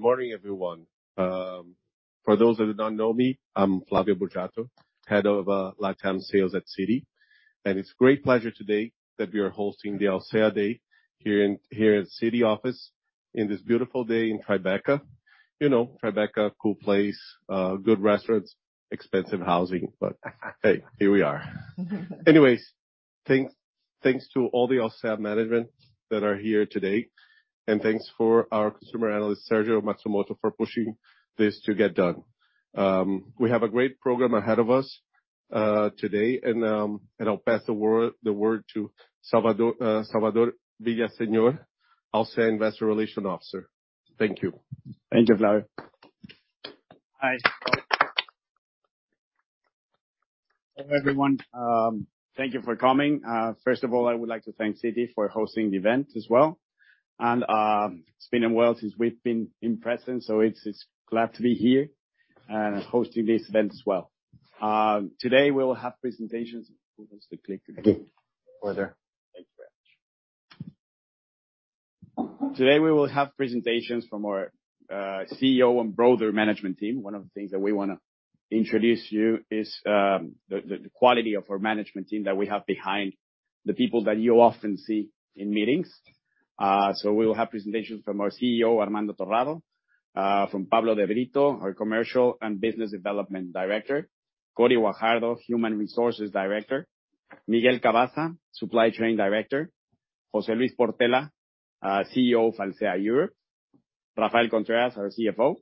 Good morning, everyone. For those that do not know me, I'm Flavio Burgato, Head of Latin sales at Citi. It's a great pleasure today that we are hosting the Alsea Day here in Citi office in this beautiful day in Tribeca. You know, Tribeca, cool place, good restaurants, expensive housing. Hey, here we are. Anyways, thanks to all the Alsea management that are here today, and thanks for our consumer analyst, Sergio Matsumoto, for pushing this to get done. We have a great program ahead of us today, and I'll pass the word to Salvador Villaseñor, Alsea Investor Relations Officer. Thank you. Thank you, Flavio. Hi. Hello, everyone. Thank you for coming. First of all, I would like to thank Citi for hosting the event as well. It's been a while since we've been in presence, so it's glad to be here hosting this event as well. Today we'll have presentations. Who wants to click? Okay. Thank you very much. Today, we will have presentations from our CEO and broader management team. One of the things that we wanna introduce you is the quality of our management team that we have behind the people that you often see in meetings. We will have presentations from our CEO, Armando Torrado, from Pablo de Brito, our Commercial and Business Development Director, Cory Guajardo, Human Resources Director, Miguel Cavazza, Supply Chain Director, José Luis Portela, CEO of Alsea Europe, Rafael Contreras, our CFO.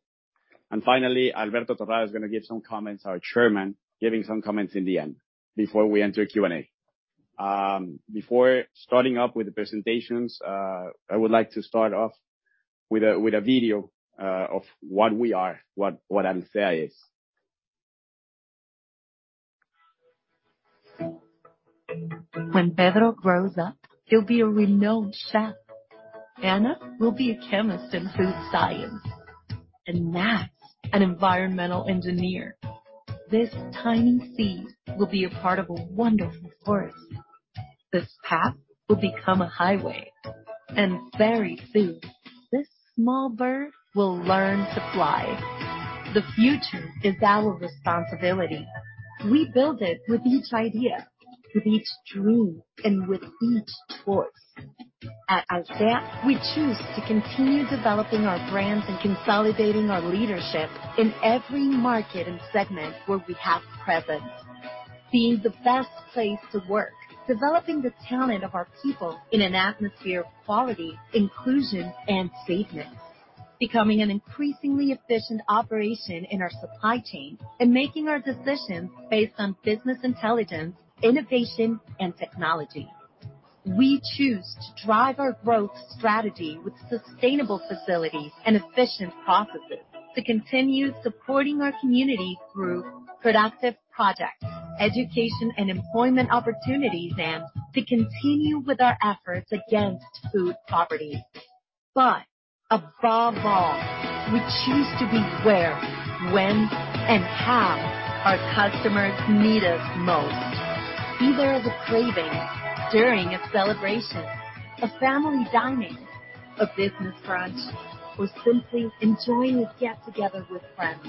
Finally, Alberto Torrado is gonna give some comments, our chairman, giving some comments in the end before we enter Q&A. Before starting up with the presentations, I would like to start off with a video of what we are, what Alsea is. When Pedro grows up, he'll be a renowned chef. Anna will be a chemist in food science. Matt, an environmental engineer. This tiny seed will be a part of a wonderful forest. This path will become a highway. Very soon, this small bird will learn to fly. The future is our responsibility. We build it with each idea, with each dream, and with each choice. At Alsea, we choose to continue developing our brands and consolidating our leadership in every market and segment where we have presence. Being the best place to work, developing the talent of our people in an atmosphere of quality, inclusion, and safeness. Becoming an increasingly efficient operation in our supply chain, and making our decisions based on business intelligence, innovation, and technology. We choose to drive our growth strategy with sustainable facilities and efficient processes to continue supporting our community through productive projects, education, and employment opportunities, and to continue with our efforts against food poverty. Above all, we choose to be where, when, and how our customers need us most. Be there as a craving, during a celebration, a family dining, a business brunch, or simply enjoying a get-together with friends.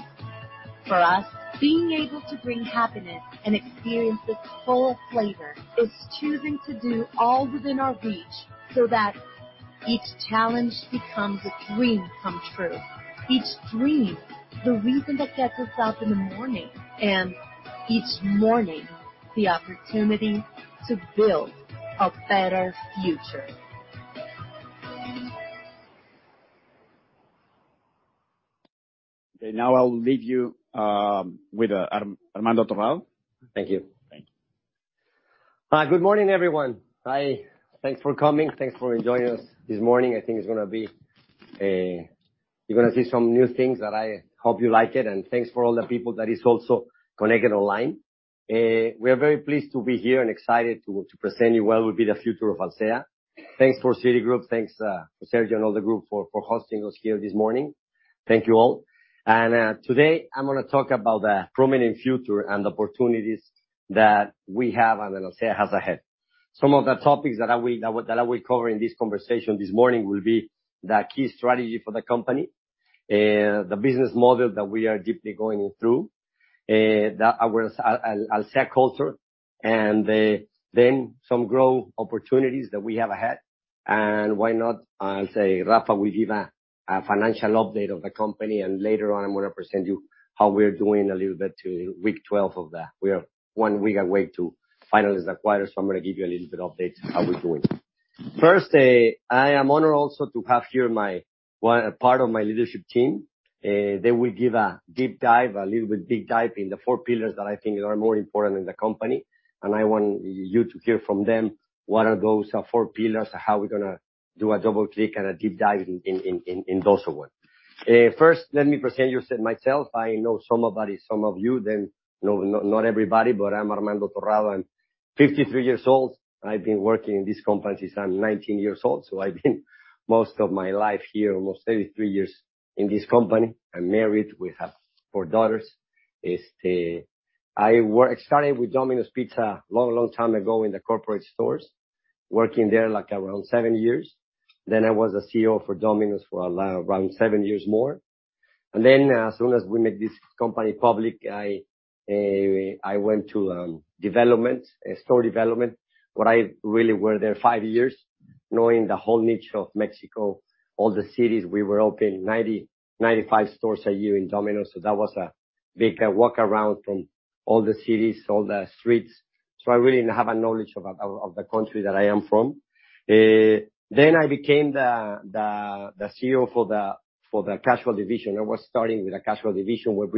For us, being able to bring happiness and experience its full flavor is choosing to do all within our reach so that each challenge becomes a dream come true. Each dream, the reason that gets us up in the morning. Each morning, the opportunity to build a better future. Okay. Now I'll leave you with Armando Torrado. Thank you. Thank you. Good morning, everyone. Hi. Thanks for coming. Thanks for joining us this morning. I think it's gonna be. You're gonna see some new things that I hope you like it. Thanks for all the people that is also connected online. We are very pleased to be here and excited to present you what will be the future of Alsea. Thanks for Citigroup. Thanks for Sergio and all the group for hosting us here this morning. Thank you all. Today I'm gonna talk about the prominent future and the opportunities that we have and that Alsea has ahead. Some of the topics that I will cover in this conversation this morning will be the key strategy for the company, the business model that we are deeply going through, our Alsea culture, and then some growth opportunities that we have ahead. Why not, I'll say, Rafa will give a financial update of the company, and later on I'm gonna present you how we're doing a little bit to week 12 of that. We are one week away to finalize acquire, I'm gonna give you a little bit update how we're doing. First, I am honored also to have here part of my leadership team. They will give a deep dive, a little bit deep dive in the four pillars that I think are more important in the company. I want you to hear from them what are those four pillars, how we're gonna do a double click and a deep dive in those areas. First, let me present myself. I know some of you, not everybody, I'm Armando Torrado. I'm 53 years old. I've been working in this company since I'm 19 years old, I've been most of my life here, almost 33 years in this company. I'm married with four daughters. I started with Domino's Pizza long time ago in the corporate stores. Working there like around seven years. I was a CEO for Domino's for around seven years more. As soon as we made this company public, I went to development, store development, where I really were there five years, knowing the whole niche of Mexico, all the cities. We were opening 90-95 stores a year in Domino's. That was a big walkaround from all the cities, all the streets. I really have a knowledge of the country that I am from. I became the CEO for the casual division. I was starting with the casual division, where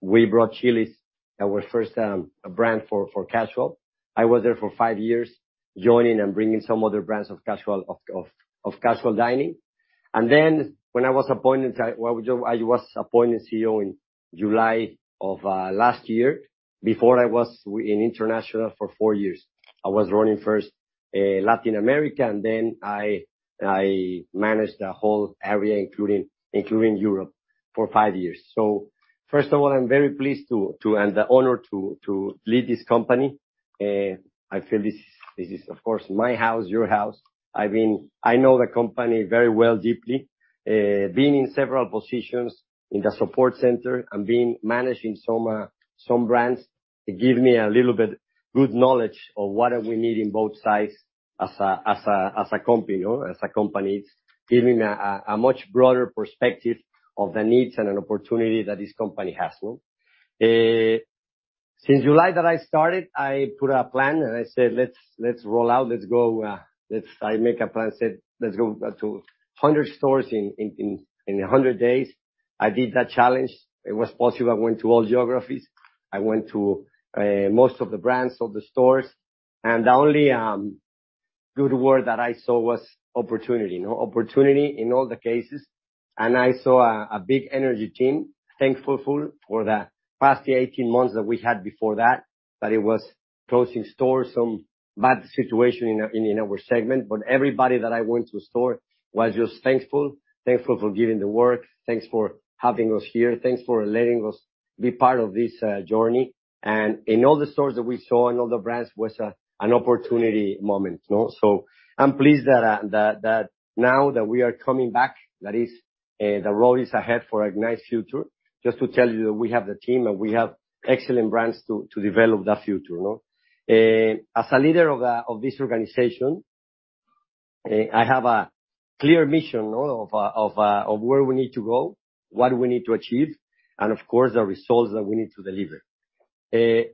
we brought Chili's, our first brand for casual. I was there for five years, joining and bringing some other brands of casual dining. When I was appointed, I, well, I was appointed CEO in July of last year. Before, I was in international for four years. I was running first, Latin America, and then I managed the whole area, including Europe for five years. First of all, I'm very pleased to and honored to lead this company. I feel this is, of course, my house, your house. I mean, I know the company very well, deeply. Being in several positions in the support center and being managing some brands, it give me a little bit good knowledge of what we need in both sides as a company, you know, as a company. It's given a much broader perspective of the needs and an opportunity that this company has, no? Since July that I started, I put a plan, and I said, "Let's roll out. Let's I make a plan, said, "Let's go to 100 stores in a 100 days." I did that challenge. It was possible. I went to all geographies. I went to most of the brands, all the stores. The only good word that I saw was opportunity, you know, opportunity in all the cases. I saw a big energy team, thankful for the past 18 months that we had before that it was closing stores, some bad situation in our, in our segment. Everybody that I went to store was just thankful for giving the work, "Thanks for having us here. Thanks for letting us be part of this journey." In all the stores that we saw, in all the brands, was an opportunity moment. No? I'm pleased that now that we are coming back, that is, the road is ahead for a nice future. Just to tell you that we have the team, and we have excellent brands to develop that future, no? As a leader of this organization, I have a clear mission, no, of where we need to go, what we need to achieve, and of course, the results that we need to deliver. Okay.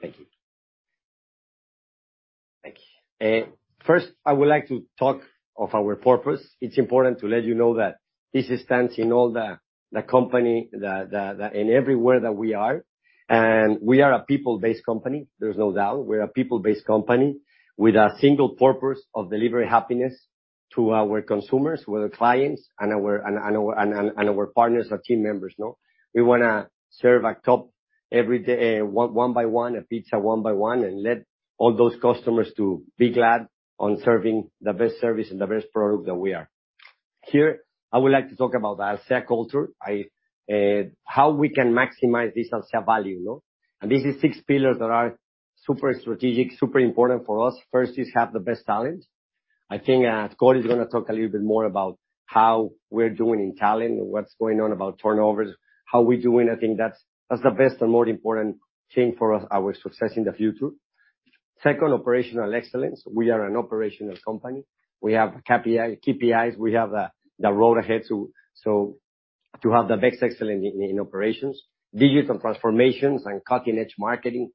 Thank you. Thank you. First, I would like to talk of our purpose. It's important to let you know that this stands in all the company, in everywhere that we are. We are a people-based company. There's no doubt. We're a people-based company with a single purpose of delivering happiness to our consumers, to our clients, and our partners, our team members, no. We wanna serve a top every day, one by one, a pizza one by one, and let all those customers to be glad on serving the best service and the best product that we are. Here, I would like to talk about the Alsea culture. How we can maximize this Alsea value, no. This is six pillars that are super strategic, super important for us. First is have the best talent. I think Scott is gonna talk a little bit more about how we're doing in talent and what's going on about turnovers, how we're doing. I think that's the best and more important thing for us, our success in the future. Second, operational excellence. We are an operational company. We have KPI, KPIs. We have the road ahead to, so to have the best excellence in operations. Digital transformations and cutting-edge marketing,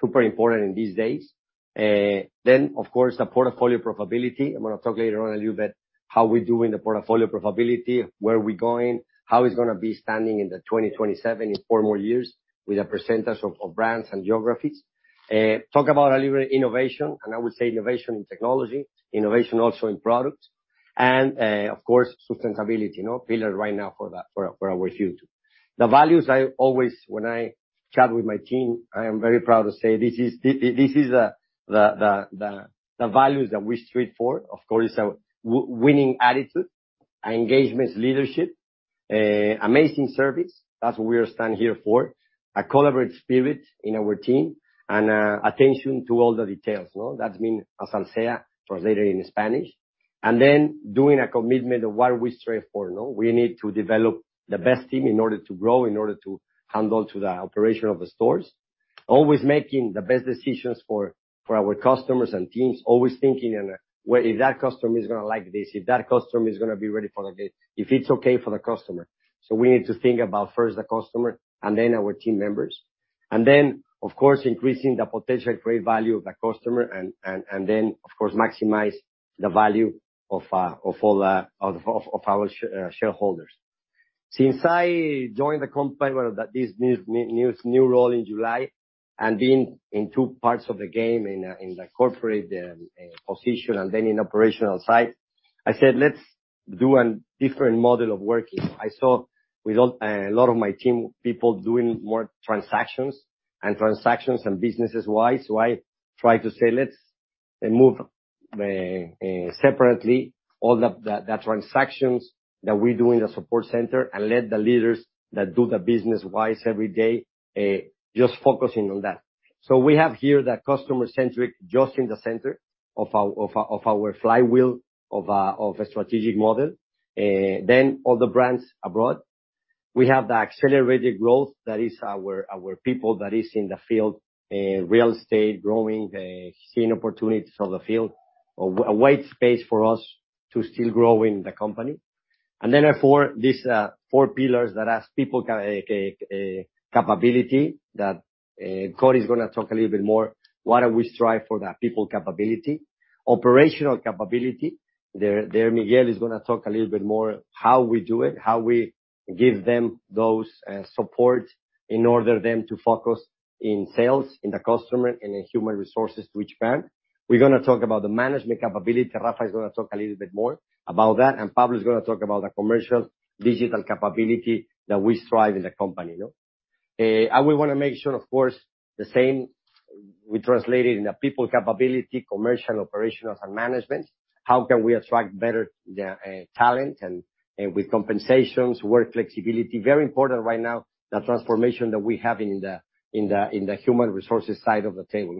super important in these days. Then, of course, the portfolio profitability. I'm gonna talk later on a little bit how we're doing the portfolio profitability, where we're going, how it's gonna be standing in the 2027, in four more years, with a percentage of brands and geographies. Talk about a little innovation, and I would say innovation in technology, innovation also in products, and, of course, sustainability, no, pillar right now for our future. The values When I chat with my team, I am very proud to say this is, the, the values that we strive for. Of course, a winning attitude, engagements leadership, amazing service. That's what we are standing here for. A collaborative spirit in our team, and attention to all the details, no? That means Alsea translated in Spanish. Doing a commitment of what we strive for, no? We need to develop the best team in order to grow, in order to handle to the operation of the stores. Always making the best decisions for our customers and teams, always thinking in a way if that customer is gonna like this, if that customer is gonna be ready for the this, if it's okay for the customer. We need to think about first the customer and then our team members. Of course, increasing the potential great value of the customer and then, of course, maximize the value of all of our shareholders. Since I joined the company with this new role in July, and being in two parts of the game, in the corporate position and then in operational side, I said, "Let's do a different model of working." I saw with all a lot of my team people doing more transactions and businesses-wise, so I try to say, "Let's move separately all the transactions that we do in the support center, and let the leaders that do the business wise every day, just focusing on that. We have here the customer-centric just in the center of our flywheel of a strategic model. All the brands abroad. We have the accelerated growth. That is our people that is in the field, real estate growing, seeing opportunities on the field. A wide space for us to still grow in the company. Therefore, these four pillars that as people capability that Cory is gonna talk a little bit more, what do we strive for the people capability. Operational capability, there Miguel is gonna talk a little bit more how we do it, how we give them those support in order them to focus in sales, in the customer, and in human resources to each brand. We're gonna talk about the management capability. Rafa is gonna talk a little bit more about that. Pablo's gonna talk about the commercial digital capability that we strive in the company, no? We wanna make sure of course the same we translate it in the people capability, commercial, operational, and management. How can we attract better talent and with compensations, work flexibility? Very important right now, the transformation that we have in the human resources side of the table.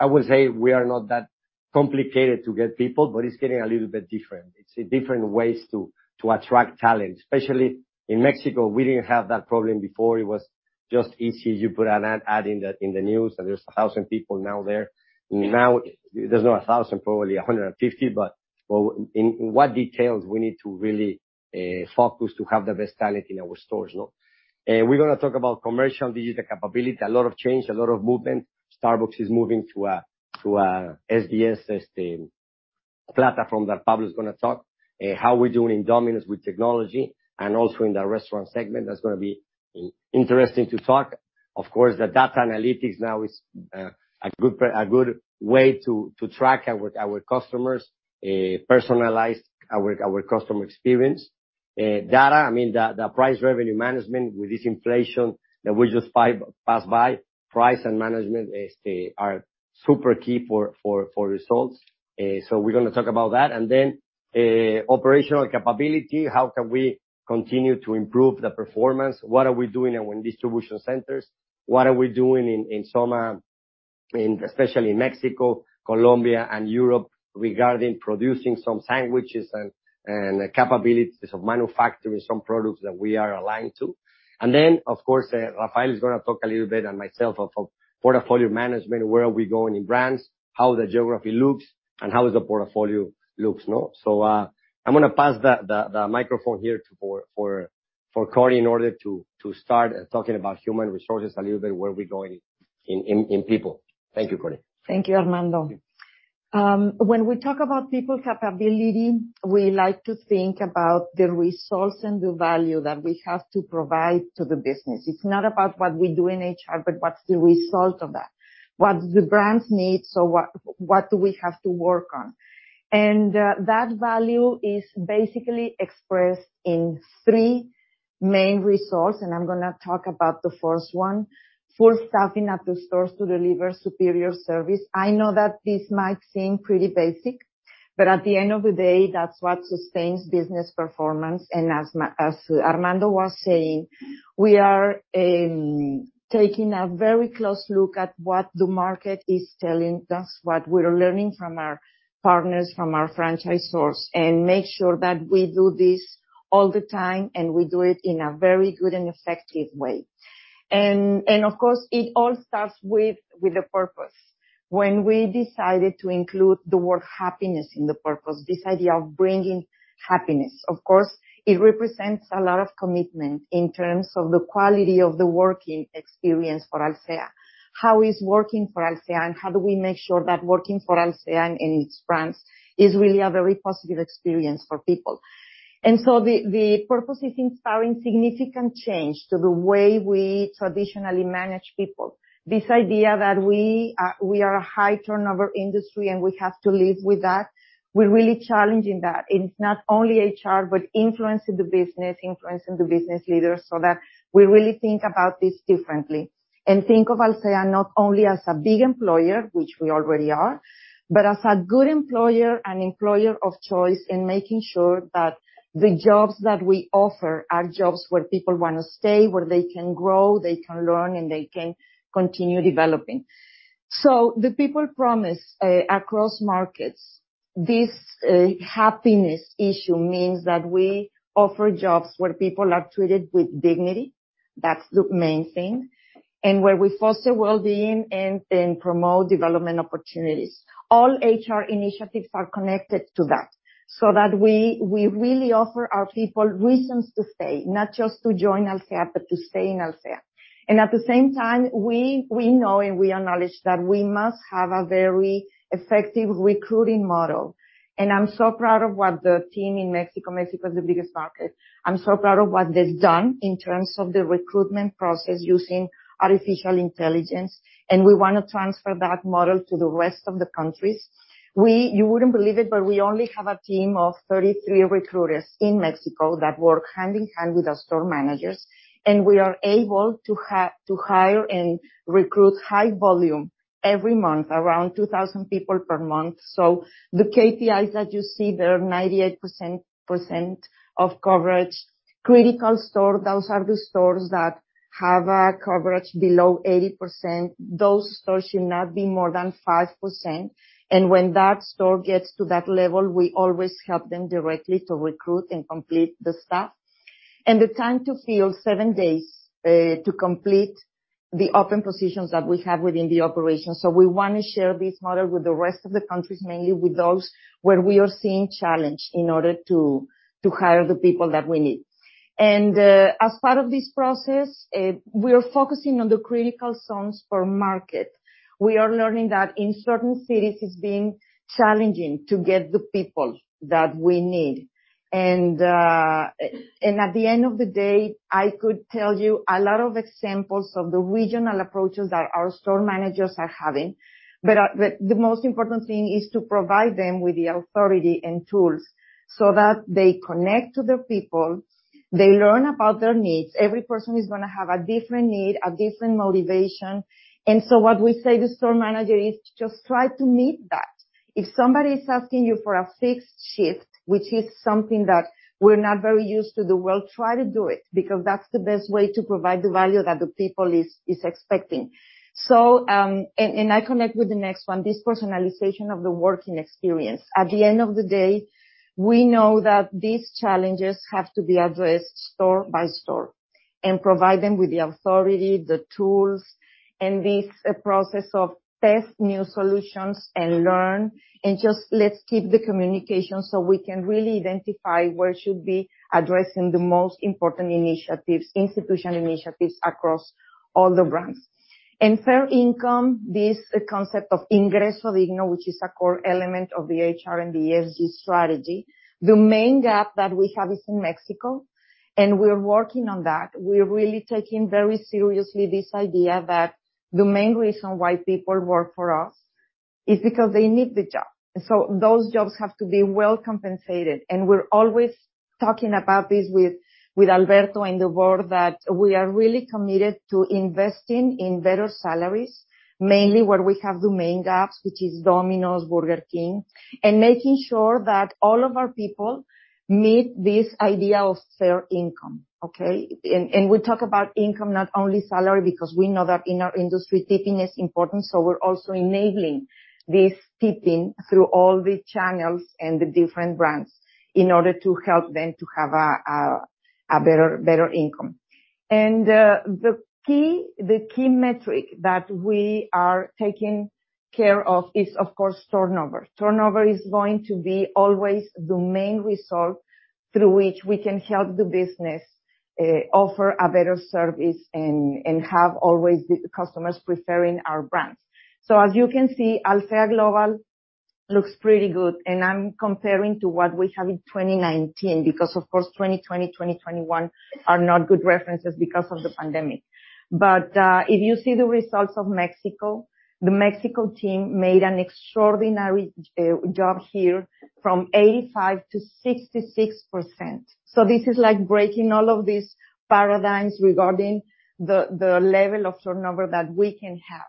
I would say we are not that complicated to get people, it's getting a little bit different. It's different ways to attract talent, especially in Mexico, we didn't have that problem before. It was just easy. You put an ad in the news, there's 1,000 people now there. There's not 1,000, probably 150, well, in what details we need to really focus to have the best talent in our stores. We're going to talk about commercial digital capability. A lot of change, a lot of movement. Starbucks is moving to a SDS system platform that Pablo's going to talk. How we're doing in Domino's with technology, and also in the restaurant segment. That's going to be interesting to talk. Of course, the data analytics now is a good way to track our customers, personalize our customer experience. Data, I mean the price revenue management with this inflation that we just pass by, price and management are super key for results. We're going to talk about that. Operational capability, how can we continue to improve the performance? What are we doing in our distribution centers? What are we doing in Soma, in especially Mexico, Colombia and Europe regarding producing some sandwiches and capabilities of manufacturing some products that we are aligned to? Of course, Rafael is gonna talk a little bit and myself of portfolio management, where are we going in brands, how the geography looks, and how is the portfolio looks, no? I'm gonna pass the microphone here to Corey in order to start talking about human resources a little bit, where we're going in people. Thank you, Cory. Thank you, Armando. When we talk about people capability, we like to think about the results and the value that we have to provide to the business. It's not about what we do in HR, but what's the result of that? What the brands need, so what do we have to work on? That value is basically expressed in three main resources, and I'm gonna talk about the first one. Full staffing at the stores to deliver superior service. I know that this might seem pretty basic, but at the end of the day, that's what sustains business performance. As Armando was saying, we are taking a very close look at what the market is telling us, what we're learning from our partners, from our franchise source and make sure that we do this all the time, and we do it in a very good and effective way. Of course it all starts with a purpose. When we decided to include the word happiness in the purpose, this idea of bringing happiness, of course it represents a lot of commitment in terms of the quality of the working experience for Alsea. How is working for Alsea, and how do we make sure that working for Alsea and its brands is really a very positive experience for people? The purpose is inspiring significant change to the way we traditionally manage people. This idea that we are a high turnover industry, we have to live with that, we're really challenging that. It's not only HR, but influencing the business, influencing the business leaders, that we really think about this differently. Think of Alsea not only as a big employer, which we already are, but as a good employer and employer of choice in making sure that the jobs that we offer are jobs where people wanna stay, where they can grow, they can learn, and they can continue developing. The people promise across markets, this happiness issue means that we offer jobs where people are treated with dignity. That's the main thing. Where we foster well-being and promote development opportunities. All HR initiatives are connected to that, so that we really offer our people reasons to stay, not just to join Alsea, but to stay in Alsea. At the same time, we know and we acknowledge that we must have a very effective recruiting model. I'm so proud of what the team in Mexico is the biggest market, I'm so proud of what they've done in terms of the recruitment process using artificial intelligence. We wanna transfer that model to the rest of the countries. You wouldn't believe it, but we only have a team of 33 recruiters in Mexico that work hand-in-hand with our store managers, and we are able to hire and recruit high volume every month, around 2,000 people per month. The KPIs that you see there, 98% of coverage. Critical store, those are the stores that have a coverage below 80%. Those stores should not be more than 5%, and when that store gets to that level, we always help them directly to recruit and complete the staff. The time to fill, seven days, to complete the open positions that we have within the operation. We wanna share this model with the rest of the countries, mainly with those where we are seeing challenge in order to hire the people that we need. As part of this process, we are focusing on the critical zones per market. We are learning that in certain cities, it's been challenging to get the people that we need. At the end of the day, I could tell you a lot of examples of the regional approaches that our store managers are having, but the most important thing is to provide them with the authority and tools so that they connect to their people, they learn about their needs. Every person is gonna have a different need, a different motivation. What we say to store manager is just try to meet that. If somebody is asking you for a fixed shift, which is something that we're not very used to, well, try to do it, because that's the best way to provide the value that the people is expecting. I connect with the next one, this personalization of the working experience. At the end of the day, we know that these challenges have to be addressed store by store. Provide them with the authority, the tools, and this process of test new solutions and learn. Let's keep the communication so we can really identify where should be addressing the most important initiatives, institutional initiatives across all the brands. In fair income, this concept of ingreso digno, which is a core element of the HR and ESG strategy. The main gap that we have is in Mexico, and we're working on that. We're really taking very seriously this idea that the main reason why people work for us is because they need the job. Those jobs have to be well-compensated, and we're always talking about this with Alberto in the board that we are really committed to investing in better salaries, mainly where we have the main gaps, which is Domino's, Burger King, and making sure that all of our people meet this idea of fair income, okay? We talk about income, not only salary, because we know that in our industry, tipping is important, so we're also enabling this tipping through all the channels and the different brands in order to help them to have a better income. The key metric that we are taking care of is, of course, turnover. Turnover is going to be always the main result through which we can help the business offer a better service and have always the customers preferring our brands. As you can see, Alsea global looks pretty good, and I'm comparing to what we have in 2019, because of course, 2020, 2021 are not good references because of the pandemic. If you see the results of Mexico, the Mexico team made an extraordinary job here from 85%-66%. This is like breaking all of these paradigms regarding the level of turnover that we can have.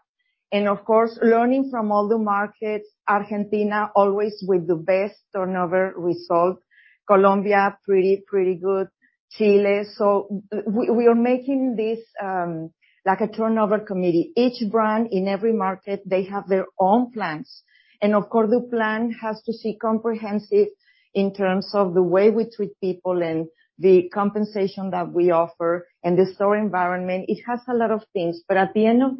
Of course, learning from all the markets, Argentina always with the best turnover result. Colombia, pretty good. Chile. We are making this like a turnover committee. Each brand in every market, they have their own plans. Of course, the plan has to see comprehensive in terms of the way we treat people and the compensation that we offer and the store environment. It has a lot of things. At the end of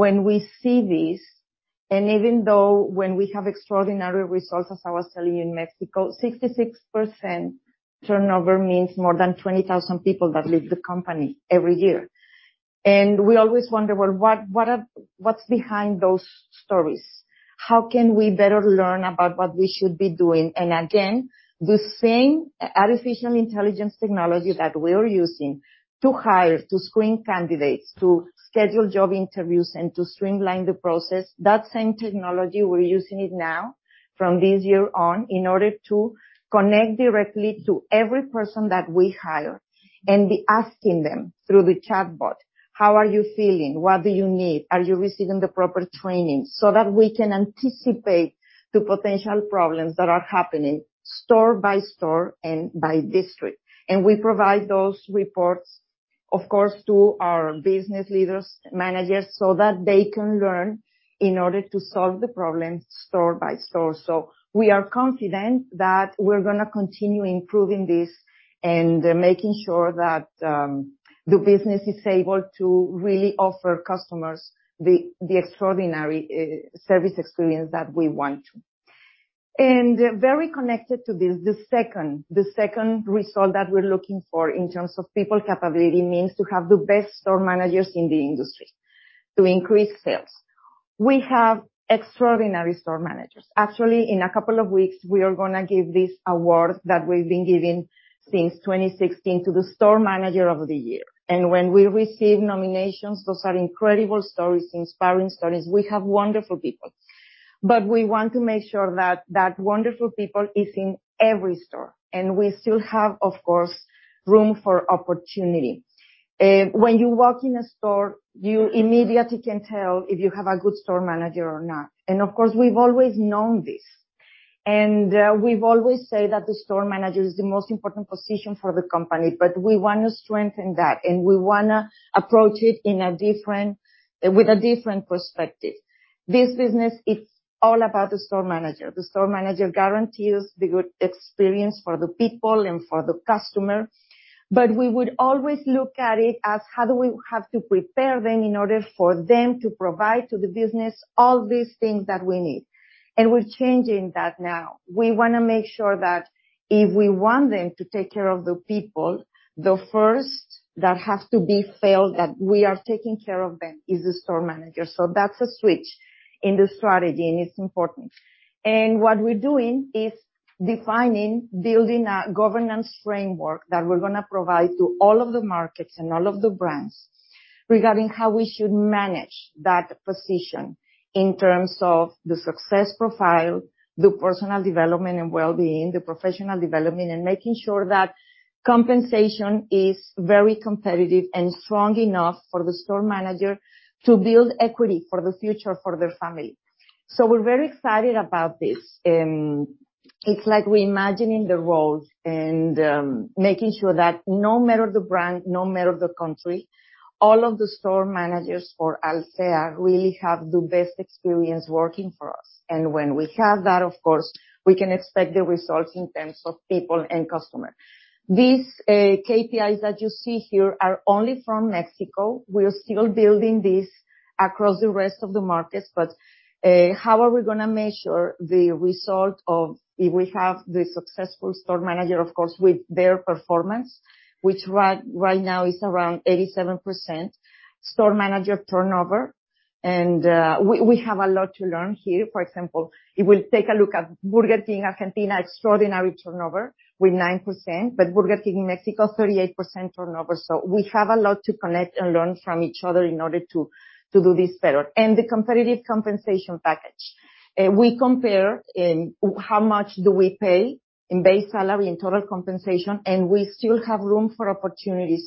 the day, when we see this, and even though when we have extraordinary results, as I was telling you in Mexico, 66% turnover means more than 20,000 people that leave the company every year. We always wonder, well, what's behind those stories? How can we better learn about what we should be doing? Again, the same artificial intelligence technology that we are using to hire, to screen candidates, to schedule job interviews, and to streamline the process, that same technology we're using it now from this year on in order to connect directly to every person that we hire and be asking them through the chatbot, "How are you feeling? What do you need? Are you receiving the proper training?" That we can anticipate the potential problems that are happening store by store and by district. We provide those reports, of course, to our business leaders, managers, so that they can learn in order to solve the problems store by store. We are confident that we're gonna continue improving this and making sure that the business is able to really offer customers the extraordinary service experience that we want to. Very connected to this, the second result that we're looking for in terms of people capability means to have the best store managers in the industry to increase sales. We have extraordinary store managers. Actually, in a couple of weeks, we are gonna give this award that we've been giving since 2016 to the store manager of the year. When we receive nominations, those are incredible stories, inspiring stories. We have wonderful people. We want to make sure that that wonderful people is in every store, and we still have, of course, room for opportunity. When you walk in a store, you immediately can tell if you have a good store manager or not. Of course, we've always known this. We've always said that the store manager is the most important position for the company, but we wanna strengthen that, and we wanna approach it with a different perspective. This business, it's all about the store manager. The store manager guarantees the good experience for the people and for the customer. We would always look at it as how do we have to prepare them in order for them to provide to the business all these things that we need. We're changing that now. We want to make sure that if we want them to take care of the people, the first that has to be felt that we are taking care of them is the store manager. That's a switch in the strategy, and it's important. What we're doing is defining, building a governance framework that we're going to provide to all of the markets and all of the brands regarding how we should manage that position in terms of the success profile, the personal development and wellbeing, the professional development, and making sure that compensation is very competitive and strong enough for the store manager to build equity for the future for their family. We're very excited about this. It's like reimagining the roles and making sure that no matter the brand, no matter the country, all of the store managers for Alsea really have the best experience working for us. When we have that, of course, we can expect the results in terms of people and customer. These KPIs that you see here are only from Mexico. We're still building this across the rest of the markets. How are we gonna measure the result of if we have the successful store manager, of course, with their performance, which right now is around 87% store manager turnover. We have a lot to learn here. For example, if we take a look at Burger King Argentina, extraordinary turnover with 9%, but Burger King Mexico, 38% turnover. We have a lot to collect and learn from each other in order to do this better. The competitive compensation package. We compare in how much do we pay in base salary, in total compensation, and we still have room for opportunity.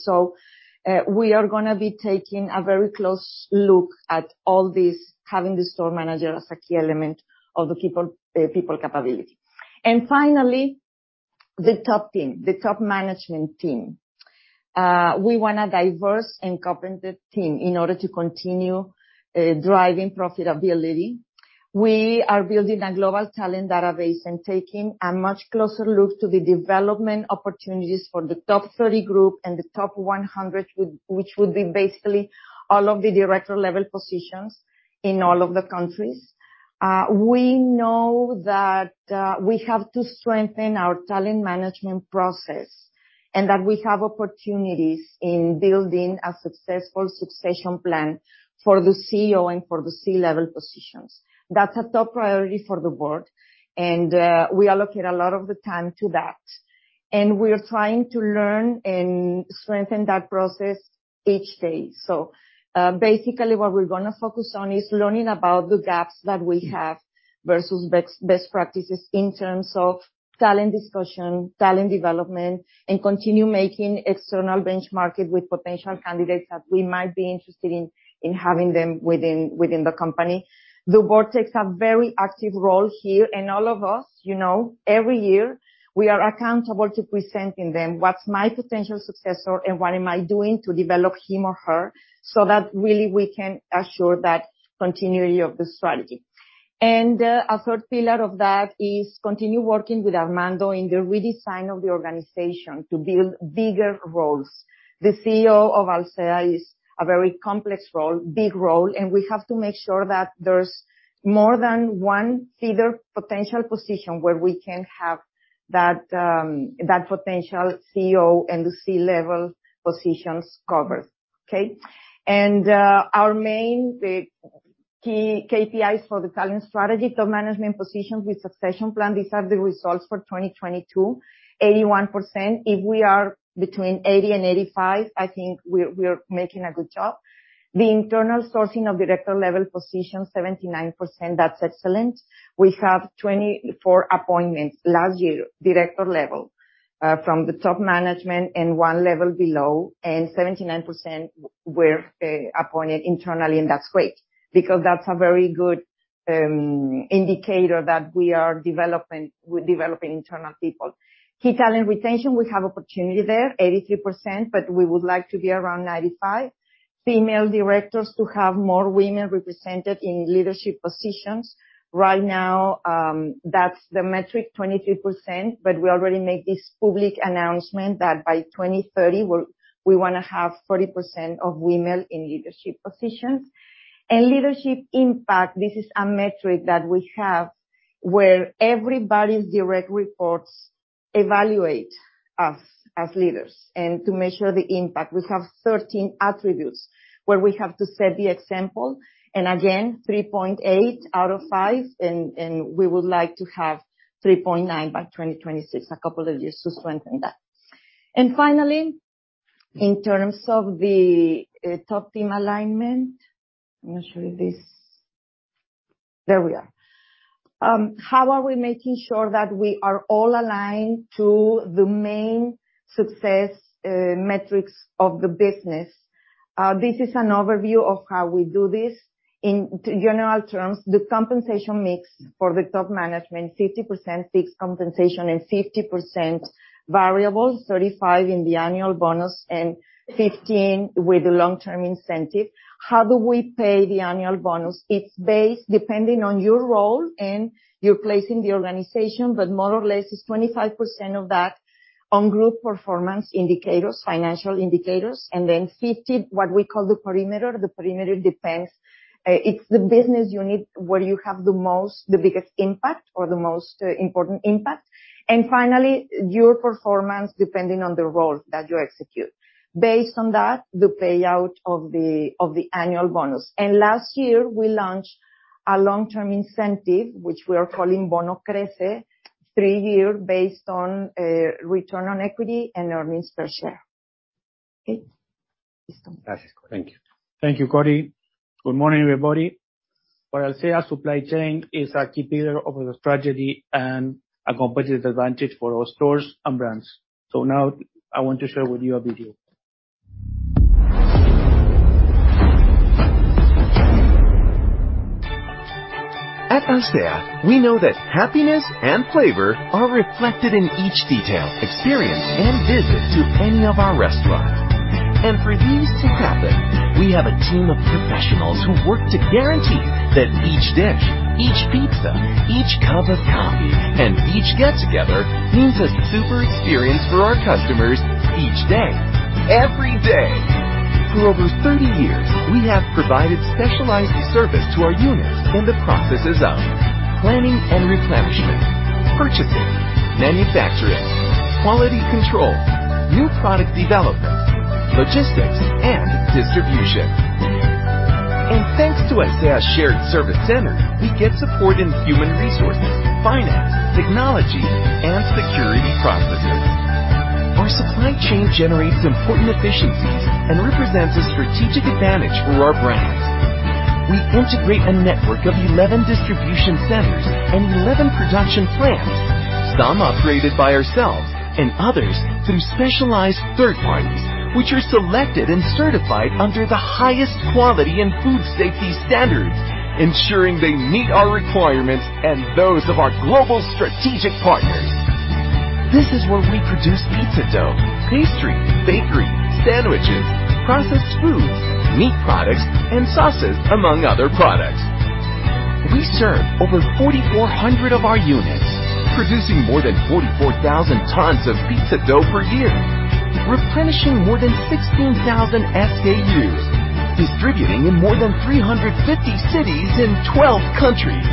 We are gonna be taking a very close look at all this, having the store manager as a key element of the people capability. Finally, the top team, the top management team. We want a diverse and competent team in order to continue driving profitability. We are building a global talent database and taking a much closer look to the development opportunities for the top 30 group and the top 100, which would be basically all of the director-level positions in all of the countries. We know that we have to strengthen our talent management process and that we have opportunities in building a successful succession plan for the CEO and for the C-level positions. That's a top priority for the board, we allocate a lot of the time to that. We're trying to learn and strengthen that process each day. Basically what we're gonna focus on is learning about the gaps that we have versus best practices in terms of talent discussion, talent development, and continue making external benchmark with potential candidates that we might be interested in having them within the company. The board takes a very active role here, all of us, you know, every year, we are accountable to presenting them what's my potential successor and what am I doing to develop him or her, so that really we can assure that continuity of the strategy. A third pillar of that is continue working with Armando in the redesign of the organization to build bigger roles. The CEO of Alsea is a very complex role, big role, we have to make sure that there's more than one feeder potential position where we can have that potential CEO and the C-level positions covered. Okay? Our main, the key KPIs for the talent strategy, top management positions with succession plan, these are the results for 2022. 81%. If we are between 80% and 85%, I think we're making a good job. The internal sourcing of director-level positions, 79%, that's excellent. We have 24 appointments last year, director level, from the top management and one level below, and 79% were appointed internally, and that's great because that's a very good indicator that we're developing internal people. Key talent retention, we have opportunity there, 83%, but we would like to be around 95. Female directors, to have more women represented in leadership positions. Right now, that's the metric, 23%, but we already made this public announcement that by 2030 we wanna have 40% of women in leadership positions. Leadership impact, this is a metric that we have where everybody's direct reports evaluate us as leaders and to measure the impact. We have 13 attributes where we have to set the example. Again, 3.8 out of five, and we would like to have 3.9 by 2026. A couple of years to strengthen that. Finally, in terms of the top team alignment... I'm not sure if this... There we are. How are we making sure that we are all aligned to the main success metrics of the business? This is an overview of how we do this. In general terms, the compensation mix for the top management, 50% fixed compensation and 50% variable. 35 in the annual bonus and 15 with the long-term incentive. How do we pay the annual bonus? It's based depending on your role and your place in the organization, but more or less it's 25% of that on group performance indicators, financial indicators, and then 50, what we call the perimeter. The perimeter depends. It's the business unit where you have the most, the biggest impact or the most important impact. Finally, your performance, depending on the role that you execute. Based on that, the payout of the annual bonus. Last year, we launched a long-term incentive, which we are calling Bono Crece, three-year based on return on equity and earnings per share. Thank you. Thank you, Cory. Good morning, everybody. For Alsea, supply chain is a key pillar of the strategy and a competitive advantage for our stores and brands. Now I want to share with you a video. At Alsea, we know that happiness and flavor are reflected in each detail, experience, and visit to any of our restaurants. For these to happen, we have a team of professionals who work to guarantee that each dish, each pizza, each cup of coffee, and each get-together is a super experience for our customers each day, every day. For over 30 years, we have provided specialized service to our units in the processes of planning and replenishment, purchasing, manufacturing, quality control, new product development, logistics, and distribution. Thanks to Alsea's shared service center, we get support in human resources, finance, technology, and security processes. Our supply chain generates important efficiencies and represents a strategic advantage for our brands. We integrate a network of 11 distribution centers and 11 production plants, some operated by ourselves and others through specialized third parties, which are selected and certified under the highest quality and food safety standards, ensuring they meet our requirements and those of our global strategic partners. This is where we produce pizza dough, pastry, bakery, sandwiches, processed foods, meat products, and sauces, among other products. We serve over 4,400 of our units, producing more than 44,000 tons of pizza dough per year, replenishing more than 16,000 SKUs, distributing in more than 350 cities in 12 countries,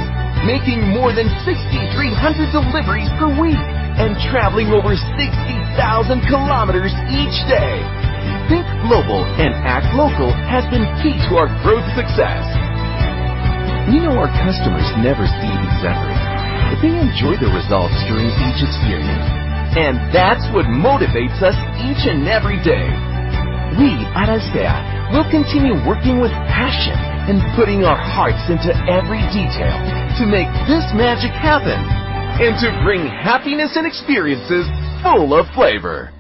making more than 6,300 deliveries per week, and traveling over 60,000 km each day. Think global and act local has been key to our growth success. We know our customers never see these efforts, but they enjoy the results during each experience. That's what motivates us each and every day. We at Alsea will continue working with passion and putting our hearts into every detail to make this magic happen and to bring happiness and experiences full of flavor.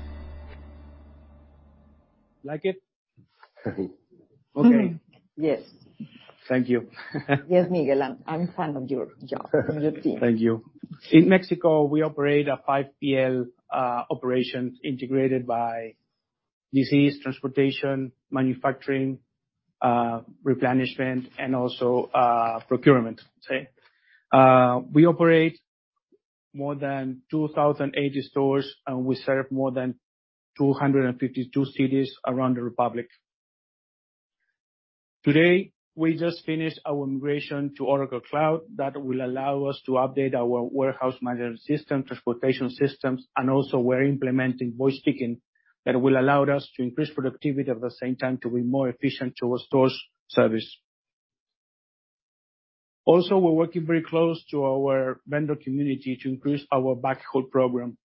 Like it? Okay. Yes. Thank you. Yes, Miguel. I'm fan of your job and your team. Thank you. In Mexico, we operate a 5PL operations integrated by DCs, transportation, manufacturing, replenishment, and also procurement. We operate more than 2,080 stores, and we serve more than 252 cities around the Republic. Today, we just finished our immigration to Oracle Cloud. That will allow us to update our warehouse management system, transportation systems, and also we're implementing voice picking that will allow us to increase productivity at the same time to be more efficient to our stores service. Also, we're working very close to our vendor community to increase our backhaul program.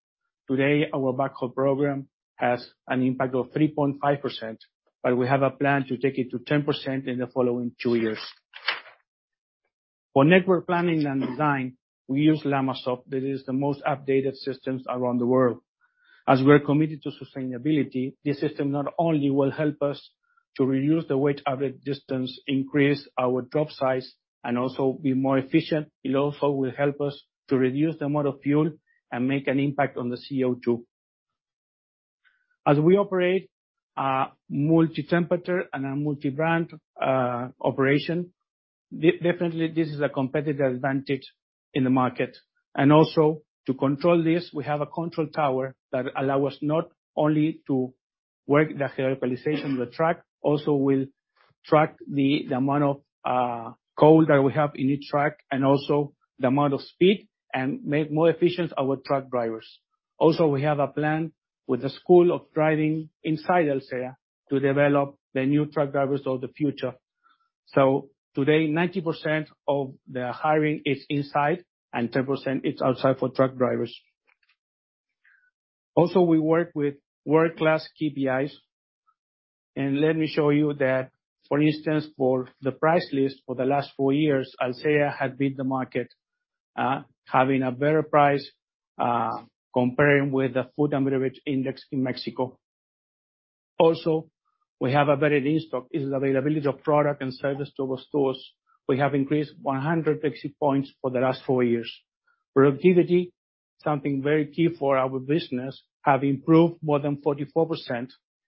Today, our backhaul program has an impact of 3.5%, but we have a plan to take it to 10% in the following two years. For network planning and design, we use LLamasoft. That is the most updated system around the world. As we're committed to sustainability, this system not only will help us to reduce the weight average distance, increase our drop size, and also be more efficient, it also will help us to reduce the amount of fuel and make an impact on the CO2. As we operate a multi-temperature and a multi-brand operation, definitely this is a competitive advantage in the market. Also, to control this, we have a control tower that allow us not only to work the localization of the truck, also will track the amount of coal that we have in each truck and also the amount of speed and make more efficient our truck drivers. We have a plan with the school of driving inside Alsea to develop the new truck drivers of the future. Today, 90% of the hiring is inside and 10% is outside for truck drivers. Also, we work with world-class KPIs. Let me show you that, for instance, for the price list for the last four years, Alsea has beat the market, having a better price, comparing with the food and beverage index in Mexico. Also, we have a better in-stock. It's availability of product and service to our stores. We have increased 100 basic points for the last four years. Productivity, something very key for our business, have improved more than 44%,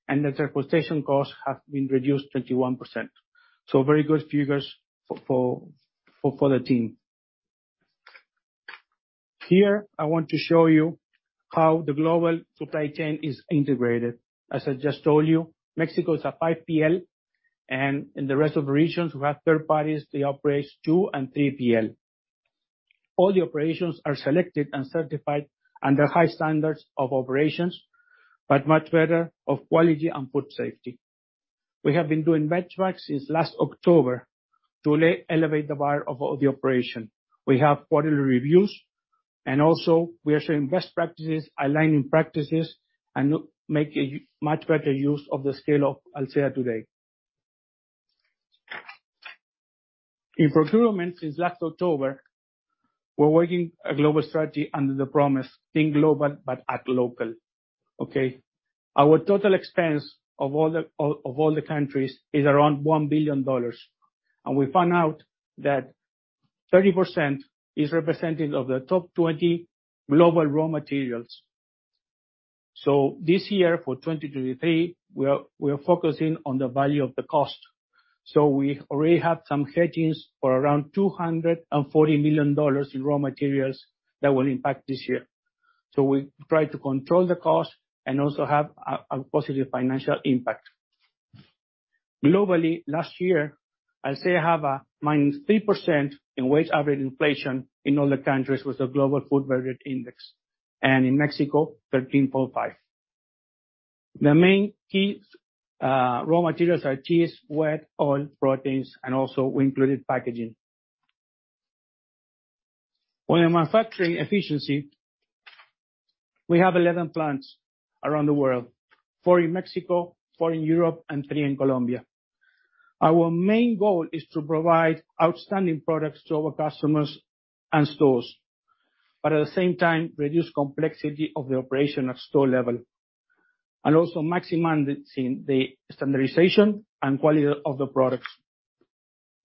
the transportation costs have been reduced 21%. Very good figures for the team. Here, I want to show you how the global supply chain is integrated. As I just told you, Mexico is a 5PL, and in the rest of the regions we have third parties, they operate 2PL and 3PL. All the operations are selected and certified under high standards of operations, but much better of quality and food safety. We have been doing benchmarks since last October to elevate the bar of all the operation. We have quarterly reviews, and also we are sharing best practices, aligning practices, and make a much better use of the scale of Alsea today. In procurement since last October, we're working a global strategy under the promise, "Think global, but act local." Okay? Our total expense of all the countries is around $1 billion. We found out that 30% is representative of the top 20 global raw materials. This year for 2023, we are focusing on the value of the cost. We already have some hedgings for around $240 million in raw materials that will impact this year. We try to control the cost and also have a positive financial impact. Globally, last year, Alsea have a -3% in weight average inflation in all the countries with a global food verdict index, and in Mexico, 13.5%. The main key raw materials are cheese, wheat, oil, proteins, and also we included packaging. On the manufacturing efficiency, we have 11 plants around the world, four in Mexico, four in Europe, and three in Colombia. Our main goal is to provide outstanding products to our customers and stores, at the same time, reduce complexity of the operation at store level, and also maximizing the standardization and quality of the products.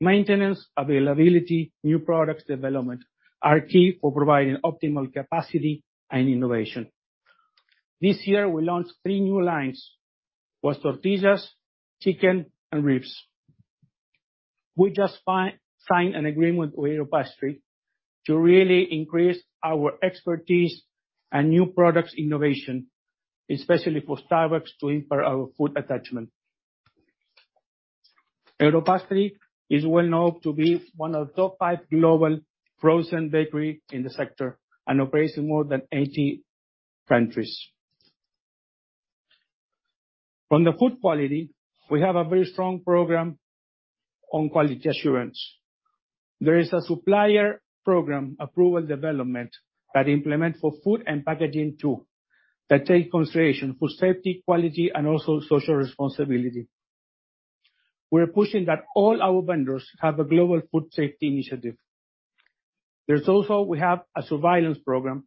Maintenance, availability, new products development are key for providing optimal capacity and innovation. This year, we launched three new lines, was tortillas, chicken, and ribs. We just signed an agreement with Europastry to really increase our expertise and new products innovation, especially for Starbucks to improve our food attachment. Europastry is well-known to be one of top four global frozen bakery in the sector and operates in more than 80 countries. On the food quality, we have a very strong program on quality assurance. There is a supplier program approval development that implement for food and packaging too, that take consideration for safety, quality, and also social responsibility. We're pushing that all our vendors have a Global Food Safety Initiative. There's also, we have a surveillance program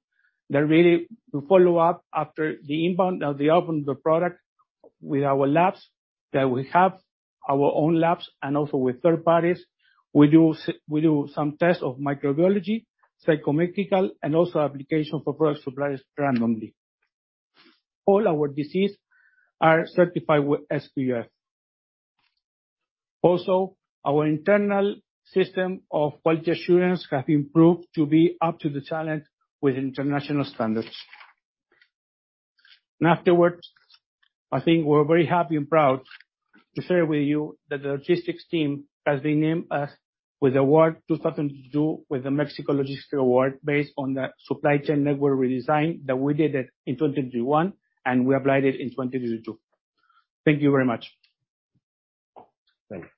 that really to follow up after the inbound, after they open the product with our labs, that we have our own labs and also with third parties. We do some tests of microbiology, psycho-medical, and also application for product suppliers randomly. All our disease are certified with SPF. Our internal system of quality assurance has been proved to be up to the challenge with international standards. Afterwards, I think we're very happy and proud to share with you that the logistics team has been named as... with Award 2022 with the Mexico Logistics Award based on the supply chain network redesign that we did it in 2021 and we applied it in 2022. Thank you very much. Thank you.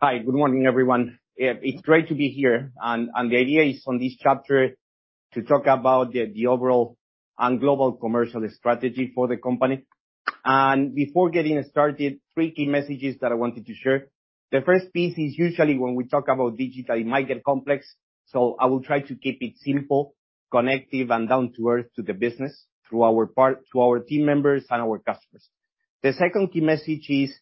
Hi, good morning, everyone. It's great to be here and the idea is on this chapter to talk about the overall and global commercial strategy for the company. Before getting started, three key messages that I wanted to share. The first piece is usually when we talk about digital, it might get complex, so I will try to keep it simple, connective, and down-to-earth to the business through our part, to our team members and our customers. The second key message is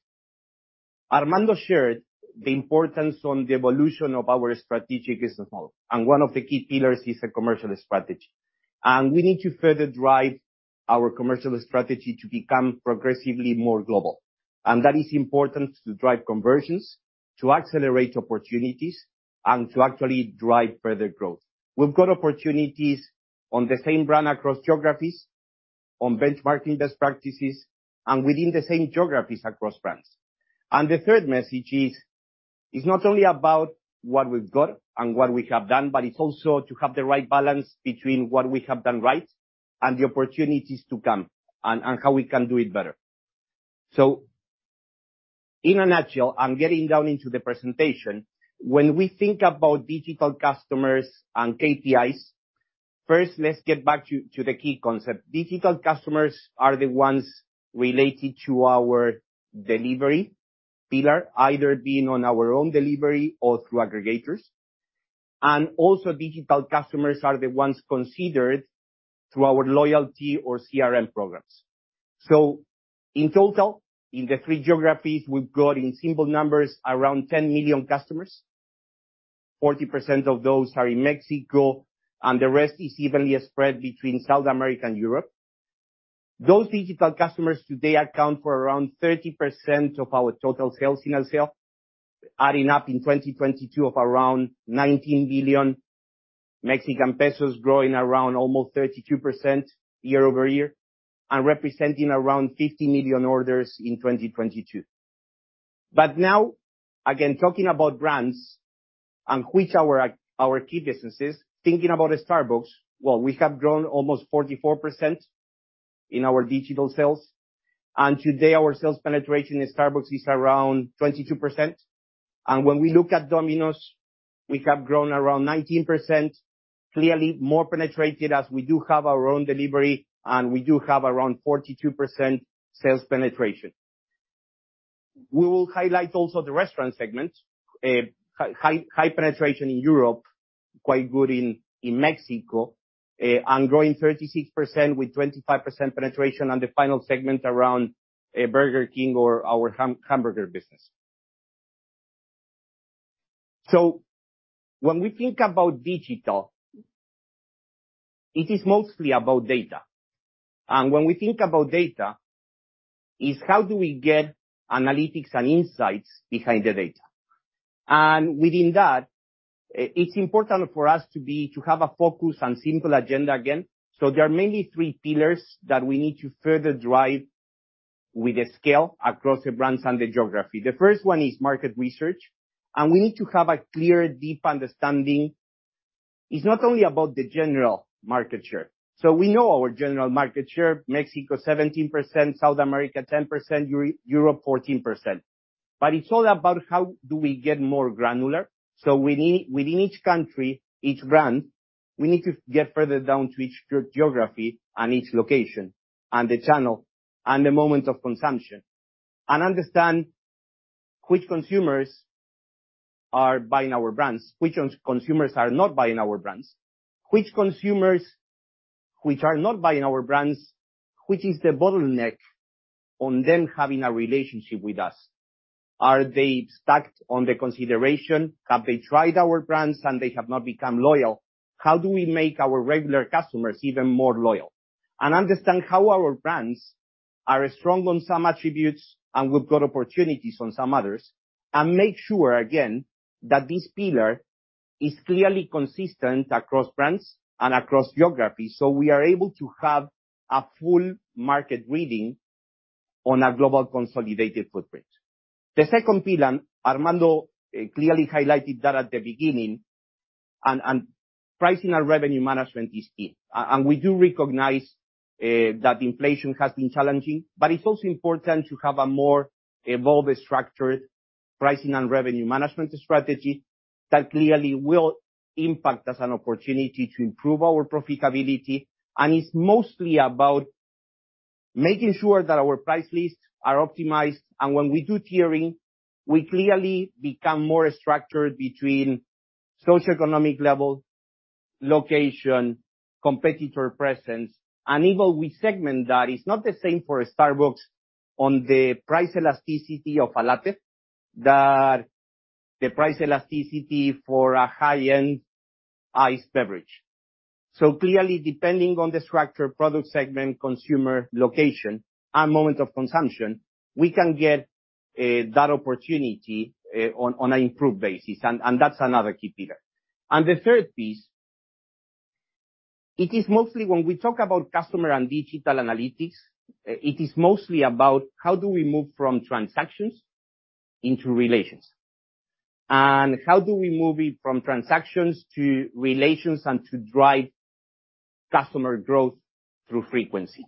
Armando shared the importance on the evolution of our strategic business model, and one of the key pillars is a commercial strategy. We need to further drive our commercial strategy to become progressively more global. That is important to drive conversions, to accelerate opportunities, and to actually drive further growth. We've got opportunities on the same brand across geographies. On benchmarking best practices and within the same geographies across brands. The third message is, it's not only about what we've got and what we have done, but it's also to have the right balance between what we have done right and the opportunities to come and how we can do it better. In a nutshell, I'm getting down into the presentation, when we think about digital customers and KPIs, first, let's get back to the key concept: Digital customers are the ones related to our delivery pillar, either being on our own delivery or through aggregators. Also digital customers are the ones considered through our loyalty or CRM programs. In total, in the three geographies, we've got in simple numbers around 10 million customers. 40% of those are in Mexico. The rest is evenly spread between South America and Europe. Those digital customers today account for around 30% of our total sales in Alsea, adding up in 2022 of around 19 billion Mexican pesos, growing around almost 32% year-over-year and representing around 50 million orders in 2022. Now, again, talking about brands and which are our key businesses. Thinking about Starbucks, well, we have grown almost 44% in our digital sales, and today our sales penetration in Starbucks is around 22%. When we look at Domino's, we have grown around 19%, clearly more penetrated as we do have our own delivery, and we do have around 42% sales penetration. We will highlight also the restaurant segment, high penetration in Europe, quite good in Mexico, and growing 36% with 25% penetration on the final segment around Burger King or our hamburger business. When we think about digital, it is mostly about data. When we think about data, it's how do we get analytics and insights behind the data. Within that, it's important for us to have a focus on simple agenda again. There are mainly three pillars that we need to further drive with the scale across the brands and the geography. The first one is market research, and we need to have a clear, deep understanding. It's not only about the general market share. We know our general market share, Mexico 17%, South America 10%, Europe 14%. It's all about how do we get more granular. Within each country, each brand, we need to get further down to each geography and each location and the channel and the moment of consumption and understand which consumers are buying our brands, which consumers are not buying our brands. Which consumers are not buying our brands, which is the bottleneck on them having a relationship with us. Are they stuck on the consideration? Have they tried our brands and they have not become loyal? How do we make our regular customers even more loyal? Understand how our brands are strong on some attributes, and we've got opportunities on some others. Make sure again, that this pillar is clearly consistent across brands and across geographies, so we are able to have a full market reading on a global consolidated footprint. The second pillar, Armando clearly highlighted that at the beginning, and pricing and revenue management is key. We do recognize that inflation has been challenging, but it's also important to have a more evolved structured pricing and revenue management strategy that clearly will impact as an opportunity to improve our profitability. It's mostly about making sure that our price lists are optimized. When we do tiering, we clearly become more structured between socioeconomic level, location, competitor presence, and even we segment that. It's not the same for Starbucks on the price elasticity of a latte that the price elasticity for a high-end iced beverage. Clearly, depending on the structure, product segment, consumer location, and moment of consumption, we can get that opportunity on an improved basis, and that's another key pillar. The third piece, it is mostly when we talk about customer and digital analytics, it is mostly about how do we move from transactions into relations, and how do we move it from transactions to relations and to drive customer growth through frequency.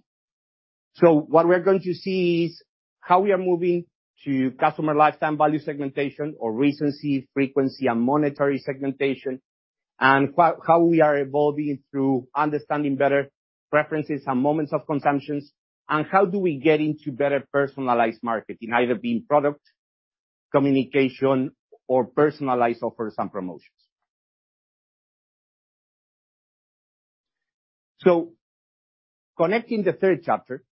What we are going to see is how we are moving to customer lifetime value segmentation or recency, frequency, and monetary segmentation, and how we are evolving through understanding better preferences and moments of consumptions, and how do we get into better personalized marketing, either being product communication or personalized offers and promotions. Connecting the third chapter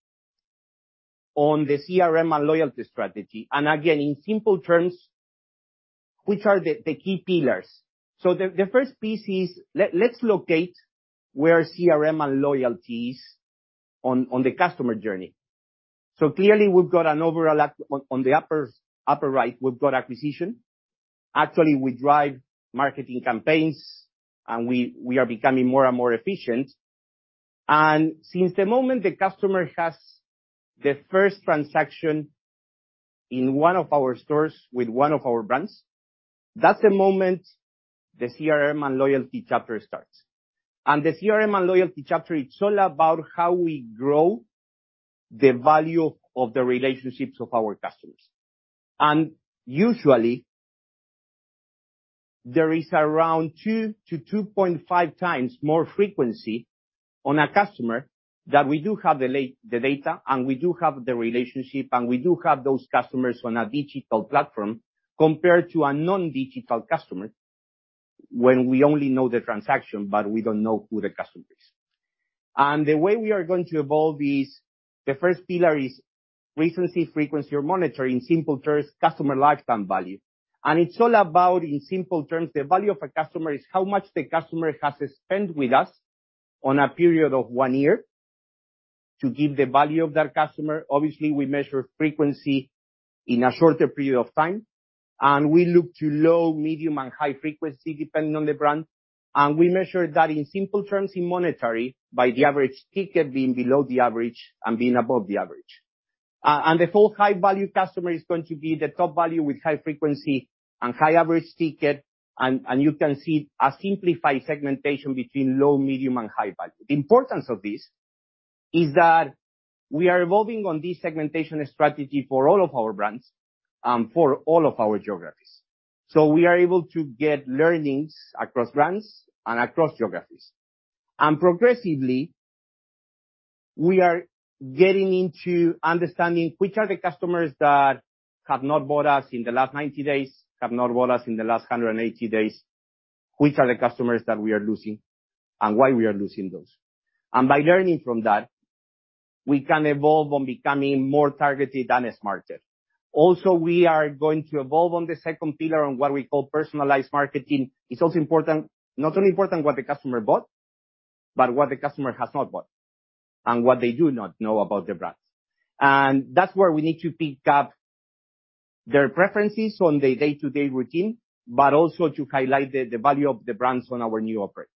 on the CRM and loyalty strategy, and again, in simple terms, which are the key pillars. The first piece is let's locate where CRM and loyalty is on the customer journey. Clearly we've got an overall on the upper right, we've got acquisition. Actually, we drive marketing campaigns, we are becoming more and more efficient. Since the moment the customer has the first transaction in one of our stores with one of our brands, that's the moment the CRM and loyalty chapter starts. The CRM and loyalty chapter, it's all about how we grow the value of the relationships of our customers. Usually, there is around 2x-2.5x more frequency on a customer that we do have the data, and we do have the relationship, and we do have those customers on a digital platform, compared to a non-digital customer when we only know the transaction, but we don't know who the customer is. The way we are going to evolve is, the first pillar is recency, frequency, or monetary. In simple terms, customer lifetime value. It's all about, in simple terms, the value of a customer is how much the customer has spent with us on a period of one year to give the value of that customer. Obviously, we measure frequency in a shorter period of time, and we look to low, medium, and high frequency, depending on the brand. We measure that in simple terms, in monetary, by the average ticket being below the average and being above the average. The full high-value customer is going to be the top value with high frequency and high average ticket. You can see a simplified segmentation between low, medium, and high value. The importance of this is that we are evolving on this segmentation strategy for all of our brands and for all of our geographies. We are able to get learnings across brands and across geographies. Progressively, we are getting into understanding which are the customers that have not bought us in the last 90 days, have not bought us in the last 180 days, which are the customers that we are losing and why we are losing those. By learning from that, we can evolve on becoming more targeted and smarter. We are going to evolve on the second pillar on what we call personalized marketing. It's also not only important what the customer bought, but what the customer has not bought and what they do not know about the brands. That's where we need to pick up their preferences on their day-to-day routine, but also to highlight the value of the brands on our new offer.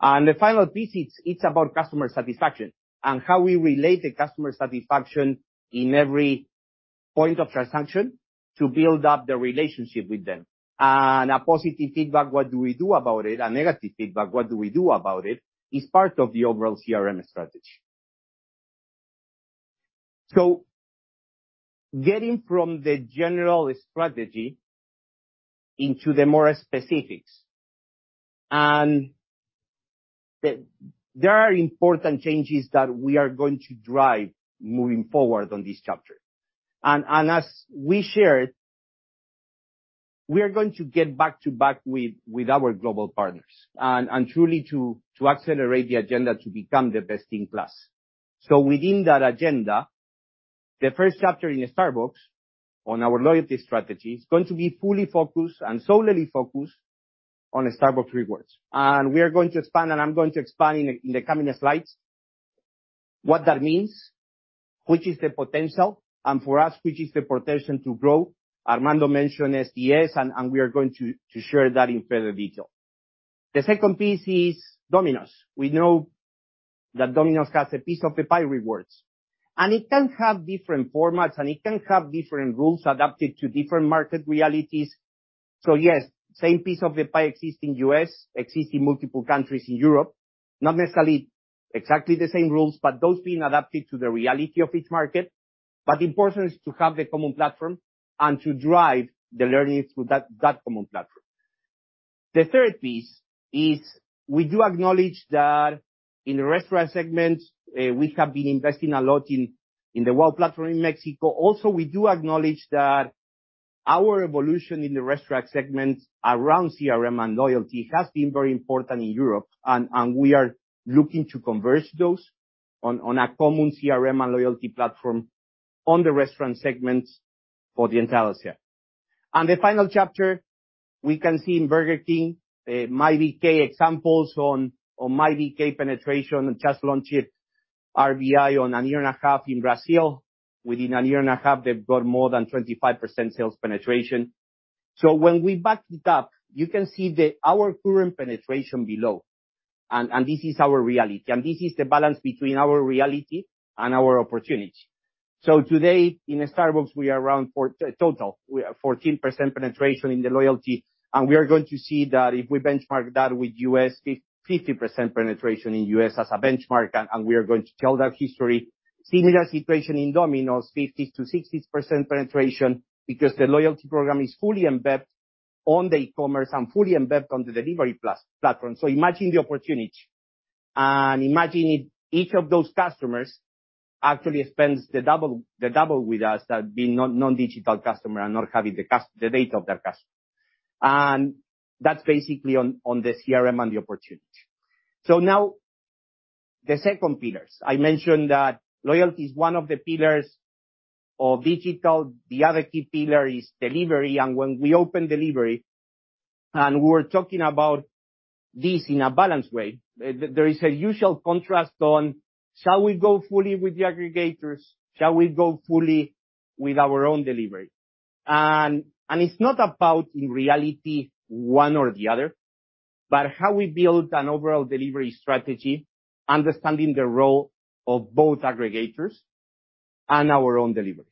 The final piece, it's about customer satisfaction and how we relate the customer satisfaction in every point of transaction to build up the relationship with them. A positive feedback, what do we do about it? A negative feedback, what do we do about it? Is part of the overall CRM strategy. Getting from the general strategy into the more specifics, and there are important changes that we are going to drive moving forward on this chapter. As we shared, we are going to get back-to-back with our global partners and truly to accelerate the agenda to become the best-in-class. Within that agenda, the first chapter in Starbucks on our loyalty strategy is going to be fully focused and solely focused on Starbucks Rewards. We are going to expand, and I'm going to expand in the coming slides what that means, which is the potential, and for us, which is the potential to grow. Armando mentioned SDS, and we are going to share that in further detail. The second piece is Domino's. We know that Domino's has a Piece of the Pie Rewards, it can have different formats, it can have different rules adapted to different market realities. Yes, same Piece of the Pie exists in U.S., exists in multiple countries in Europe. Not necessarily exactly the same rules, those being adapted to the reality of each market. Important is to have the common platform and to drive the learnings through that common platform. The third piece is we do acknowledge that in the restaurant segment, we have been investing a lot in the WOW platform in Mexico. We do acknowledge that our evolution in the restaurant segment around CRM and loyalty has been very important in Europe, we are looking to converge those on a common CRM and loyalty platform on the restaurant segments for the entire year. The final chapter we can see in Burger King, MyBK examples on MyBK penetration. Just launched it RBI on a year and a half in Brazil. Within a year and a half, they've got more than 25% sales penetration. When we back it up, you can see our current penetration below. This is our reality. This is the balance between our reality and our opportunity. Today in Starbucks, we are around total. We are 14% penetration in the loyalty, and we are going to see that if we benchmark that with U.S., 50% penetration in U.S. as a benchmark, and we are going to tell that history. Similar situation in Domino's, 50%-60% penetration because the loyalty program is fully embedded on the e-commerce and fully embedded on the delivery platform. Imagine the opportunity and imagine if each of those customers actually spends the double with us than being non-non-digital customer and not having the data of that customer. That's basically on the CRM and the opportunity. Now the second pillars. I mentioned that loyalty is one of the pillars of digital. The other key pillar is delivery. When we open delivery, we're talking about this in a balanced way. There is a usual contrast on shall we go fully with the aggregators, shall we go fully with our own delivery? It's not about, in reality, one or the other, but how we build an overall delivery strategy, understanding the role of both aggregators and our own delivery.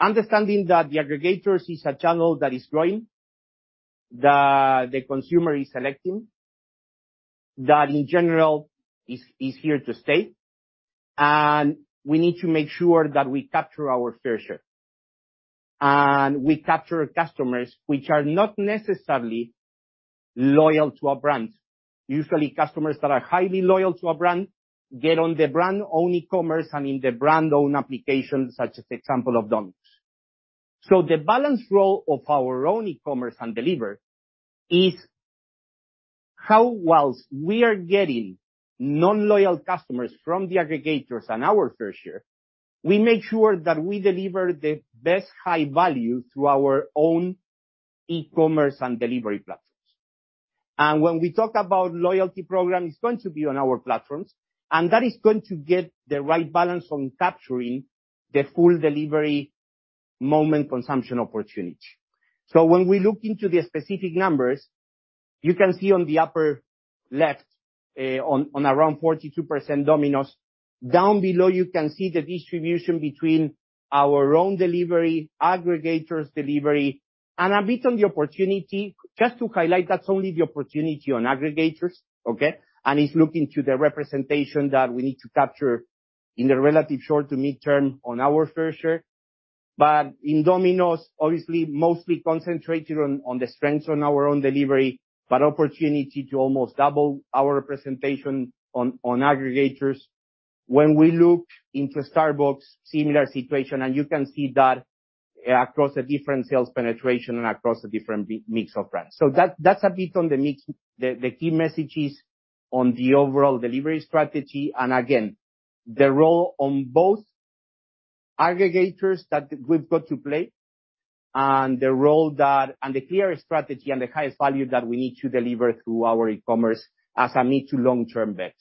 Understanding that the aggregators is a channel that is growing, that the consumer is selecting, that in general is here to stay. We need to make sure that we capture our fair share, and we capture customers which are not necessarily loyal to a brand. Usually, customers that are highly loyal to a brand get on the brand-owned e-commerce and in the brand-owned application, such as the example of Domino's. The balanced role of our own e-commerce and delivery is how whilst we are getting non-loyal customers from the aggregators and our fair share, we make sure that we deliver the best high value through our own e-commerce and delivery platforms. When we talk about loyalty program, it's going to be on our platforms, and that is going to get the right balance on capturing the full delivery moment consumption opportunity. When we look into the specific numbers, you can see on the upper left, on around 42% Domino's. Down below, you can see the distribution between our own delivery, aggregators delivery, and a bit on the opportunity. Just to highlight, that's only the opportunity on aggregators, okay? It's looking to the representation that we need to capture in the relative short to mid-term on our fair share. In Domino's, obviously, mostly concentrated on the strengths on our own delivery, but opportunity to almost double our representation on aggregators. When we look into Starbucks, similar situation, and you can see that across the different sales penetration and across the different mix of brands. That's a bit on the mix the key messages on the overall delivery strategy and again, the role and the clear strategy and the highest value that we need to deliver through our e-commerce as a mid to long-term bet.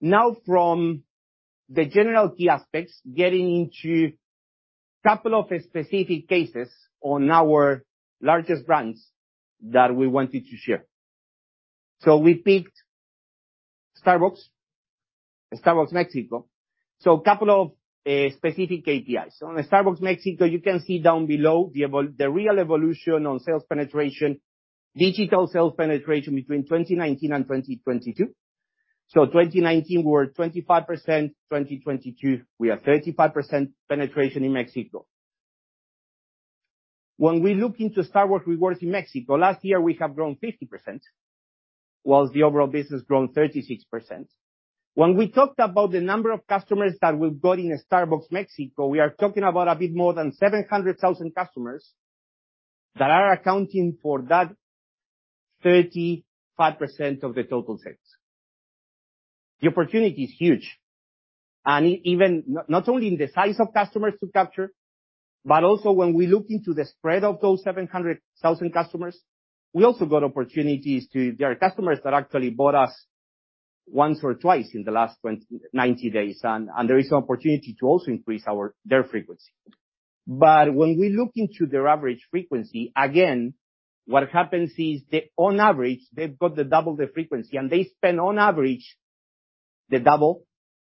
Now from the general key aspects, getting into couple of specific cases on our largest brands that we wanted to share. We picked Starbucks Mexico. Couple of specific KPIs. On Starbucks Mexico, you can see down below the real evolution on sales penetration, digital sales penetration between 2019 and 2022. 2019, we were at 25%, 2022, we are 35% penetration in Mexico. When we look into Starbucks Rewards in Mexico, last year we have grown 50%, whilst the overall business grown 36%. When we talked about the number of customers that we've got in Starbucks Mexico, we are talking about a bit more than 700,000 customers that are accounting for that 35% of the total sales. The opportunity is huge, not only in the size of customers to capture, but also when we look into the spread of those 700,000 customers, we also got opportunities. There are customers that actually bought us once or twice in the last 90 days. There is an opportunity to also increase their frequency. When we look into their average frequency, again, what happens is they, on average, they've got the double the frequency, and they spend on average the double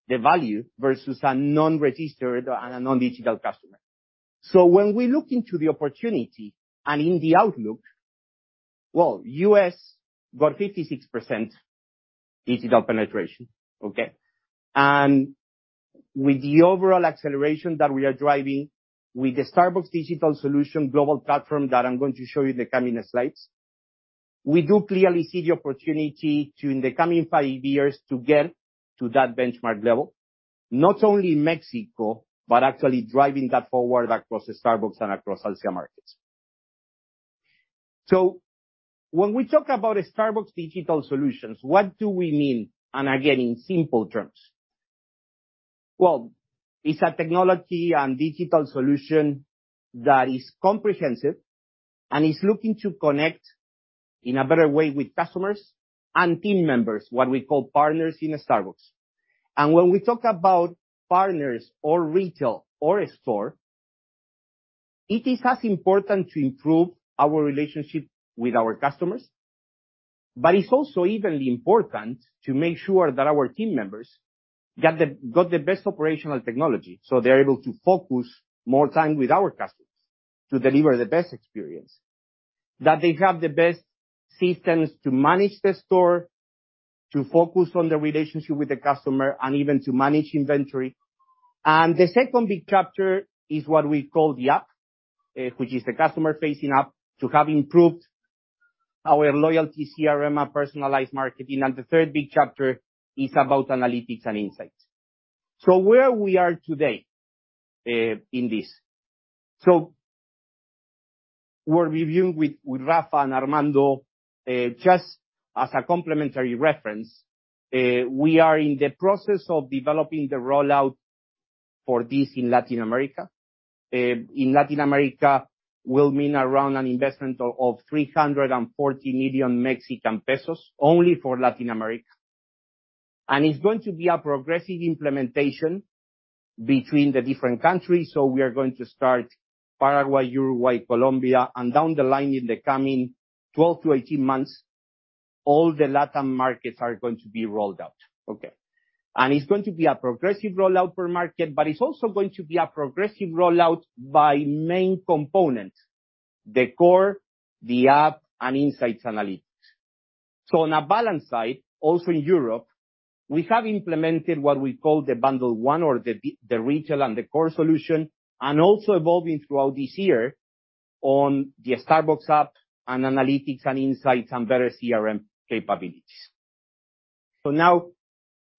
the value versus a non-registered and a non-digital customer. When we look into the opportunity and in the outlook, well, U.S. got 56% digital penetration, okay? With the overall acceleration that we are driving with the Starbucks Digital Solutions global platform that I'm going to show you in the coming slides, we do clearly see the opportunity to, in the coming five years, to get to that benchmark level, not only in Mexico, but actually driving that forward across Starbucks and across other markets. When we talk about Starbucks Digital Solutions, what do we mean? Again, in simple terms. Well, it's a technology and digital solution that is comprehensive and is looking to connect in a better way with customers and team members, what we call partners in Starbucks. When we talk about partners or retail or a store, it is as important to improve our relationship with our customers, but it's also evenly important to make sure that our team members got the best operational technology, so they're able to focus more time with our customers to deliver the best experience, that they have the best systems to manage the store, to focus on the relationship with the customer, and even to manage inventory. The second big chapter is what we call the app, which is the customer-facing app to have improved our loyalty CRM and personalized marketing. The third big chapter is about analytics and insights. Where we are today, in this. We're reviewing with Rafa and Armando, just as a complimentary reference. We are in the process of developing the rollout for this in Latin America. In Latin America will mean around an investment of 340 million Mexican pesos, only for Latin America. It's going to be a progressive implementation between the different countries, so we are going to start Paraguay, Uruguay, Colombia. Down the line in the coming 12-18 months, all the LatAm markets are going to be rolled out. It's going to be a progressive rollout per market, but it's also going to be a progressive rollout by main component: the core, the app, and insights analytics. On a balance side, also in Europe, we have implemented what we call the bundle one or the retail and the core solution, and also evolving throughout this year on the Starbucks app and analytics and insights and better CRM capabilities. Now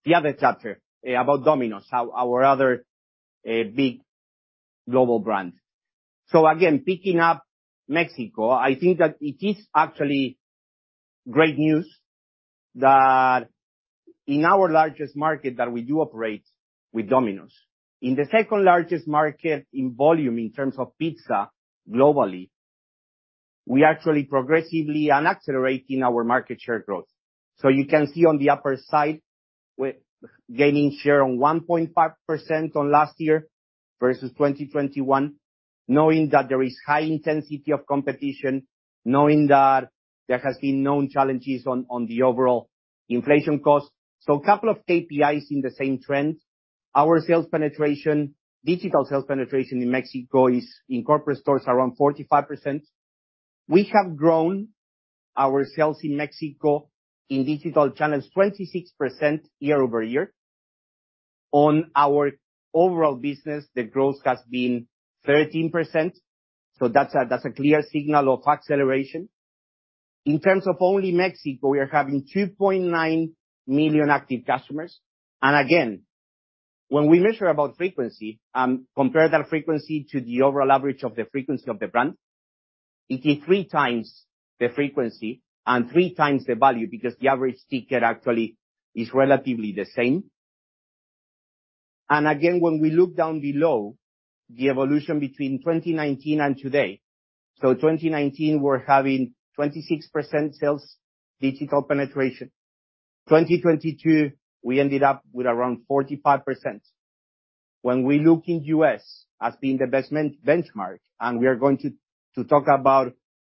the other chapter about Domino's, our other big global brand. Again, picking up Mexico, I think that it is actually great news that in our largest market that we do operate with Domino's, in the second-largest market in volume in terms of pizza globally, we actually progressively are accelerating our market share growth. You can see on the upper side, we're gaining share on 1.5% on last year versus 2021, knowing that there is high intensity of competition, knowing that there has been known challenges on the overall inflation cost. Couple of KPIs in the same trend. Our sales penetration, digital sales penetration in Mexico is, in corporate stores, around 45%. We have grown our sales in Mexico in digital channels 26% year-over-year. On our overall business, the growth has been 13%, that's a clear signal of acceleration. In terms of only Mexico, we are having 2.9 million active customers. Again, when we measure about frequency, compare that frequency to the overall average of the frequency of the brand, it is 3x the frequency and 3x the value because the average ticket actually is relatively the same. Again, when we look down below, the evolution between 2019 and today, 2019, we're having 26% sales digital penetration. 2022, we ended up with around 45%. We look in U.S. as being the best benchmark, we are going to talk about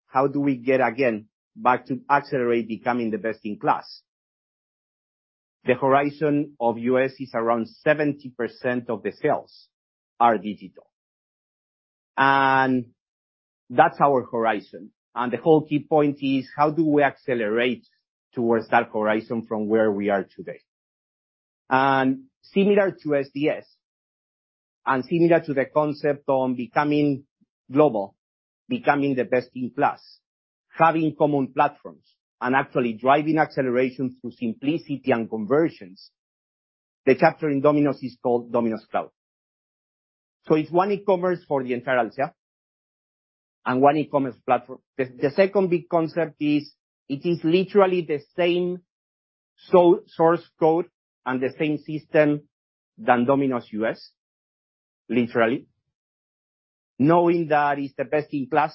how do we get again back to accelerate becoming the best in class, the horizon of U.S. is around 70% of the sales are digital. That's our horizon, the whole key point is: how do we accelerate towards that horizon from where we are today? Similar to SDS, similar to the concept on becoming global, becoming the best in class, having common platforms, actually driving acceleration through simplicity and conversions, the chapter in Domino's is called Domino's Cloud. It's one e-commerce for the entire Alsea, and one e-commerce platform. The second big concept is it is literally the same source code and the same system than Domino's U.S., literally. Knowing that it's the best in class,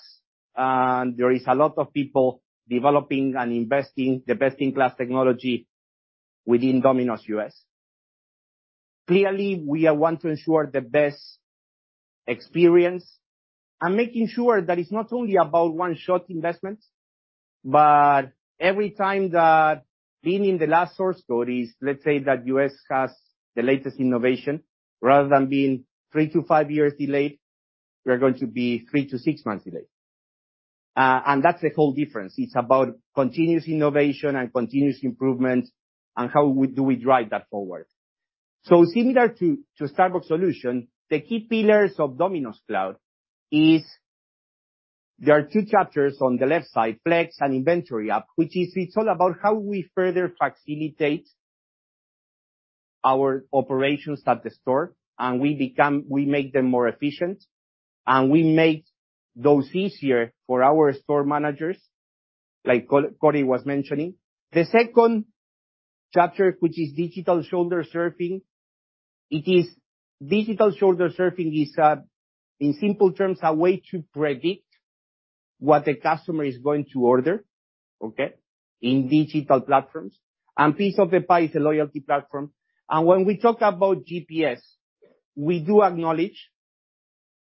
and there is a lot of people developing and investing the best in class technology within Domino's U.S. Clearly, we are want to ensure the best experience and making sure that it's not only about one-shot investments, but every time that being in the last source code is, let's say that U.S. has the latest innovation, rather than being three to five years delayed, we are going to be three to six months delayed. That's the whole difference. It's about continuous innovation and continuous improvement and how do we drive that forward. Similar to Starbucks solution, the key pillars of Domino's Cloud is there are two chapters on the left side, Flex and inventory app, which is, it's all about how we further facilitate our operations at the store, and we make them more efficient, and we make those easier for our store managers, like Cory was mentioning. The second chapter, which is Digital Shoulder Surfing, Digital Shoulder Surfing is in simple terms, a way to predict what the customer is going to order, okay, in digital platforms. Piece of the Pie is a loyalty platform. When we talk about GPS, we do acknowledge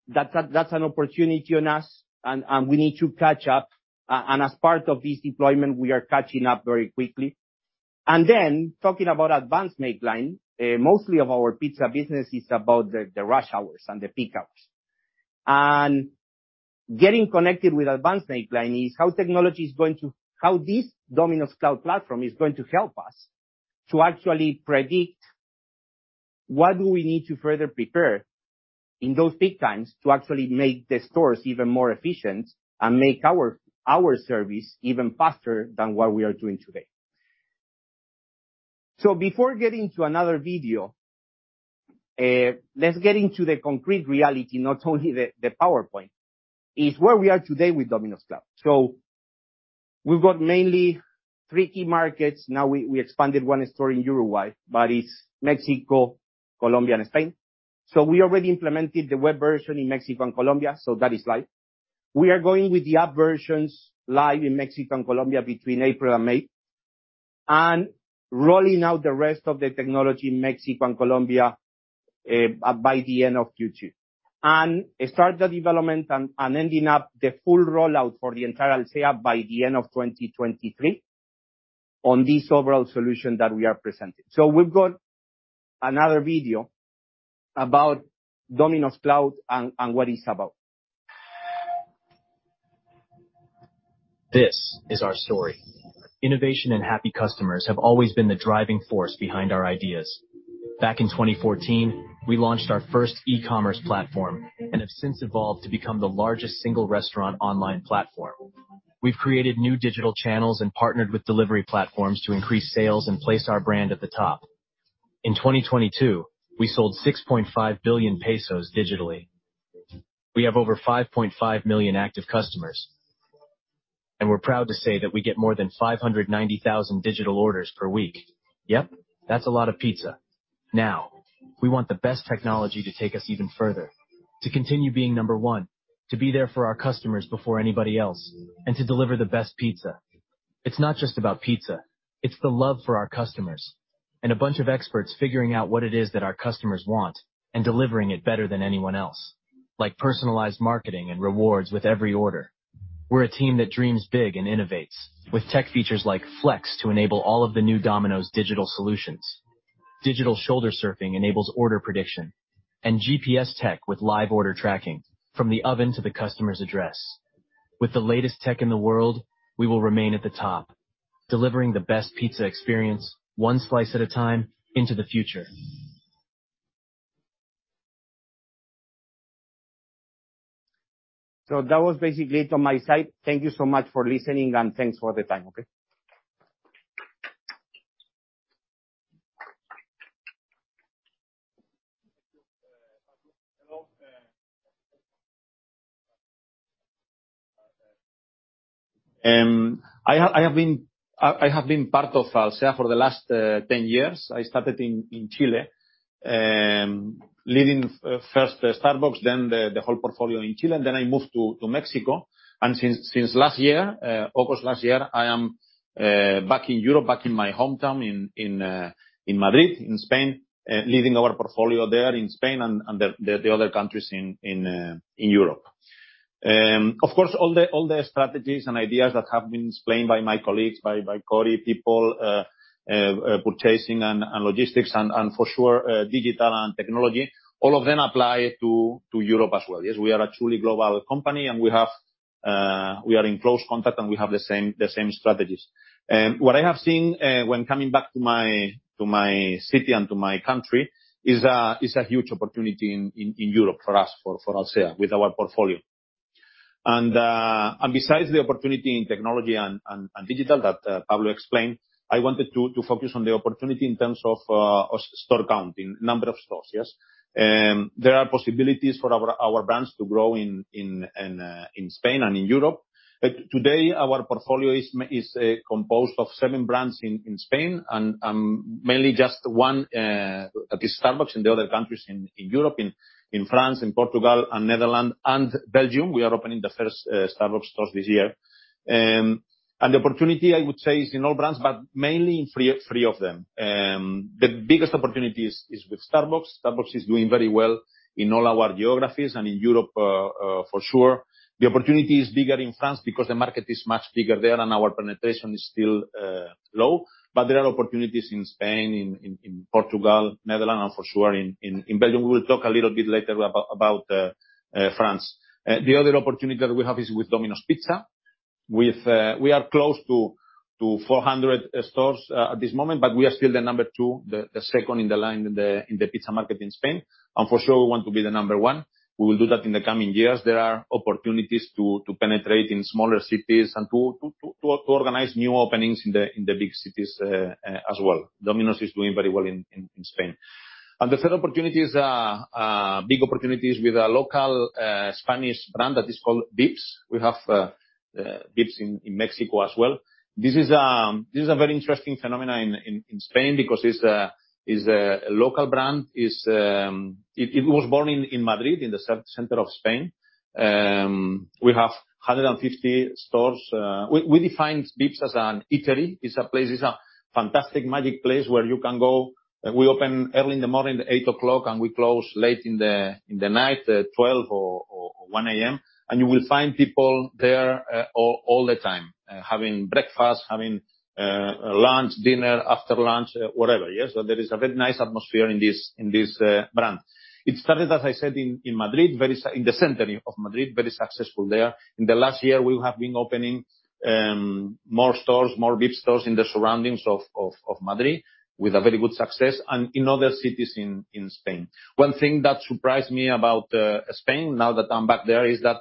that's an opportunity on us, and we need to catch up. As part of this deployment, we are catching up very quickly. Talking about advanced makeline, mostly of our pizza business is about the rush hours and the peak hours. Getting connected with advanced makeline is how this Domino's Cloud platform is going to help us to actually predict what do we need to further prepare in those peak times to actually make the stores even more efficient and make our service even faster than what we are doing today. Before getting to another video, let's get into the concrete reality, not only the PowerPoint. It's where we are today with Domino's Cloud. We've got mainly three key markets. Now, we expanded one store in Uruguay, but it's Mexico, Colombia and Spain. We already implemented the web version in Mexico and Colombia, so that is live. We are going with the app versions live in Mexico and Colombia between April and May, and rolling out the rest of the technology in Mexico and Colombia by the end of Q2. Start the development and ending up the full rollout for the entire Alsea by the end of 2023 on this overall solution that we are presenting. We've got another video about Domino's Cloud and what it's about. This is our story. Innovation and happy customers have always been the driving force behind our ideas. Back in 2014, we launched our first e-commerce platform, and have since evolved to become the largest single restaurant online platform. We've created new digital channels and partnered with delivery platforms to increase sales and place our brand at the top. In 2022, we sold 6.5 billion pesos digitally. We have over 5.5 million active customers, and we're proud to say that we get more than 590,000 digital orders per week. Yep, that's a lot of pizza. Now, we want the best technology to take us even further, to continue being number one, to be there for our customers before anybody else, and to deliver the best pizza. It's not just about pizza, it's the love for our customers, and a bunch of experts figuring out what it is that our customers want and delivering it better than anyone else, like personalized marketing and rewards with every order. We're a team that dreams big and innovates with tech features like Flex to enable all of the new Domino's Digital Solutions. Digital Shoulder Surfing enables order prediction, and GPS tech with live order tracking from the oven to the customer's address. With the latest tech in the world, we will remain at the top, delivering the best pizza experience one slice at a time into the future. That was basically it on my side. Thank you so much for listening and thanks for the time. Okay. I have been part of Alsea for the last 10 years. I started in Chile, leading first Starbucks, then the whole portfolio in Chile. I moved to Mexico. Since last year, August last year, I am back in Europe, back in my hometown in Madrid, in Spain, leading our portfolio there in Spain and the other countries in Europe. Of course, all the strategies and ideas that have been explained by my colleagues, by Corey, people, purchasing and logistics and for sure digital and technology, all of them apply to Europe as well. Yes, we are a truly global company, and we have. We are in close contact, we have the same strategies. What I have seen when coming back to my city and to my country is a huge opportunity in Europe for Alsea with our portfolio. Besides the opportunity in technology and digital that Pablo explained, I wanted to focus on the opportunity in terms of store counting. Number of stores. Yes? There are possibilities for our brands to grow in Spain and in Europe. Today, our portfolio is composed of seven brands in Spain and mainly just one that is Starbucks in the other countries in Europe, in France, in Portugal and Netherlands and Belgium. We are opening the first Starbucks stores this year. The opportunity, I would say is in all brands, but mainly in three of them. The biggest opportunity is with Starbucks. Starbucks is doing very well in all our geographies and in Europe for sure. The opportunity is bigger in France because the market is much bigger there and our penetration is still low. But there are opportunities in Spain, in Portugal, Netherlands, and for sure in Belgium. We'll talk a little bit later about France. The other opportunity that we have is with Domino's Pizza, with we are close to 400 stores at this moment, but we are still the number two, the second in the line in the pizza market in Spain. For sure we want to be the number one. We will do that in the coming years. There are opportunities to penetrate in smaller cities and to organize new openings in the big cities as well. Domino's is doing very well in Spain. The third opportunity is big opportunities with a local Spanish brand that is called Vips. We have Vips in Mexico as well. This is a very interesting phenomena in Spain because it's a local brand. It was born in Madrid, in the center of Spain. We have 150 stores. We define Vips as an eatery. It's a place, it's a fantastic magic place where you can go. We open early in the morning, 8:00, and we close late in the night, 12 or 1:00 A.M. You will find people there all the time, having breakfast, having lunch, dinner, after lunch, whatever. Yes? There is a very nice atmosphere in this brand. It started, as I said, in Madrid, in the center of Madrid, very successful there. In the last year, we have been opening more stores, more Vips stores in the surroundings of Madrid with a very good success and in other cities in Spain. One thing that surprised me about Spain, now that I'm back there, is that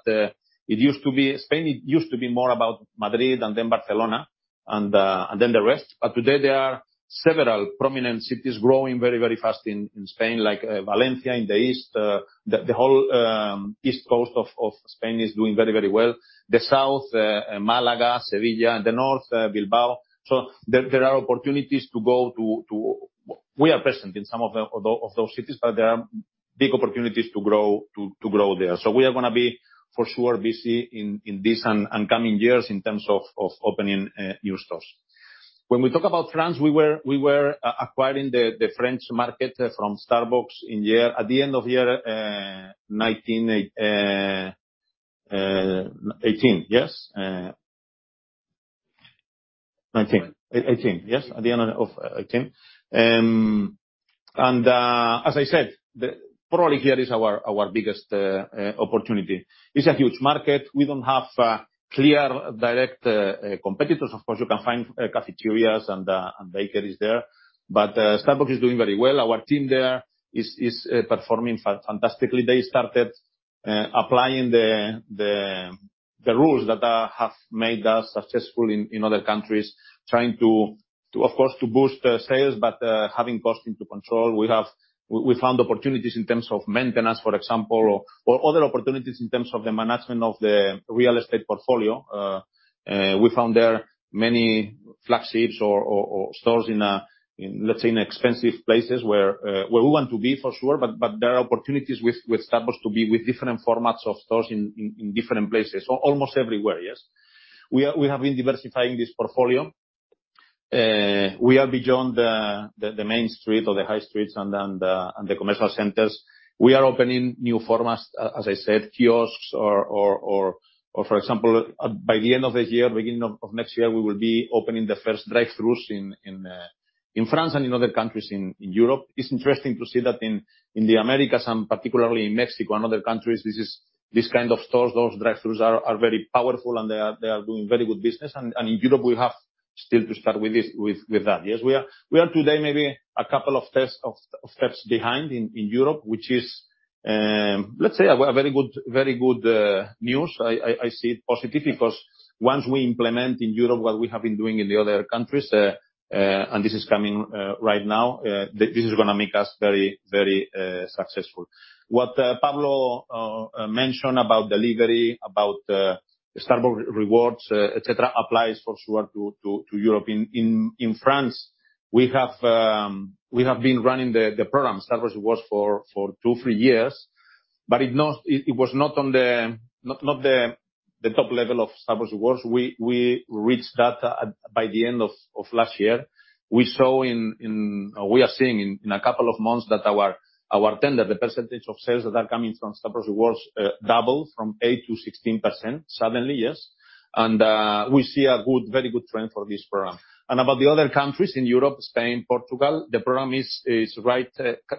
Spain used to be more about Madrid and then Barcelona. Then the rest. Today there are several prominent cities growing very, very fast in Spain, like Valencia in the east. The whole east coast of Spain is doing very, very well. The south, Malaga, Sevilla, and the north, Bilbao. So there are opportunities to go to. We are present in some of those cities, but there are big opportunities to grow there. We are going to be for sure busy in this and coming years in terms of opening new stores. When we talk about France, we were acquiring the French market from Starbucks at the end of year 18, yes, at the end of 18. As I said, probably here is our biggest opportunity. It's a huge market. We don't have clear, direct competitors. Of course, you can find cafeterias and bakeries there, but Starbucks is doing very well. Our team there is performing fantastically. They started applying the rules that have made us successful in other countries, trying to of course, to boost sales but having cost into control. We found opportunities in terms of maintenance, for example, or other opportunities in terms of the management of the real estate portfolio. We found there many flagships or stores in, let's say, in expensive places where we want to be for sure, but there are opportunities with Starbucks to be with different formats of stores in different places. Almost everywhere, yes? We have been diversifying this portfolio. We are beyond the main street or the high streets and the commercial centers. We are opening new formats, as I said, kiosks or for example, by the end of this year, beginning of next year, we will be opening the first drive-throughs in France and in other countries in Europe. It's interesting to see that in the Americas and particularly in Mexico and other countries, these kind of stores, those drive-throughs are very powerful, and they are doing very good business. In Europe, we have still to start with that. We are today maybe a couple of steps behind in Europe, which is let's say a very good, very good news. I see it positive because once we implement in Europe what we have been doing in the other countries, and this is coming right now, this is gonna make us very, very successful. What Pablo mentioned about delivery, about Starbucks Rewards, etc, applies for sure to Europe. In France, we have been running the program, Starbucks Rewards for two, three years. It was not on the top level of Starbucks Rewards. We reached that by the end of last year. We are seeing in a couple of months that the percentage of sales that are coming from Starbucks Rewards doubled from 8%-16% suddenly, yes? We see a good, very good trend for this program. About the other countries in Europe, Spain, Portugal, the program is right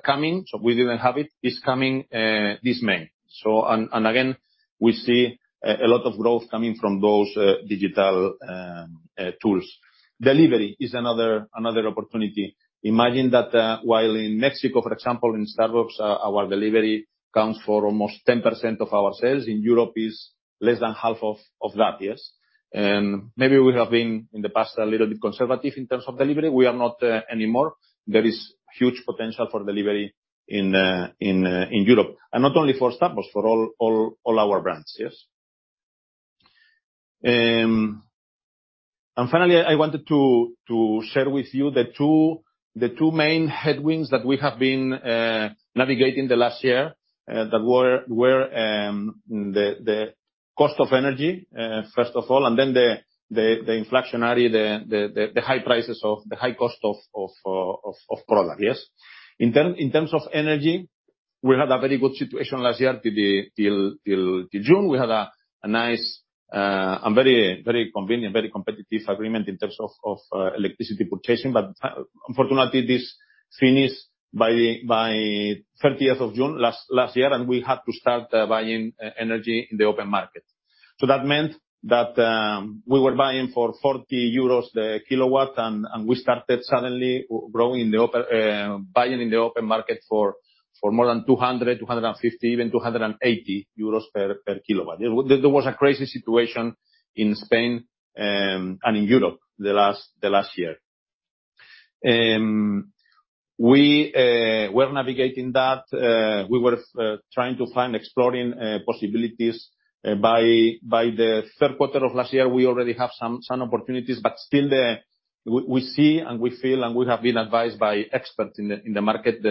coming. We didn't have it. It's coming this May. Again, we see a lot of growth coming from those digital tools. Delivery is another opportunity. Imagine that, while in Mexico, for example, in Starbucks, our delivery accounts for almost 10% of our sales. In Europe is less than half of that, yes? Maybe we have been, in the past, a little bit conservative in terms of delivery. We are not anymore. There is huge potential for delivery in Europe, and not only for Starbucks, for all our brands, yes? Finally, I wanted to share with you the two main headwinds that we have been navigating the last year, that were the cost of energy, first of all, and then the high cost of product, yes? In terms of energy, we had a very good situation last year till June. We had a nice and very, very convenient, very competitive agreement in terms of electricity purchasing. Unfortunately, this finished by 30 of June last year, and we had to start buying e-energy in the open market. That meant that we were buying for 40 euros the kilowatt, and we started suddenly growing in the open buying in the open market for more than 200, 250, even 280 euros per kilowatt. There was a crazy situation in Spain and in Europe the last year. We were navigating that. We were trying to find, exploring possibilities. By the third quarter of last year, we already have some opportunities. Still, we see and we feel and we have been advised by experts in the market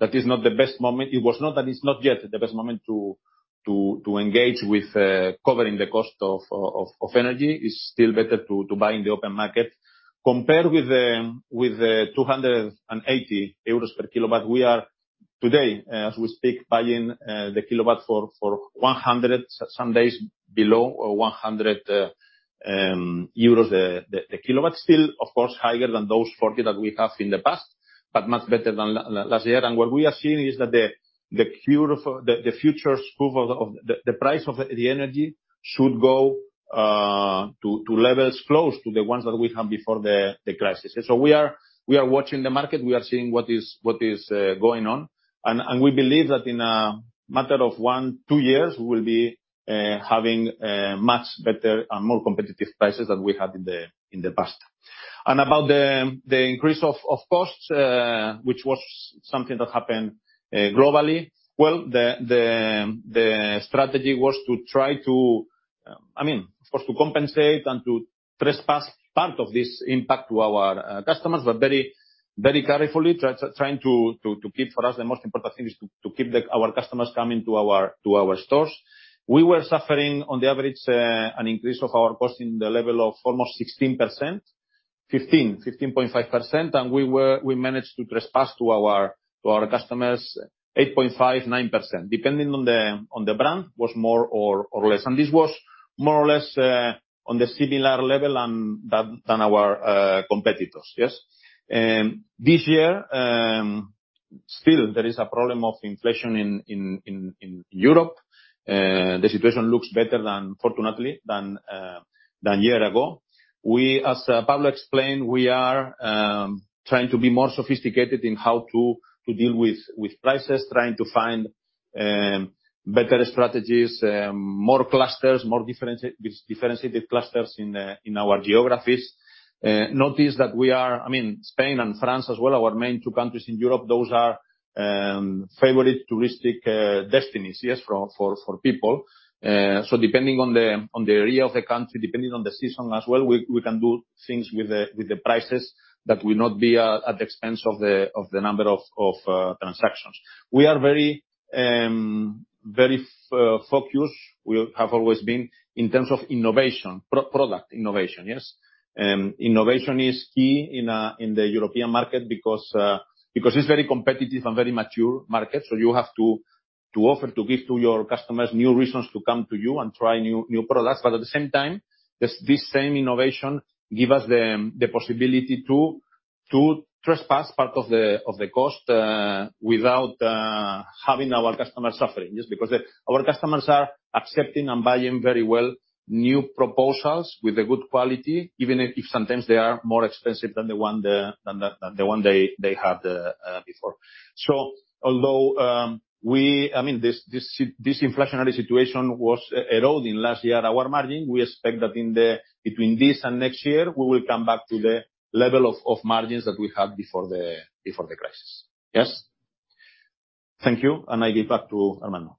that is not the best moment. It was not and it's not yet the best moment to engage with covering the cost of energy. It's still better to buy in the open market. Compared with 280 euros per kilowatt, we are today, as we speak, buying the kilowatt for 100, some days below 100 euros the kilowatt. Still, of course, higher than those 40 that we have in the past, but much better than last year. What we are seeing is that the cure for, the future scope of the price of the energy should go to levels close to the ones that we had before the crisis. We are watching the market. We are seeing what is going on. We believe that in a matter of one, two years, we will be having much better and more competitive prices than we had in the past. About the increase of costs, which was something that happened globally, well, the strategy was to try to, I mean, of course, to compensate and to trespass part of this impact to our customers. We're very, very carefully trying to keep for us the most important thing is to keep our customers coming to our stores. We were suffering on the average, an increase of our cost in the level of almost 16%. 15%. 15.5%. We managed to trespass to our customers 8.5%-9%. Depending on the brand, was more or less. This was more or less on the similar level than our competitors. Yes? This year, still there is a problem of inflation in Europe. The situation looks better than, fortunately, than year ago. We, as Pablo explained, we are trying to be more sophisticated in how to deal with prices, trying to find better strategies, more clusters, more differentiated clusters in our geographies. Notice that I mean, Spain and France as well, our main two countries in Europe, those are favorite touristic destinations, yes, for people. Depending on the area of the country, depending on the season as well, we can do things with the prices that will not be at the expense of the number of transactions. We are very focused, we have always been, in terms of innovation, product innovation, yes? Innovation is key in the European market because it's very competitive and very mature market, so you have to offer, to give to your customers new reasons to come to you and try new products. At the same time, this same innovation give us the possibility to trespass part of the cost without having our customers suffering. Just because our customers are accepting and buying very well new proposals with a good quality, even if sometimes they are more expensive than the one they had before. Although we... I mean, this inflationary situation was eroding last year our margin, we expect that between this and next year, we will come back to the level of margins that we had before the crisis. Yes. Thank you. I give back to Armando.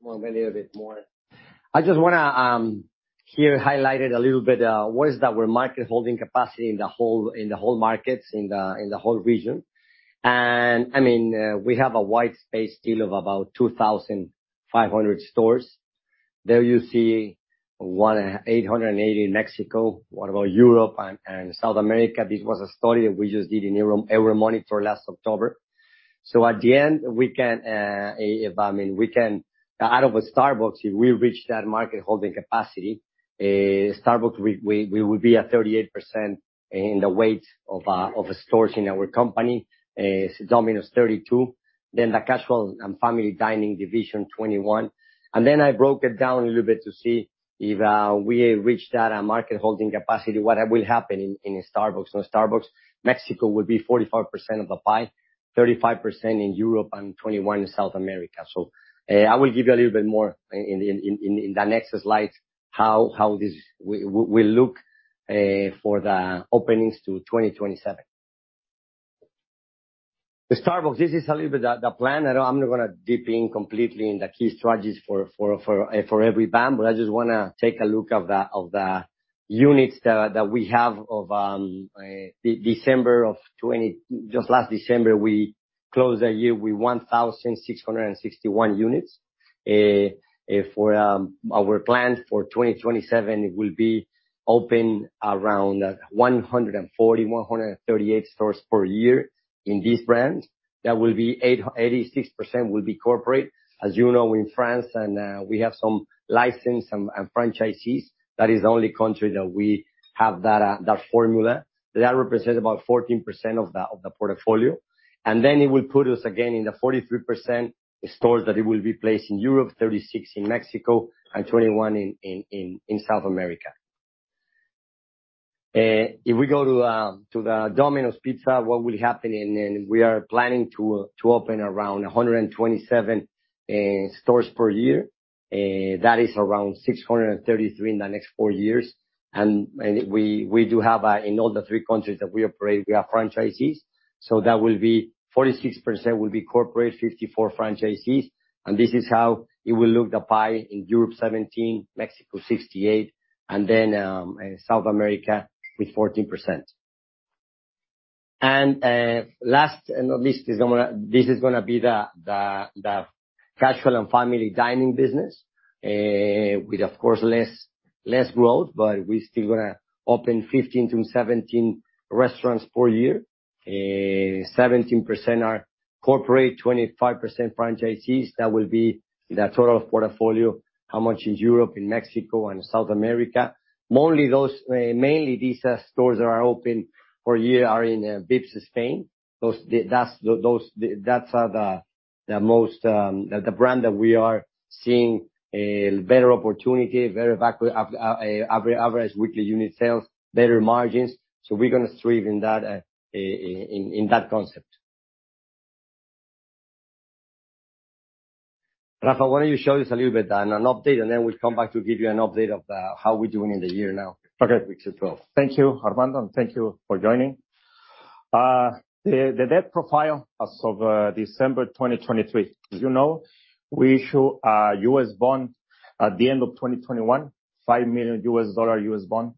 Well, maybe a bit more. I just wanna here highlight it a little bit, what is that we're market holding capacity in the whole markets, in the whole region. I mean, we have a white space still of about 2,500 stores. There you see 880 in Mexico. What about Europe and South America, this was a study that we just did in Euromonitor last October. At the end, we can, I mean, we can. Out of a Starbucks, if we reach that market holding capacity, Starbucks, we would be at 38% in the weight of stores in our company. Domino's 32%, the casual and family dining division 21%. I broke it down a little bit to see if we reach that market holding capacity, what will happen in Starbucks. Starbucks, Mexico would be 45% of the pie, 35% in Europe and 21% in South America. I will give you a little bit more in the next slides how this will look for the openings to 2027. Starbucks, this is a little bit the plan. I'm not gonna dip in completely in the key strategies for every brand, but I just wanna take a look of the units that we have. Just last December, we closed the year with 1,661 units. Our plans for 2027, it will be open around 140, 138 stores per year in this brand. That will be 86% will be corporate. As you know, in France, we have some license and franchisees, that is the only country that we have that formula. That represent about 14% of the portfolio. It will put us again in the 43% stores that it will be placed in Europe, 36% in Mexico, and 21% in South America. If we go to the Domino's Pizza, what will happen, and we are planning to open around 127 stores per year. That is around 633 in the next four years. We do have in all the three countries that we operate, we have franchisees. That will be 46% will be corporate, 54% franchisees. This is how it will look, the pie. In Europe 17%, Mexico 68%, South America with 14%. Last and not least, this is gonna be the casual and family dining business, with of course, less growth, but we're still gonna open 15%-17% restaurants per year. 17% are corporate, 25% franchisees. That will be the total of portfolio, how much is Europe, in Mexico, and South America. Only those, mainly these stores that are open for a year are in Vips Spain. That's the most the brand that we are seeing a better opportunity, very average weekly unit sales, better margins. We're gonna strive in that concept. Rafa, why don't you show us a little bit an update we'll come back to give you an update of how we're doing in the year now. Okay. Week 12. Thank you, Armando, and thank you for joining. The debt profile as of December 2023. As you know, we show a U.S. bond at the end of 2021, $5 million U.S. dollar U.S. bond,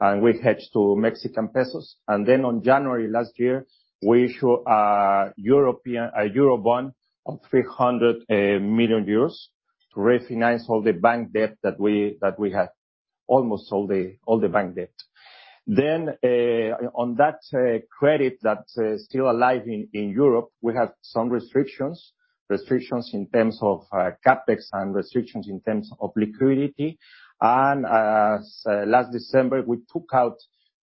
and we hedge to Mexican pesos. On January last year, we show a Euro bond of 300 million euros to refinance all the bank debt that we had. Almost all the bank debt. On that credit that's still alive in Europe, we have some restrictions. Restrictions in terms of CapEx and restrictions in terms of liquidity. Last December, we took out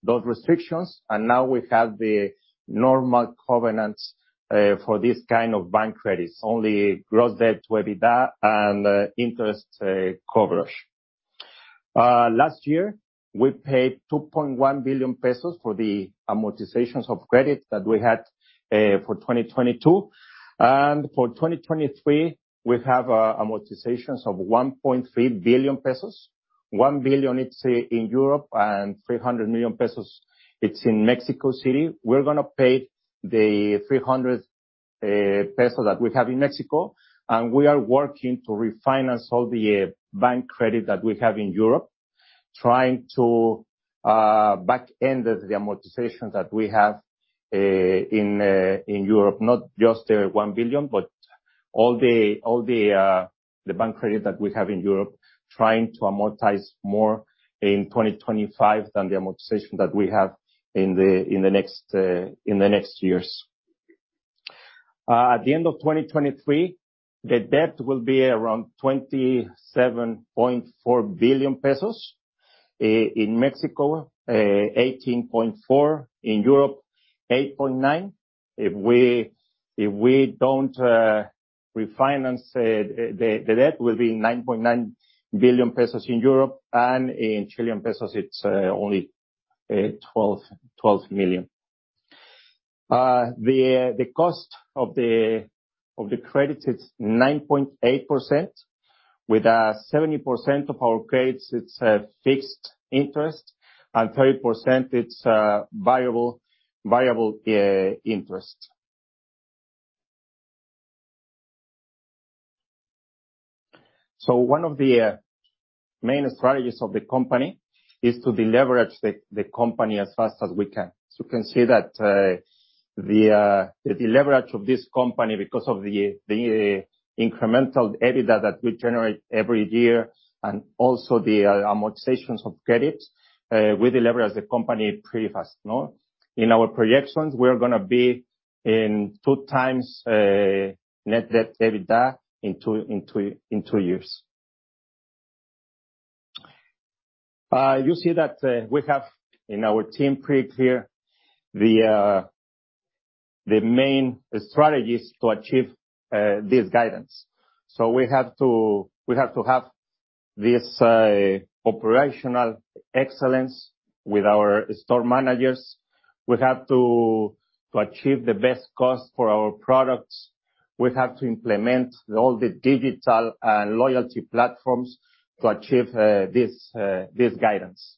those restrictions, and now we have the normal covenants for this kind of bank credits, only gross debt to EBITDA and interest coverage. Last year, we paid 2.1 billion pesos for the amortizations of credit that we had for 2022. For 2023, we have amortizations of 1.3 billion pesos. 1 billion it's in Europe and 300 million pesos, it's in Mexico City. We're gonna pay the 300 peso that we have in Mexico, and we are working to refinance all the bank credit that we have in Europe, trying to back-end the amortizations that we have in Europe, not just the 1 billion, but all the bank credit that we have in Europe, trying to amortize more in 2025 than the amortization that we have in the next years. At the end of 2023, the debt will be around 27.4 billion pesos. In Mexico, 18.4, in Europe, 8.9. If we don't refinance, the debt will be 9.9 billion pesos in Europe, and in Chilean pesos it's only 12 million. The cost of the credit is 9.8% with 70% of our credits it's fixed interest, and 30% it's variable interest. One of the main strategies of the company is to deleverage the company as fast as we can. You can see that the leverage of this company because of the incremental EBITDA that we generate every year and also the amortizations of credits, we leverage the company pretty fast, no? In our projections, we're gonna be in 2x net debt EBITDA in two years. You see that we have in our team pretty clear the main strategies to achieve this guidance. We have to have this operational excellence with our store managers. We have to achieve the best cost for our products. We have to implement all the digital and loyalty platforms to achieve this guidance.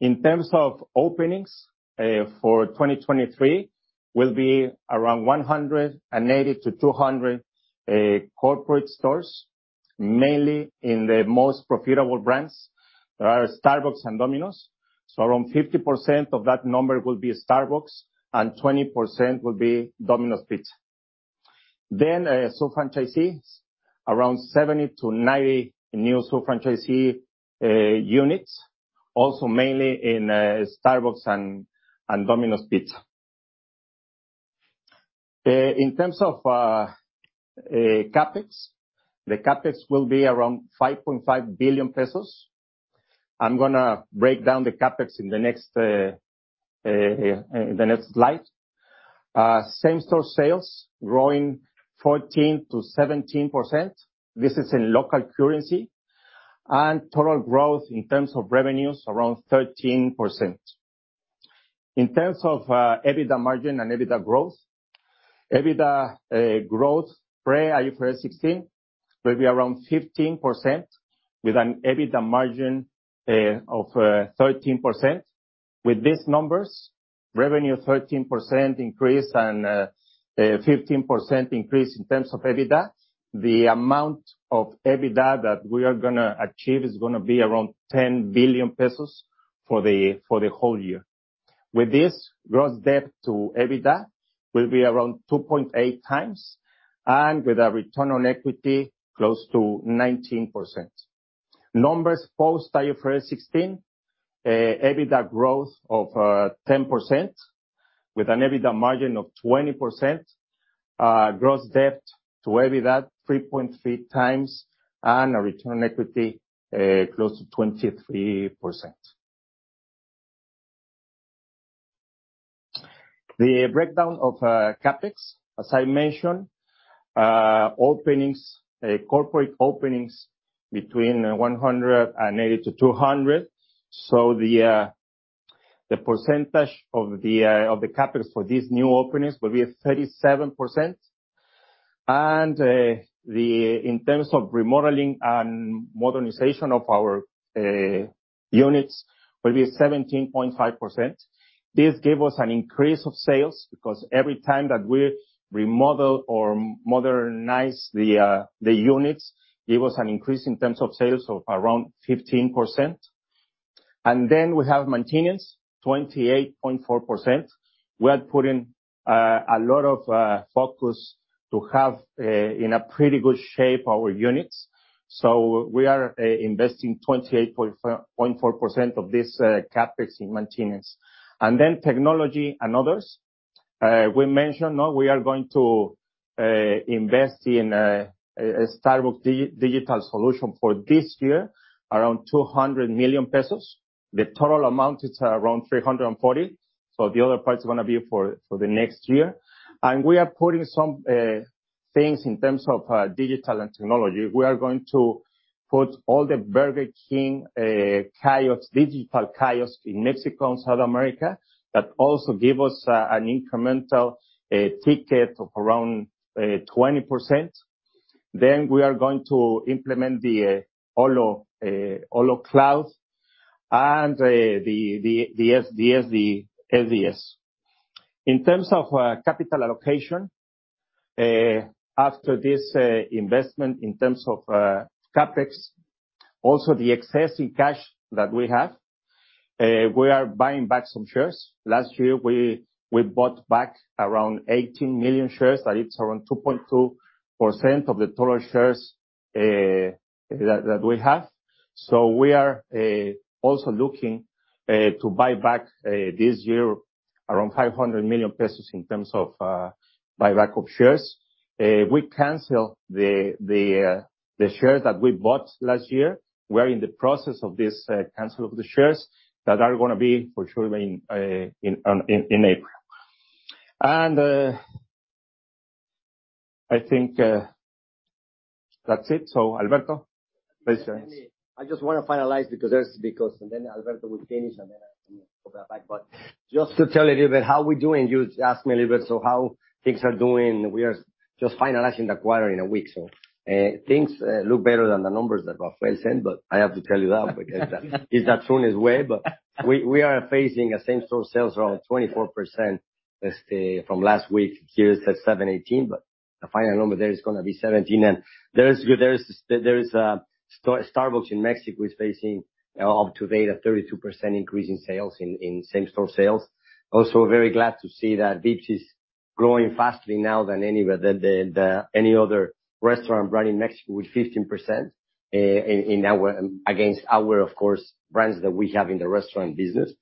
In terms of openings, for 2023 will be around 180-200 corporate stores, mainly in the most profitable brands. Those are Starbucks and Domino's. So around 50% of that number will be Starbucks, and 20% will be Domino's Pizza. subfranquicias, around 70-90 new subfranquicias units, also mainly in Starbucks and Domino's Pizza. In terms of CapEx, the CapEx will be around 5.5 billion pesos. I'm gonna break down the CapEx in the next slide. Same-store sales growing 14%-17%. This is in local currency. And total growth in terms of revenues, around 13%. In terms of EBITDA margin and EBITDA growth, EBITDA growth pre-IFRS 16 will be around 15% with an EBITDA margin of 13%. With these numbers, revenue 13% increase and 15% increase in terms of EBITDA. The amount of EBITDA that we are gonna achieve is gonna be around 10 billion pesos for the whole year. With this, gross debt to EBITDA will be around 2.8x, and with a return on equity close to 19%. Numbers post IFRS 16, EBITDA growth of 10% with an EBITDA margin of 20%. Gross debt to EBITDA 3.3x and a return on equity close to 23%. The breakdown of CapEx, as I mentioned, openings, corporate openings between 180-200. The percentage of the CapEx for these new openings will be 37%. In terms of remodeling and modernization of our units will be 17.5%. This gave us an increase of sales because every time that we remodel or modernize the units, give us an increase in terms of sales of around 15%. We have maintenance, 28.4%. We are putting a lot of focus to have in a pretty good shape our units. We are investing 28.4% of this CapEx in maintenance. Technology and others, we mentioned, no, we are going to invest in a Starbucks Digital Solutions for this year, around 200 million pesos. The total amount is around 340. The other part is going to be for the next year. We are putting some things in terms of digital and technology. We are going to put all the Burger King kiosks, digital kiosks in Mexico and South America. That also give us an incremental ticket of around 20%. We are going to implement the Olo, Olo clouds and the SDGs. In terms of capital allocation, after this investment in terms of CapEx, also the excess in cash that we have, we are buying back some shares. Last year we bought back around 18 million shares, that is around 2.2% of the total shares that we have. We are, also looking, to buy back, this year around 500 million pesos in terms of, buyback of shares. We cancel the shares that we bought last year. We are in the process of this, cancel of the shares that are gonna be for sure in April. I think, that's it. Alberto, please share. I just wanna finalize, and then Alberto will finish, and then I pull that back. Just to tell a little bit how we're doing. You asked me a little bit how things are doing. We are just finalizing the quarter in a week. Things look better than the numbers that Rafael said, but I have to tell you that because it's not shown his way, but we are facing a same-store sales around 24%, let's say, from last week. Here it says 7.18%, the final number there is gonna be 17%. There is good, there is Starbucks in Mexico is facing up to date a 32% increase in sales in same-store sales. Very glad to see that Vips is growing faster now than any other restaurant brand in Mexico with 15% in our, against our, of course, brands that we have in the restaurant business.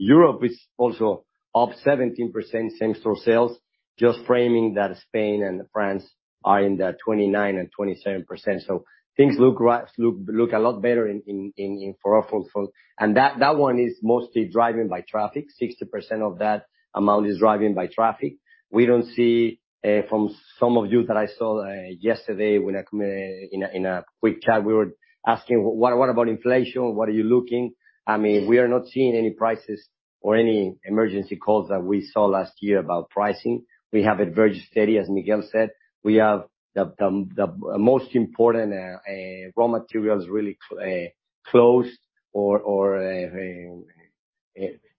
Europe is also up 17% same-store sales. Just framing that Spain and France are in the 29% and 27%. Things look a lot better in for our folks. That one is mostly driven by traffic. 60% of that amount is driven by traffic. We don't see from some of you that I saw yesterday when I come in a quick chat, we were asking what about inflation? What are you looking? I mean, we are not seeing any prices or any emergency calls that we saw last year about pricing. We have it very steady, as Miguel said. We have the most important raw materials really closed or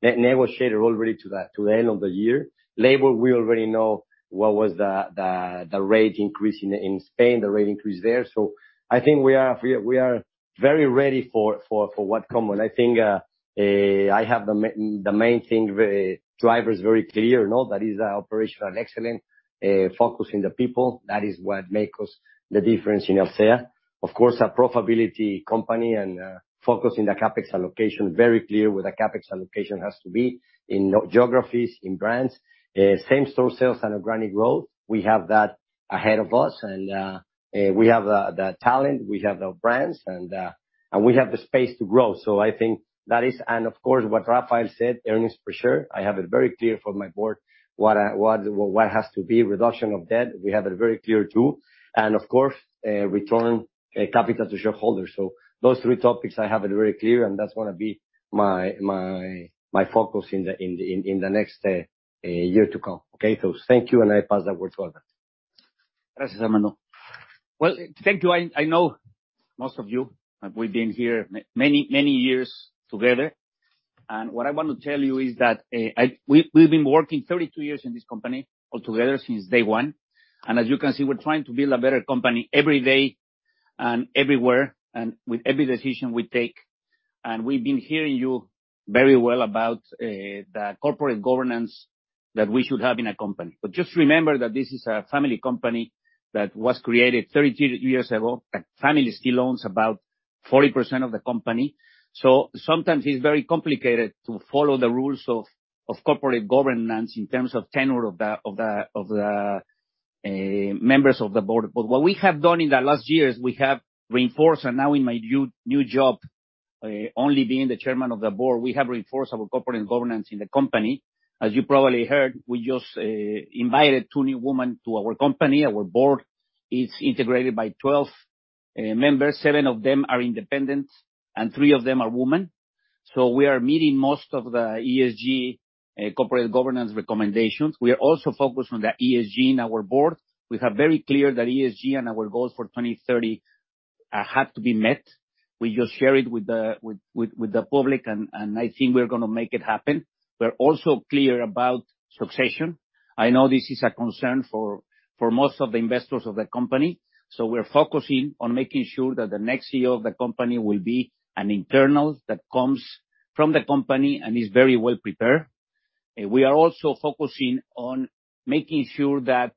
negotiated already to the end of the year. Labor, we already know what was the rate increase in Spain, the rate increase there. I think we are very ready for what come. I think I have the main thing drivers very clear. No, that is our operational excellence, focusing the people. That is what make us the difference in Alsea. Of course, a profitability company and focus in the CapEx allocation, very clear where the CapEx allocation has to be in geographies, in brands. Same-store sales and organic growth, we have that ahead of us. We have the talent, we have the brands, and we have the space to grow. I think that is... Of course, what Rafael said, earnings per share. I have it very clear for my Board what I, what has to be reduction of debt. We have it very clear, too. Of course, return capital to shareholders. Those three topics I have it very clear, and that's gonna be my focus in the next year to come. Okay? Thank you, and I pass the word to Alberto. Gracias, Armando. Well, thank you. I know most of you. We've been here many, many years together. What I want to tell you is that we've been working 32 years in this company all together since day one. As you can see, we're trying to build a better company every day and everywhere and with every decision we take. We've been hearing you very well about the corporate governance that we should have in a company. Just remember that this is a family company that was created 32 years ago. The family still owns about 40% of the company. Sometimes it's very complicated to follow the rules of corporate governance in terms of tenure of the members of the board. What we have done in the last years, we have reinforced, and now in my new job. Only being the chairman of the board, we have reinforced our corporate governance in the company. As you probably heard, we just invited two new women to our company. Our board is integrated by 12 members, seven of them are independent, and three of them are women. We are meeting most of the ESG corporate governance recommendations. We are also focused on the ESG in our board. We have very clear that ESG and our goals for 2030 have to be met. We just share it with the public and I think we're gonna make it happen. We're also clear about succession. I know this is a concern for most of the investors of the company, so we're focusing on making sure that the next CEO of the company will be an internal that comes from the company and is very well prepared. We are also focusing on making sure that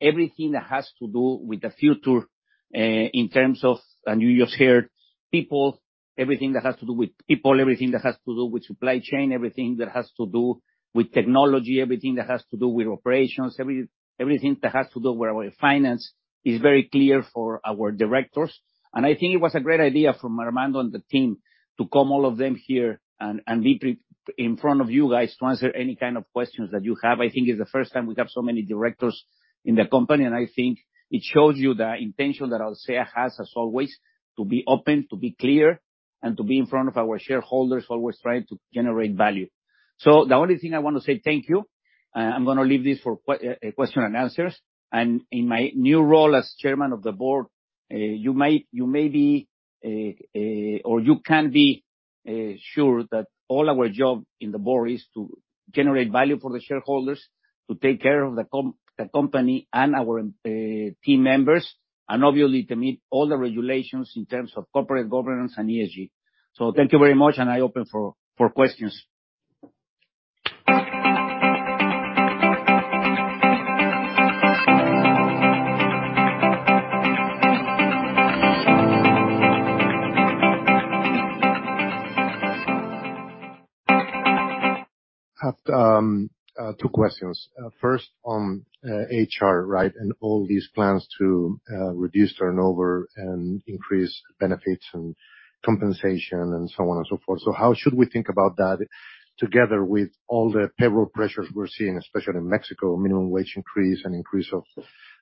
everything that has to do with the future, in terms of, and you just heard, people, everything that has to do with people, everything that has to do with supply chain, everything that has to do with technology, everything that has to do with operations, everything that has to do with our finance is very clear for our directors. I think it was a great idea from Armando and the team to come all of them here and be in front of you guys to answer any kind of questions that you have. I think it's the first time we have so many directors in the company. I think it shows you the intention that Alsea has, as always, to be open, to be clear, and to be in front of our shareholders, always trying to generate value. The only thing I wanna say, thank you. I'm gonna leave this for question and answers. In my new role as chairman of the board, you may be, or you can be sure that all our job in the board is to generate value for the shareholders, to take care of the company and our team members, and obviously to meet all the regulations in terms of corporate governance and ESG. Thank you very much, and I open for questions. Two questions. First on HR, right? All these plans to reduce turnover and increase benefits and compensation and so on and so forth. How should we think about that together with all the payroll pressures we're seeing, especially in Mexico, minimum wage increase and increase of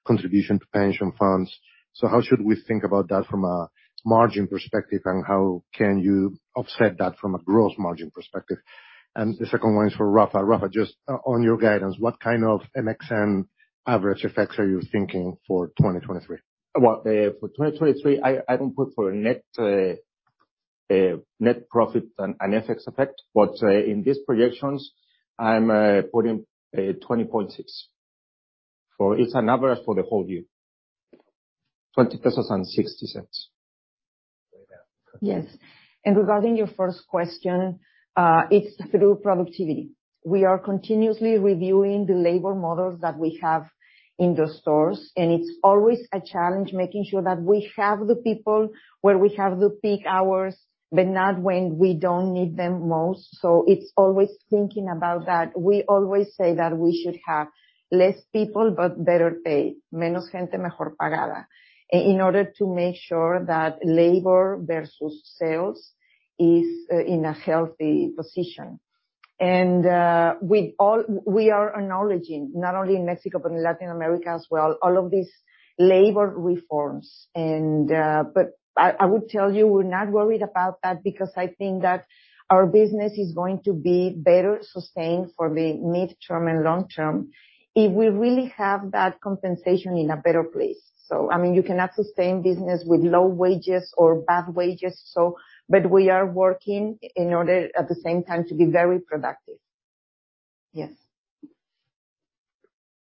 contribution to pension funds? How should we think about that from a margin perspective, and how can you offset that from a gross margin perspective? The second one is for Rafa. Rafa, just on your guidance, what kind of MXN average effects are you thinking for 2023? Well, for 2023, I don't put for net net profit an FX effect. In these projections, I'm putting 20.6 for. It's an average for the whole year. 20.60 pesos. Yeah. Yes. Regarding your first question, it's through productivity. We are continuously reviewing the labor models that we have in the stores, and it's always a challenge making sure that we have the people where we have the peak hours, but not when we don't need them most. It's always thinking about that. We always say that we should have less people, but better paid. In order to make sure that labor versus sales is in a healthy position. We are acknowledging, not only in Mexico, but in Latin America as well, all of these labor reforms. I will tell you, we're not worried about that because I think that our business is going to be better sustained for the midterm and long term if we really have that compensation in a better place. I mean, you cannot sustain business with low wages or bad wages. We are working in order at the same time to be very productive. Yes.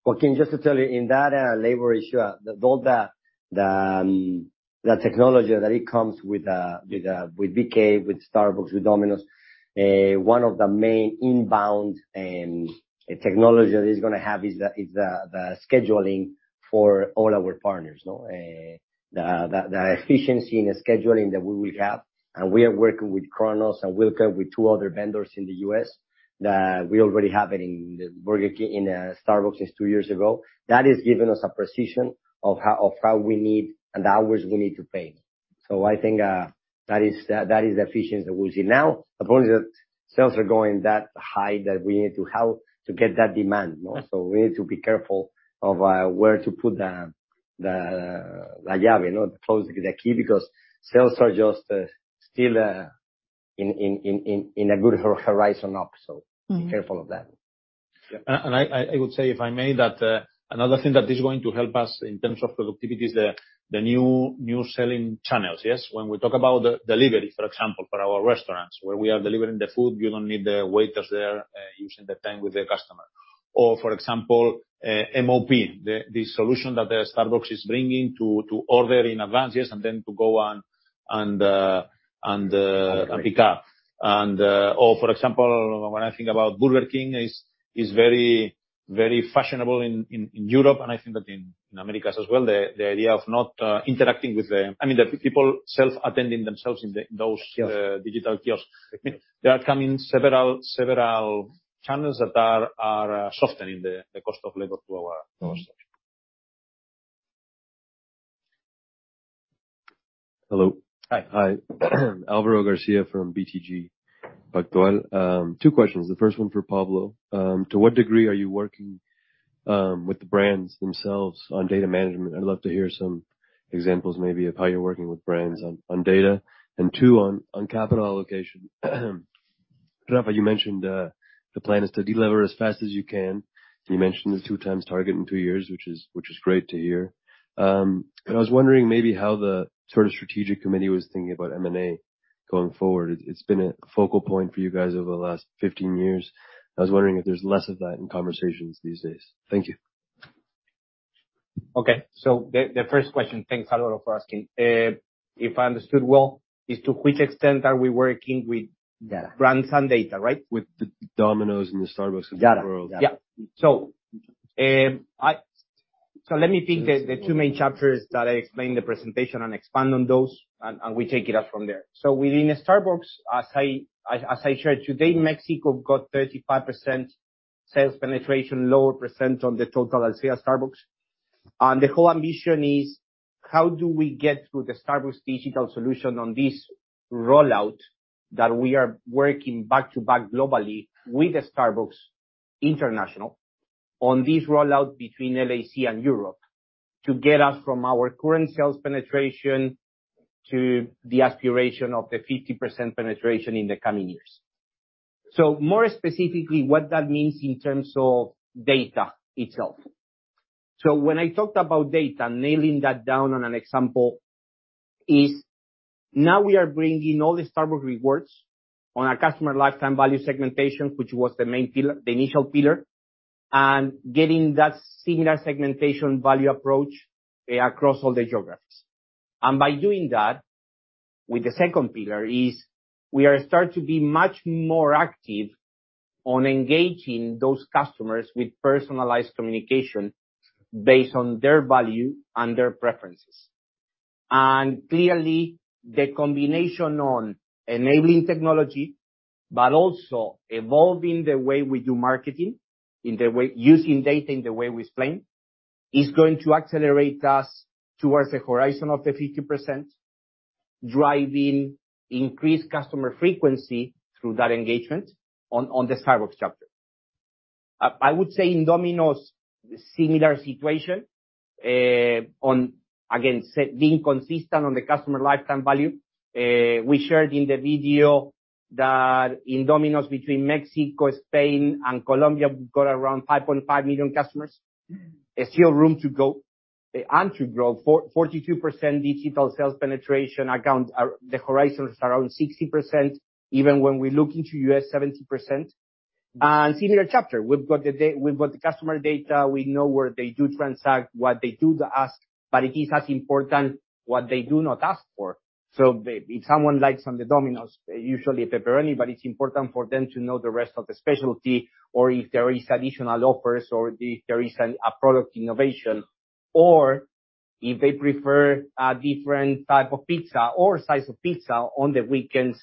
Joaquin, just to tell you, in that labor issue, all the technology that it comes with BK, with Starbucks, with Domino's, one of the main inbound technology that is gonna have is the scheduling for all our partners, no? The efficiency in the scheduling that we will have, and we are working with Kronos and Workday, with 2 other vendors in the U.S. that we already have it in the Burger King, in Starbucks since two years ago. That has given us a precision of how we need and the hours we need to pay. I think that is the efficiency that we'll see. Now, the point is that sales are going that high that we need to help to get that demand, no?twoWe need to be careful of, where to put the, la llave, no? Close the key because sales are just, still, in a good horizon up. Mm-hmm. Be careful of that. Yeah. I would say, if I may, that another thing that is going to help us in terms of productivity is the new selling channels. Yes? When we talk about the delivery, for example, for our restaurants, where we are delivering the food, we don't need the waiters there, using the time with the customer. For example, MOP, the solution that Starbucks is bringing to order in advance, yes, and then to go and pick up. For example, when I think about Burger King is very fashionable in Europe, and I think that in Americas as well, the idea of not interacting. I mean, the people self-attending themselves in the, those- Kiosks. Digital kiosks. There are coming several channels that are softening the cost of labor to our stores. Hello. Hi. Hi. Alvaro Garcia from BTG Pactual. Two questions. The first one for Pablo. To what degree are you working with the brands themselves on data management? I'd love to hear some examples maybe of how you're working with brands on data. Two, on capital allocation. Rafa, you mentioned, the plan is to delever as fast as you can. You mentioned the 2x target in two years, which is great to hear. I was wondering maybe how the sort of strategic committee was thinking about M&A going forward. It's been a focal point for you guys over the last 15 years. I was wondering if there's less of that in conversations these days. Thank you. The first question, thanks, Alvaro, for asking. If I understood well, is to which extent are we working. Data. Brands and data, right? With the Domino's and the Starbucks of the world. Data. Yeah. Let me pick the two main chapters that I explained the presentation and expand on those and we take it up from there. Within Starbucks, as I shared today, Mexico got 35% sales penetration, lower percent on the total Alsea-Starbucks. The whole ambition is how do we get to the Starbucks Digital Solutions on this rollout that we are working back-to-back globally with Starbucks International on this rollout between LAC and Europe to get us from our current sales penetration to the aspiration of the 50% penetration in the coming years. More specifically, what that means in terms of data itself. When I talked about data, nailing that down on an example is now we are bringing all the Starbucks Rewards on our customer lifetime value segmentation, which was the main pillar, the initial pillar, and getting that similar segmentation value approach across all the geographies. By doing that, with the second pillar, is we are start to be much more active on engaging those customers with personalized communication based on their value and their preferences. Clearly, the combination on enabling technology, but also evolving the way we do marketing, using data in the way we explain, is going to accelerate us towards the horizon of the 50%, driving increased customer frequency through that engagement on the Starbucks chapter. I would say in Domino's, similar situation, on, again, being consistent on the customer lifetime value. We shared in the video that in Domino's between Mexico, Spain and Colombia, we've got around 5.5 million customers. There's still room to go and to grow. 42% digital sales penetration account. The horizon is around 60%, even when we look into U.S., 70%. Similar chapter, we've got the customer data. We know where they do transact, what they do to ask, but it is as important what they do not ask for. If someone likes on the Domino's, usually a pepperoni, but it's important for them to know the rest of the specialty or if there is additional offers or if there is a product innovation or if they prefer a different type of pizza or size of pizza on the weekends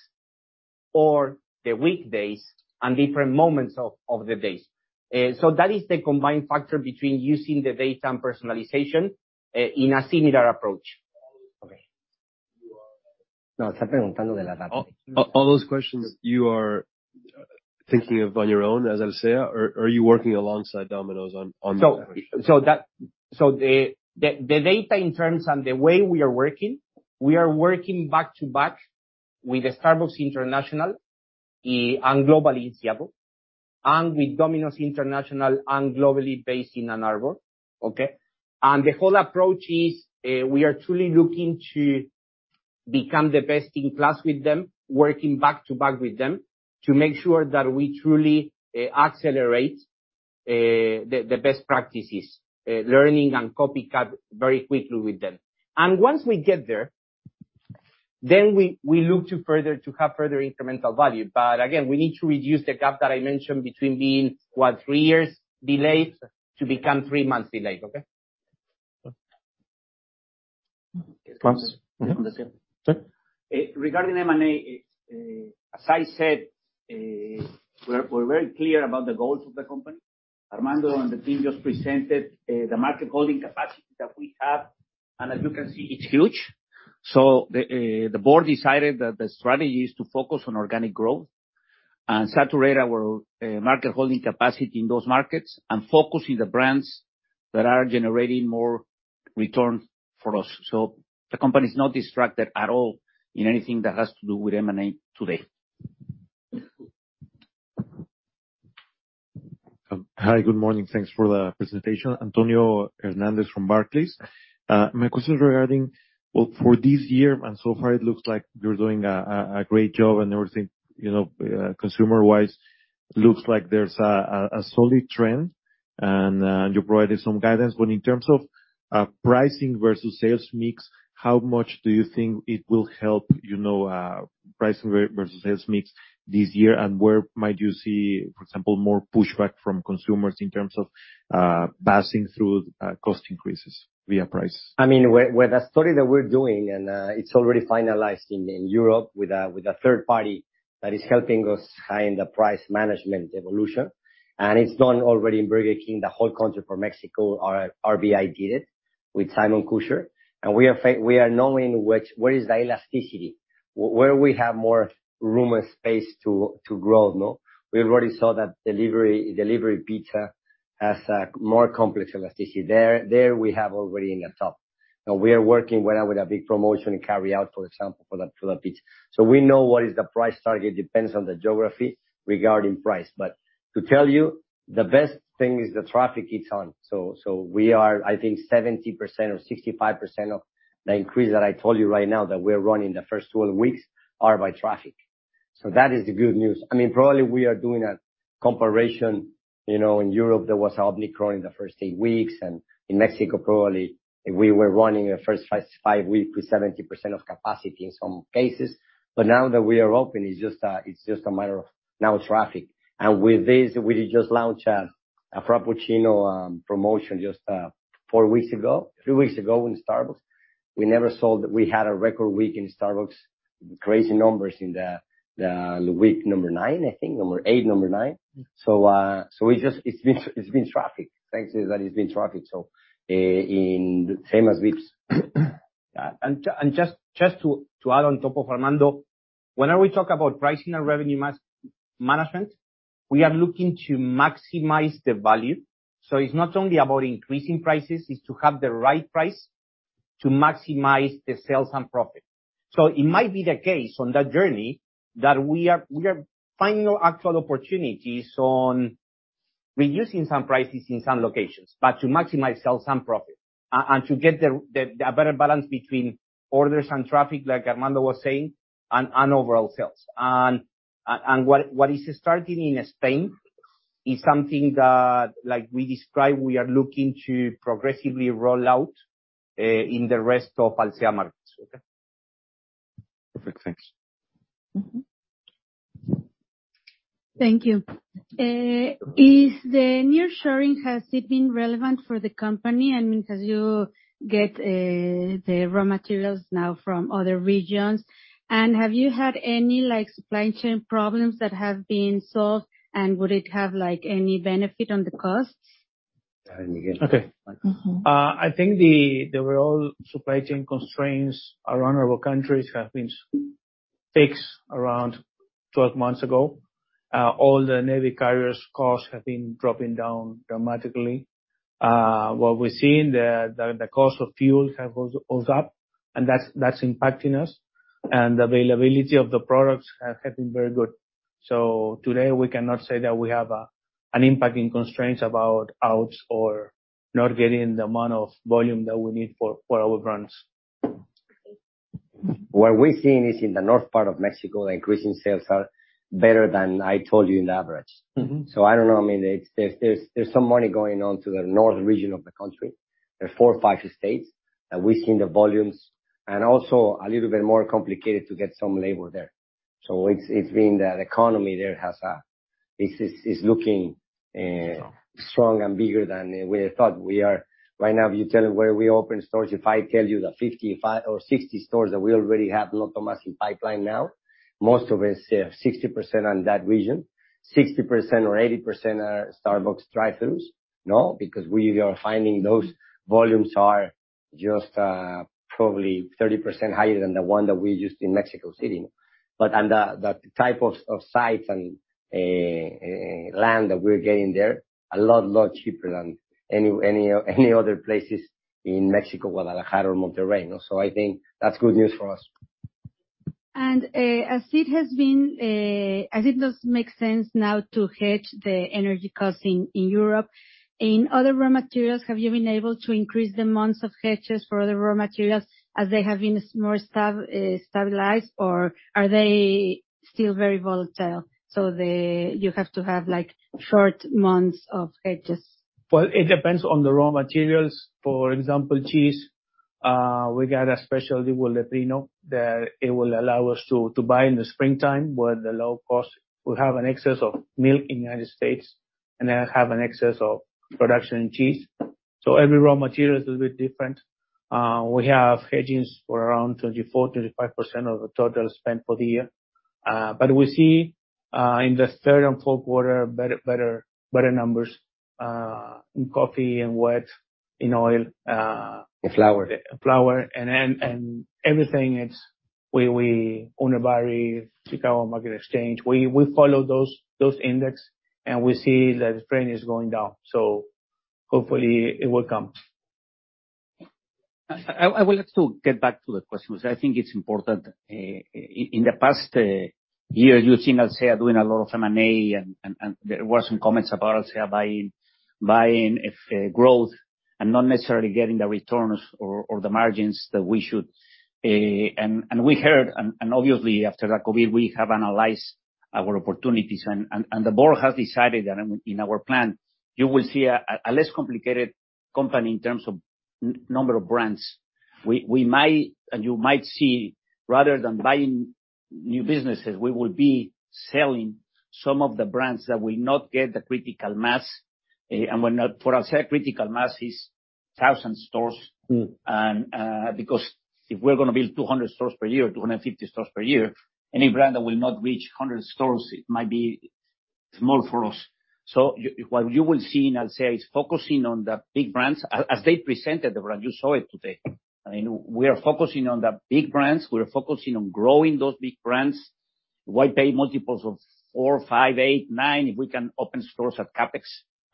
or the weekdays and different moments of the days. That is the combined factor between using the data and personalization, in a similar approach. Okay. All those questions you are thinking of on your own as Alsea or are you working alongside Domino's on that question? The data in terms and the way we are working, we are working back-to-back with Starbucks International and globally in Seattle, and with Domino's International and globally based in Ann Arbor, okay? The whole approach is, we are truly looking to become the best in class with them, working back-to-back with them to make sure that we truly accelerate the best practices, learning and copycat very quickly with them. Once we get there, then we look to further, to have further incremental value. Again, we need to reduce the gap that I mentioned between being, what, three years delayed to become three months delayed, okay? Okay. Regarding M&A, it's, as I said, we're very clear about the goals of the company. Armando and the team just presented the market holding capacity that we have, and as you can see, it's huge. The board decided that the strategy is to focus on organic growth and saturate our market holding capacity in those markets and focus in the brands that are generating more return for us. The company is not distracted at all in anything that has to do with M&A today. Um- Hi, good morning. Thanks for the presentation. Antonio Hernandez from Barclays. My question regarding... Well, for this year and so far it looks like you're doing a great job and everything, you know, consumer-wise, looks like there's a solid trend and you provided some guidance. In terms of pricing versus sales mix, how much do you think it will help, you know, pricing versus sales mix this year? Where might you see, for example, more pushback from consumers in terms of passing through cost increases via prices? I mean, with the story that we're doing, and it's already finalized in Europe with a third party. That is helping us high in the price management evolution. It's done already in Burger King, the whole country for Mexico. Our RBI did it with Simon-Kucher. We are knowing which, where is the elasticity, where we have more room and space to grow, no? We already saw that delivery pizza has a more complex elasticity, there we have already in the top. We are working well with a big promotion in carryout, for example, for that pizza. We know what is the price target, depends on the geography regarding price. To tell you, the best thing is the traffic it's on. We are, I think 70% or 65% of the increase that I told you right now that we're running the first 12 weeks are by traffic. That is the good news. I mean, probably we are doing a comparison. You know, in Europe there was Omicron in the first eight weeks. In Mexico probably, we were running the first five weeks with 70% of capacity in some cases. Now that we are open, it's just a matter of now traffic. With this, we just launched a Frappuccino promotion just four weeks ago, three weeks ago in Starbucks. We had a record week in Starbucks, crazy numbers in the week number nine, I think. It's just, it's been traffic. Thanks to that, it's been traffic. In same as Vips. Just to add on top of Armando, whenever we talk about pricing and revenue management, we are looking to maximize the value. It's not only about increasing prices, it's to have the right price to maximize the sales and profit. It might be the case on that journey that we are finding actual opportunities on reducing some prices in some locations, but to maximize sales and profit and to get the better balance between orders and traffic, like Armando was saying, on overall sales. What is starting in Spain is something that, like we described, we are looking to progressively roll out in the rest of Alsea markets. Okay. Perfect. Thanks. Mm-hmm. Thank you. Is the nearshoring, has it been relevant for the company? I mean, 'cause you get, the raw materials now from other regions. Have you had any, like, supply chain problems that have been solved, and would it have, like, any benefit on the costs? Miguel, you get it. Okay. Mm-hmm. I think the raw supply chain constraints around our countries have been fixed around 12 months ago. All the navy carriers costs have been dropping down dramatically. What we're seeing, the cost of fuel have goes up, and that's impacting us. The availability of the products have been very good. Today we cannot say that we have an impact in constraints about outs or not getting the amount of volume that we need for our brands. What we're seeing is in the north part of Mexico, the increasing sales are better than I told you in average. Mm-hmm. I don't know. I mean, it's, there's some money going on to the north region of the country. There are four or five states that we've seen the volumes, and also a little bit more complicated to get some labor there. It's been the economy there has, it's looking. Strong... strong and bigger than we thought. Right now, if you tell where we open stores, if I tell you the 50 or 60 stores that we already have automatically pipeline now, most of it is 60% on that region. 60% or 80% are Starbucks drive-throughs. We are finding those volumes are just probably 30% higher than the one that we used in Mexico City. The type of sites and land that we're getting there, a lot cheaper than any other places in Mexico, Guadalajara or Monterrey. I think that's good news for us. As it has been, as it does make sense now to hedge the energy costs in Europe, in other raw materials, have you been able to increase the months of hedges for other raw materials as they have been more stabilized, or are they still very volatile, so they, you have to have, like, short months of hedges? It depends on the raw materials. For example, cheese, we got a special deal with Latino that it will allow us to buy in the springtime, where the low cost, we have an excess of milk in United States, and they have an excess of production in cheese. Every raw material is a little bit different. We have hedgings for around 24%-25% of the total spent for the year. We see in the third and fourth quarter better numbers in coffee and wet, in oil. In flour. Flour. Everything it's, we On a vary Chicago Mercantile Exchange. We follow those index. We see that the trend is going down. Hopefully it will come. I would like to get back to the question because I think it's important. In the past year, you've seen Alsea doing a lot of M&A and there were some comments about Alsea buying growth and not necessarily getting the returns or the margins that we should. We heard, and obviously after that COVID, we have analyzed our opportunities and the board has decided, and in our plan, you will see a less complicated company in terms of number of brands. We might. You might see rather than buying new businesses, we will be selling some of the brands that will not get the critical mass. When. For us, our critical mass is 1,000 stores. Mm-hmm. Because if we're gonna build 200 stores per year, 250 stores per year, any brand that will not reach 100 stores, it might be small for us. What you will see in Alsea is focusing on the big brands. As they presented the brand, you saw it today. I mean, we are focusing on the big brands. We are focusing on growing those big brands. Why pay multiples of four, five, eight, nine if we can open stores at CapEx?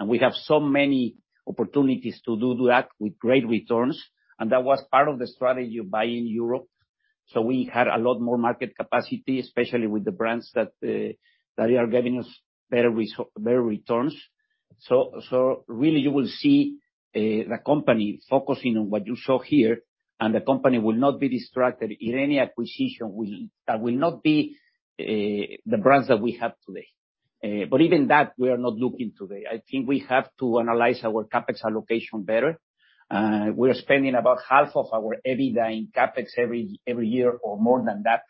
We have so many opportunities to do that with great returns, and that was part of the strategy of buying Europe. We had a lot more market capacity, especially with the brands that are giving us better returns. Really you will see the company focusing on what you saw here, and the company will not be distracted in any acquisition that will not be the brands that we have today. Even that we are not looking today. I think we have to analyze our CapEx allocation better. We are spending about half of our EBITDA in CapEx every year or more than that,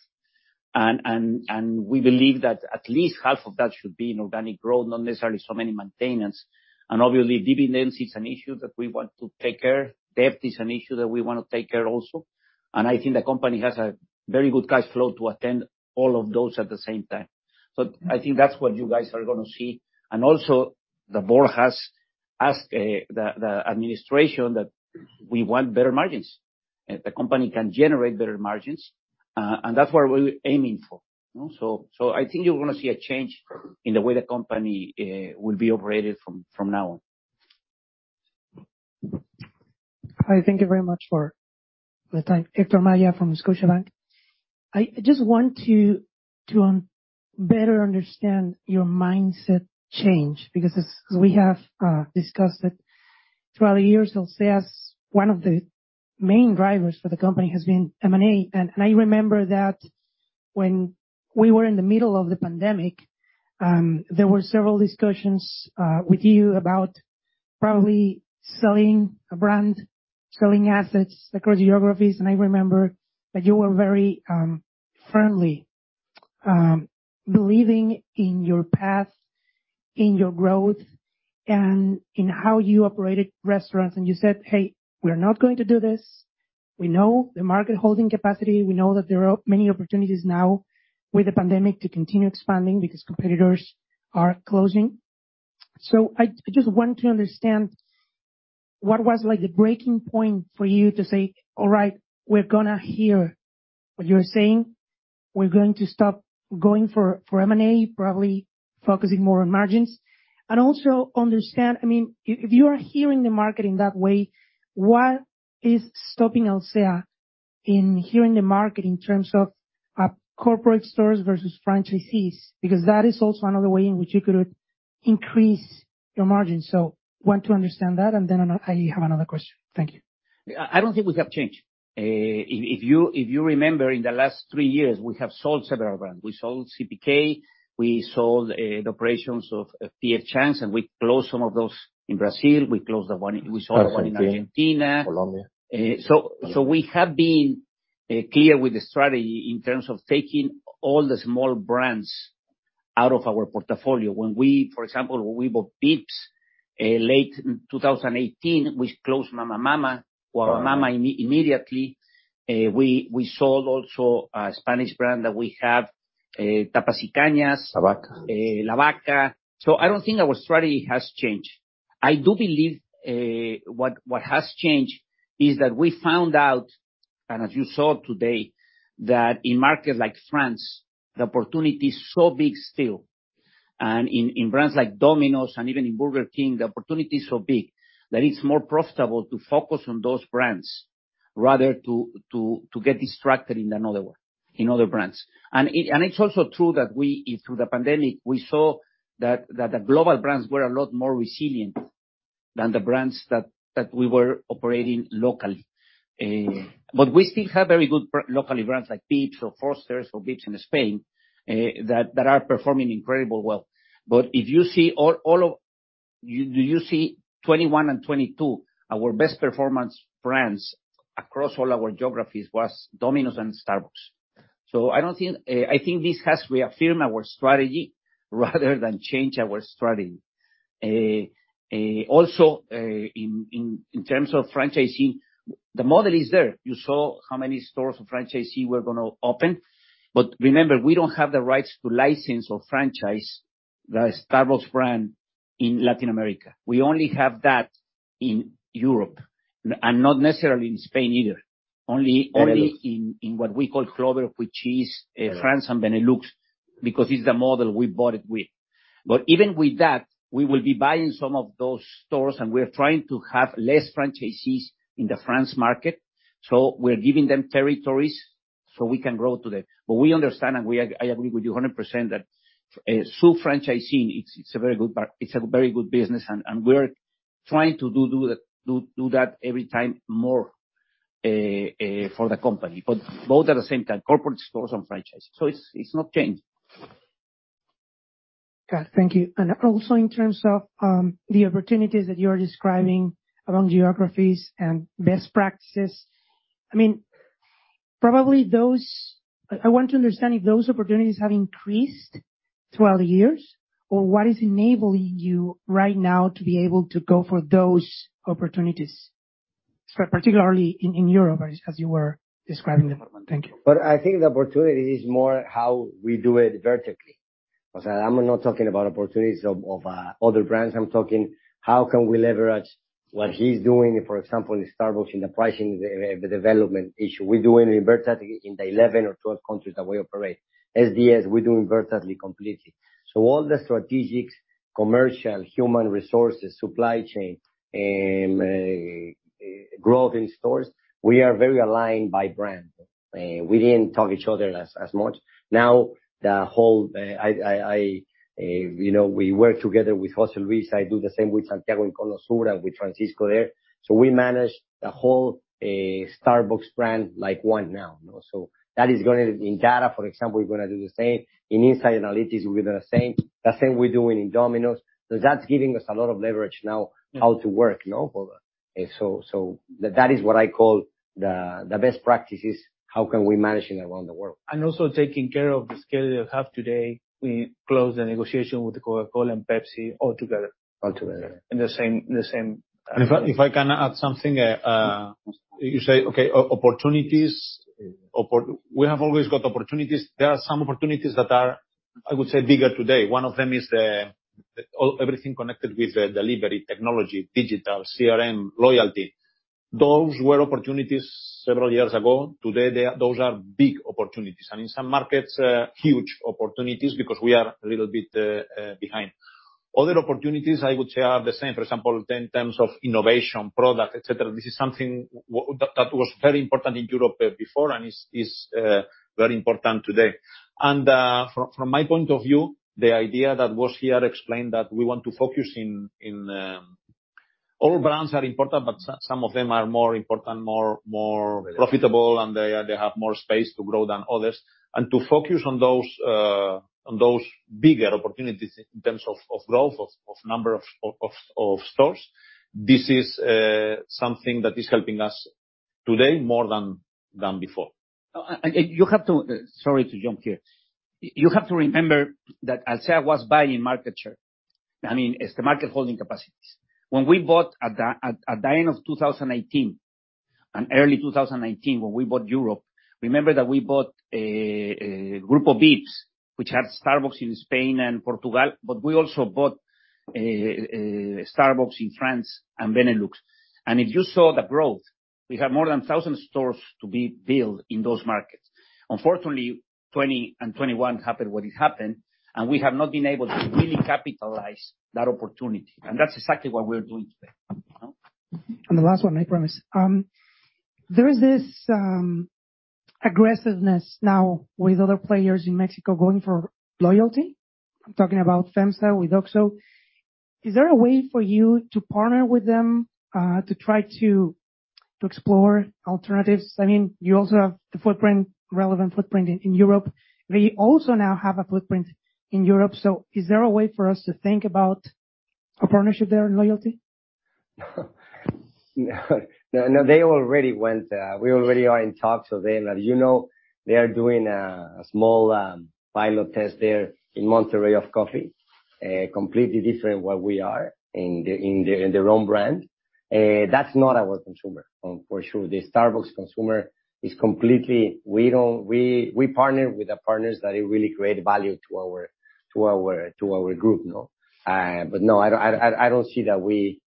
and we believe that at least half of that should be in organic growth, not necessarily so many maintenance. Obviously dividends is an issue that we wanna take care. Debt is an issue that we wanna take care also. I think the company has a very good cash flow to attend all of those at the same time. I think that's what you guys are gonna see. Also, the board has asked the administration that we want better margins. The company can generate better margins, and that's what we're aiming for. You know? I think you're gonna see a change in the way the company will be operated from now on. Hi, thank you very much for the time. Hector Maya from Scotiabank. I just want to better understand your mindset change, because as we have discussed that throughout the years, Alsea's, one of the main drivers for the company has been M&A. I remember that when we were in the middle of the pandemic, there were several discussions with you about probably selling a brand, selling assets across geographies. I remember that you were very friendly believing in your path, in your growth, and in how you operated restaurants. You said, "Hey, we are not going to do this. We know the market holding capacity. We know that there are many opportunities now with the pandemic to continue expanding because competitors are closing." I just want to understand what was like the breaking point for you to say, "All right, we're gonna hear what you're saying. We're going to stop going for M&A, probably focusing more on margins." Also understand, I mean, if you are hearing the market in that way, what is stopping Alsea in hearing the market in terms of corporate stores versus franchisees? Because that is also another way in which you could increase your margin. Want to understand that, and then I have another question. Thank you. I don't think we have changed. If you remember in the last three years, we have sold several brands. We sold CPK, we sold the operations of P.F. Chang's, and we closed some of those in Brazil. We closed. Argentina. We sold the one in Argentina. Colombia. We have been clear with the strategy in terms of taking all the small brands out of our portfolio. When we, for example, when we bought Vips, late in 2018, we closed Mama or Mama immediately. We sold also a Spanish brand that we have, Tapas y Cañas. La Vaca. La Vaca. I don't think our strategy has changed. I do believe what has changed is that we found out, and as you saw today, that in markets like France, the opportunity is so big still. In brands like Domino's and even in Burger King, the opportunity is so big that it's more profitable to focus on those brands rather to get distracted in another one, in other brands. It's also true that we, through the pandemic, we saw that the global brands were a lot more resilient than the brands that we were operating locally. We still have very good locally brands like Vips or Foster's or Ginos in Spain that are performing incredibly well. If you see all of... You see 2021 and 2022, our best performance brands across all our geographies was Domino's and Starbucks. I think this has reaffirmed our strategy rather than change our strategy. Also, in terms of franchising, the model is there. You saw how many stores of franchisee we're gonna open. Remember, we don't have the rights to license or franchise the Starbucks brand in Latin America. We only have that in Europe, and not necessarily in Spain either. Only- The Netherlands. in what we call Clover, which is, The Netherlands. France and Benelux, because it's the model we bought it with. Even with that, we will be buying some of those stores, and we're trying to have less franchisees in the France market. We're giving them territories, so we can grow to them. We understand, and I agree with you 100% that so franchising, it's a very good business and we're trying to do that every time more for the company. Both at the same time, corporate stores and franchising. It's not changed. Got it. Thank you. Also in terms of the opportunities that you're describing around geographies and best practices, I mean, I want to understand if those opportunities have increased throughout the years or what is enabling you right now to be able to go for those opportunities, particularly in Europe as you were describing them. Thank you. I think the opportunity is more how we do it vertically. I'm not talking about opportunities of other brands. I'm talking how can we leverage what he's doing, for example, in Starbucks in the pricing, the development issue. We do it vertically in the 11 or 12 countries that we operate. SDS, we do vertically completely. All the strategics, commercial, human resources, supply chain, growth in stores, we are very aligned by brand. We didn't talk each other as much. The whole, you know, we work together with José Luis. I do the same with Santiago in Cono Sur and with Francisco there. We manage the whole Starbucks brand like one now. That is gonna. In data, for example, we're gonna do the same. In inside analytics, we're gonna same. The same we're doing in Domino's. That's giving us a lot of leverage now how to work, you know. That is what I call the best practices, how can we manage it around the world. Also taking care of the scale we have today, we closed the negotiation with Coca-Cola and Pepsi all together. All together. In the same time. If I can add something. You say, okay, opportunities. We have always got opportunities. There are some opportunities that are, I would say, bigger today. One of them is everything connected with the delivery technology, digital, CRM, loyalty. Those were opportunities several years ago. Today, those are big opportunities, and in some markets, huge opportunities because we are a little bit behind. Other opportunities I would say are the same. For example, in terms of innovation, product, etc. This is something that was very important in Europe before and is very important today. From my point of view, the idea that was here explained that we want to focus in... All brands are important, but some of them are more important, more profitable, and they have more space to grow than others. To focus on those, on those bigger opportunities in terms of growth, of number of stores. This is something that is helping us today more than before. Sorry to jump in. You have to remember that Alsea was buying market share. I mean, it's the market holding capacities. When we bought at the end of 2018 and early 2019, when we bought Europe, remember that we bought a group of Vips which had Starbucks in Spain and Portugal, but we also bought Starbucks in France and Benelux. If you saw the growth, we have more than 1,000 stores to be built in those markets. Unfortunately, 2020 and 2021 happened what it happened, we have not been able to really capitalize that opportunity. That's exactly what we're doing today. You know? The last one, I promise. There is this aggressiveness now with other players in Mexico going for loyalty. I'm talking about FEMSA with OXXO. Is there a way for you to partner with them to try to explore alternatives? I mean, you also have the footprint, relevant footprint in Europe. They also now have a footprint in Europe. Is there a way for us to think about a partnership there in loyalty? No, no, they already went. We already are in talks with them. As you know, they are doing a small pilot test there in Monterrey of coffee. Completely different what we are in their own brand. That's not our consumer, for sure. The Starbucks consumer is completely. We partner with the partners that it really create value to our group, no? No, I don't see that we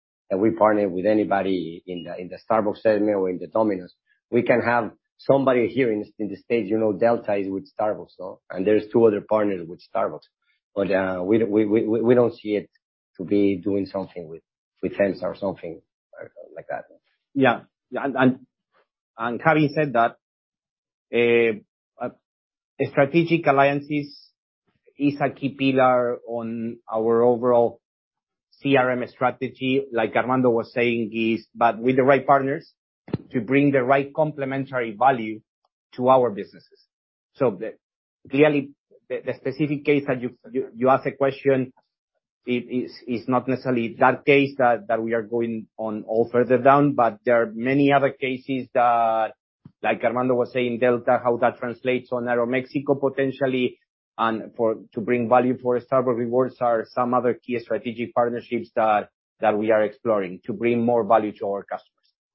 partner with anybody in the Starbucks segment or in the Domino's. We can have somebody here in the States, you know, Delta is with Starbucks, no? There's two other partners with Starbucks. We don't see it to be doing something with FEMSA or something like that. Yeah. Having said that, strategic alliances is a key pillar on our overall CRM strategy, like Armando was saying, is... With the right partners to bring the right complementary value to our businesses. Clearly, the specific case that you ask the question, it is not necessarily that case that we are going on all further down, but there are many other cases that, like Armando was saying, Delta, how that translates on Aeroméxico potentially and to bring value for Starbucks Rewards are some other key strategic partnerships that we are exploring to bring more value to our customers.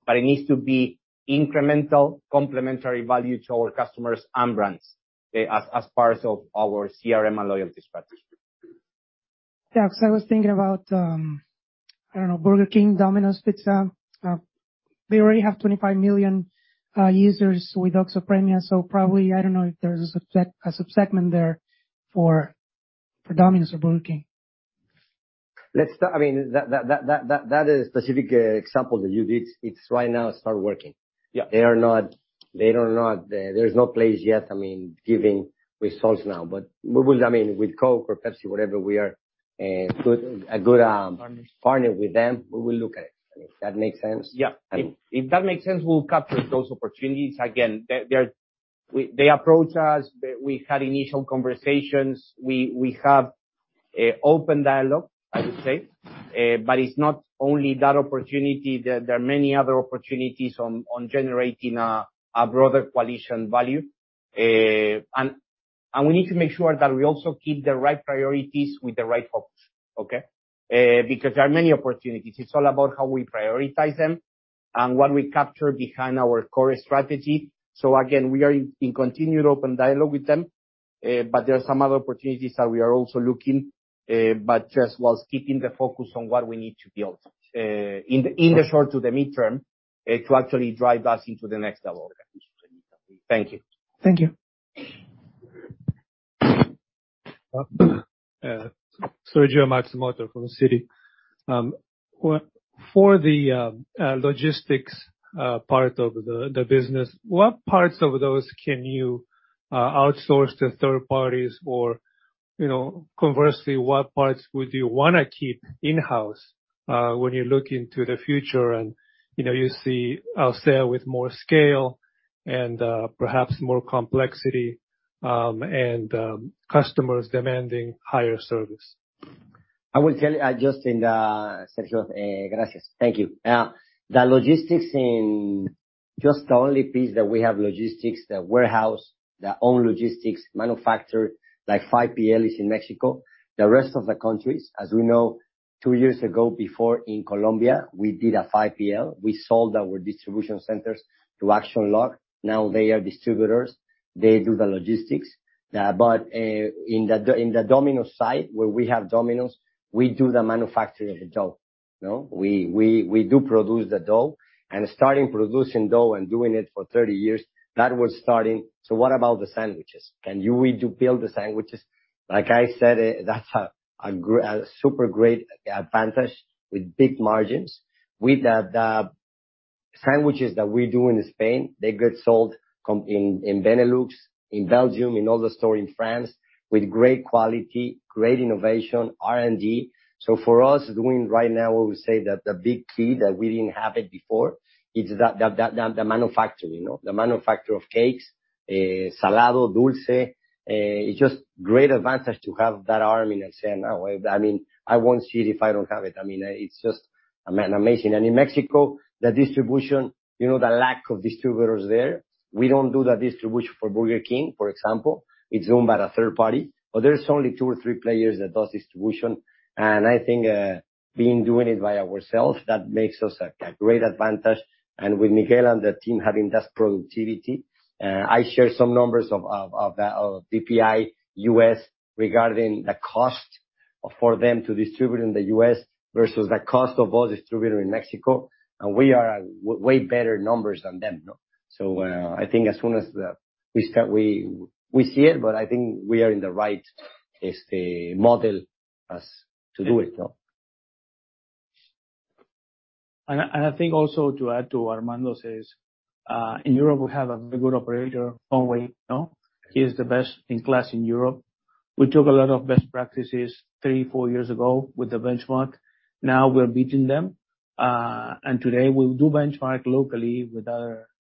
It needs to be incremental, complementary value to our customers and brands as part of our CRM and loyalty strategy. 'Cause I was thinking about, I don't know, Burger King, Domino's Pizza. They already have 25 million users with Spin Premia, so probably, I don't know if there's a subsegment there for Domino's or Burger King. I mean, that is specific example that you give, it's right now start working. Yeah. They are not, there's no place yet, I mean, giving results now. We will... I mean, with Coke or Pepsi, whatever, we are a good, a good... Partners. partner with them. We will look at it, if that makes sense. Yeah. If, if that makes sense, we'll capture those opportunities. Again, They approach us. We had initial conversations. We have. A open dialogue, I would say. It's not only that opportunity. There are many other opportunities on generating a broader coalition value. We need to make sure that we also keep the right priorities with the right focus. Okay? There are many opportunities. It's all about how we prioritize them and what we capture behind our core strategy. Again, we are in continued open dialogue with them. There are some other opportunities that we are also looking, but just whilst keeping the focus on what we need to build, in the, in the short to the midterm, to actually drive us into the next level. Thank you. Thank you. Sergio Matsumoto from Citi. For the logistics part of the business, what parts of those can you outsource to third parties? You know, conversely, what parts would you wanna keep in-house, when you look into the future and, you know, you see Alsea with more scale and, perhaps more complexity, and customers demanding higher service? I will tell you, just in the... Thank you. The logistics in just the only piece that we have logistics, the warehouse, the own logistics manufacturer, like 5PL is in Mexico. The rest of the countries, as we know, two years ago before in Colombia, we did a 5PL. We sold our distribution centers to Axionlog. Now they are distributors. They do the logistics. In the Domino's side, where we have Domino's, we do the manufacturing of the dough. You know? We do produce the dough. Starting producing dough and doing it for 30 years, that was starting. What about the sandwiches? We do build the sandwiches. Like I said, that's a super great advantage with big margins. With the sandwiches that we do in Spain, they get sold in Benelux, in Belgium, in other store in France with great quality, great innovation, R&D. For us doing right now, we would say that the big key that we didn't have it before, it's the manufacturing, no? The manufacture of cakes, salado, dulce. It's just great advantage to have that arm in Alsea now. I mean, I won't see it if I don't have it. I mean, it's just amazing. In Mexico, the distribution, you know, the lack of distributors there. We don't do the distribution for Burger King, or example. It's done by a third party. There's only two or three players that does distribution. I think, being doing it by ourselves, that makes us a great advantage. With Miguel and the team having that productivity, I share some numbers of DPI U.S. regarding the cost for them to distribute in the U.S. versus the cost of all distributor in Mexico. We are at way better numbers than them, no? I think as soon as we see it, but I think we are in the right model as to do it, no? I think also to add to what Armando says, in Europe, we have a very good operator, Hong Wei, no. He is the best in class in Europe. We took a lot of best practices three, four years ago with the benchmark. Now we're beating them.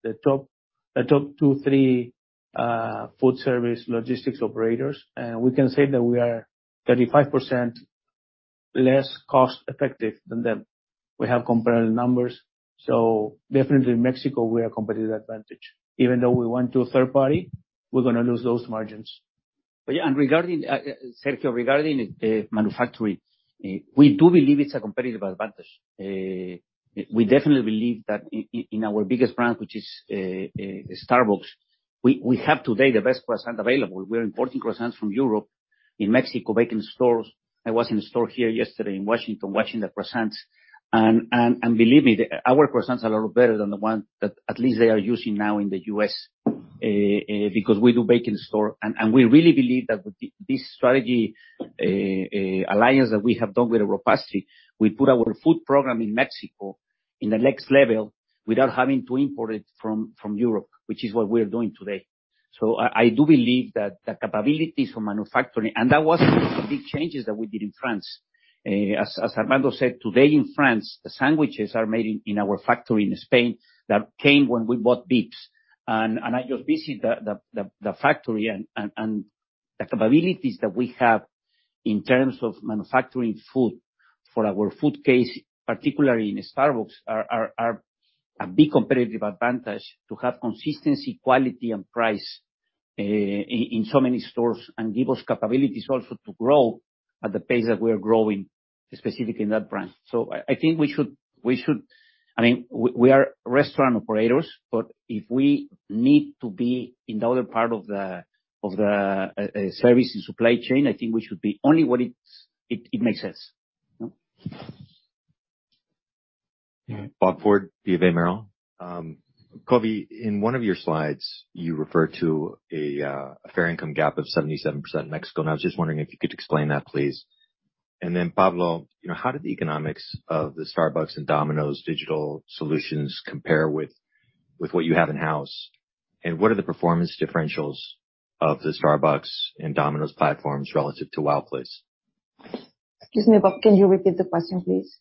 Today we'll do benchmark locally with our two, three food service logistics operators. We can say that we are 35% less cost effective than them. We have comparable numbers. Definitely Mexico, we are competitive advantage. Even though we went to a third party, we're gonna lose those margins. Yeah, regarding Sergio, regarding manufacturing, we do believe it's a competitive advantage. We definitely believe that in our biggest brand, which is Starbucks, we have today the best croissant available. We're importing croissants from Europe, in Mexico, bake in stores. I was in a store here yesterday in Washington watching the croissants. Believe me, our croissants are a lot better than the one that at least they are using now in the U.S. because we do bake in store. We really believe that this strategy alliance that we have done with Europastry, we put our food program in Mexico in the next level without having to import it from Europe, which is what we are doing today. I do believe that the capabilities for manufacturing... That was some big changes that we did in France. As Armando said, today in France, the sandwiches are made in our factory in Spain that came when we bought Vips. I just visit the factory and the capabilities that we have in terms of manufacturing food for our food case, particularly in Starbucks, are a big competitive advantage to have consistency, quality, and price in so many stores, and give us capabilities also to grow at the pace that we are growing, specifically in that brand. I think we should. I mean, we are restaurant operators, but if we need to be in the other part of the service and supply chain, I think we should be only when it makes sense. You know? Yeah. Bob Ford, BofA Merrill. Cory, in one of your slides, you refer to a fair income gap of 77% in Mexico, and I was just wondering if you could explain that, please. Then Pablo, you know, how did the economics of the Starbucks and Domino's digital solutions compare with what you have in-house? What are the performance differentials of the Starbucks and Domino's platforms relative to Wow+? Excuse me, Bob, can you repeat the question, please?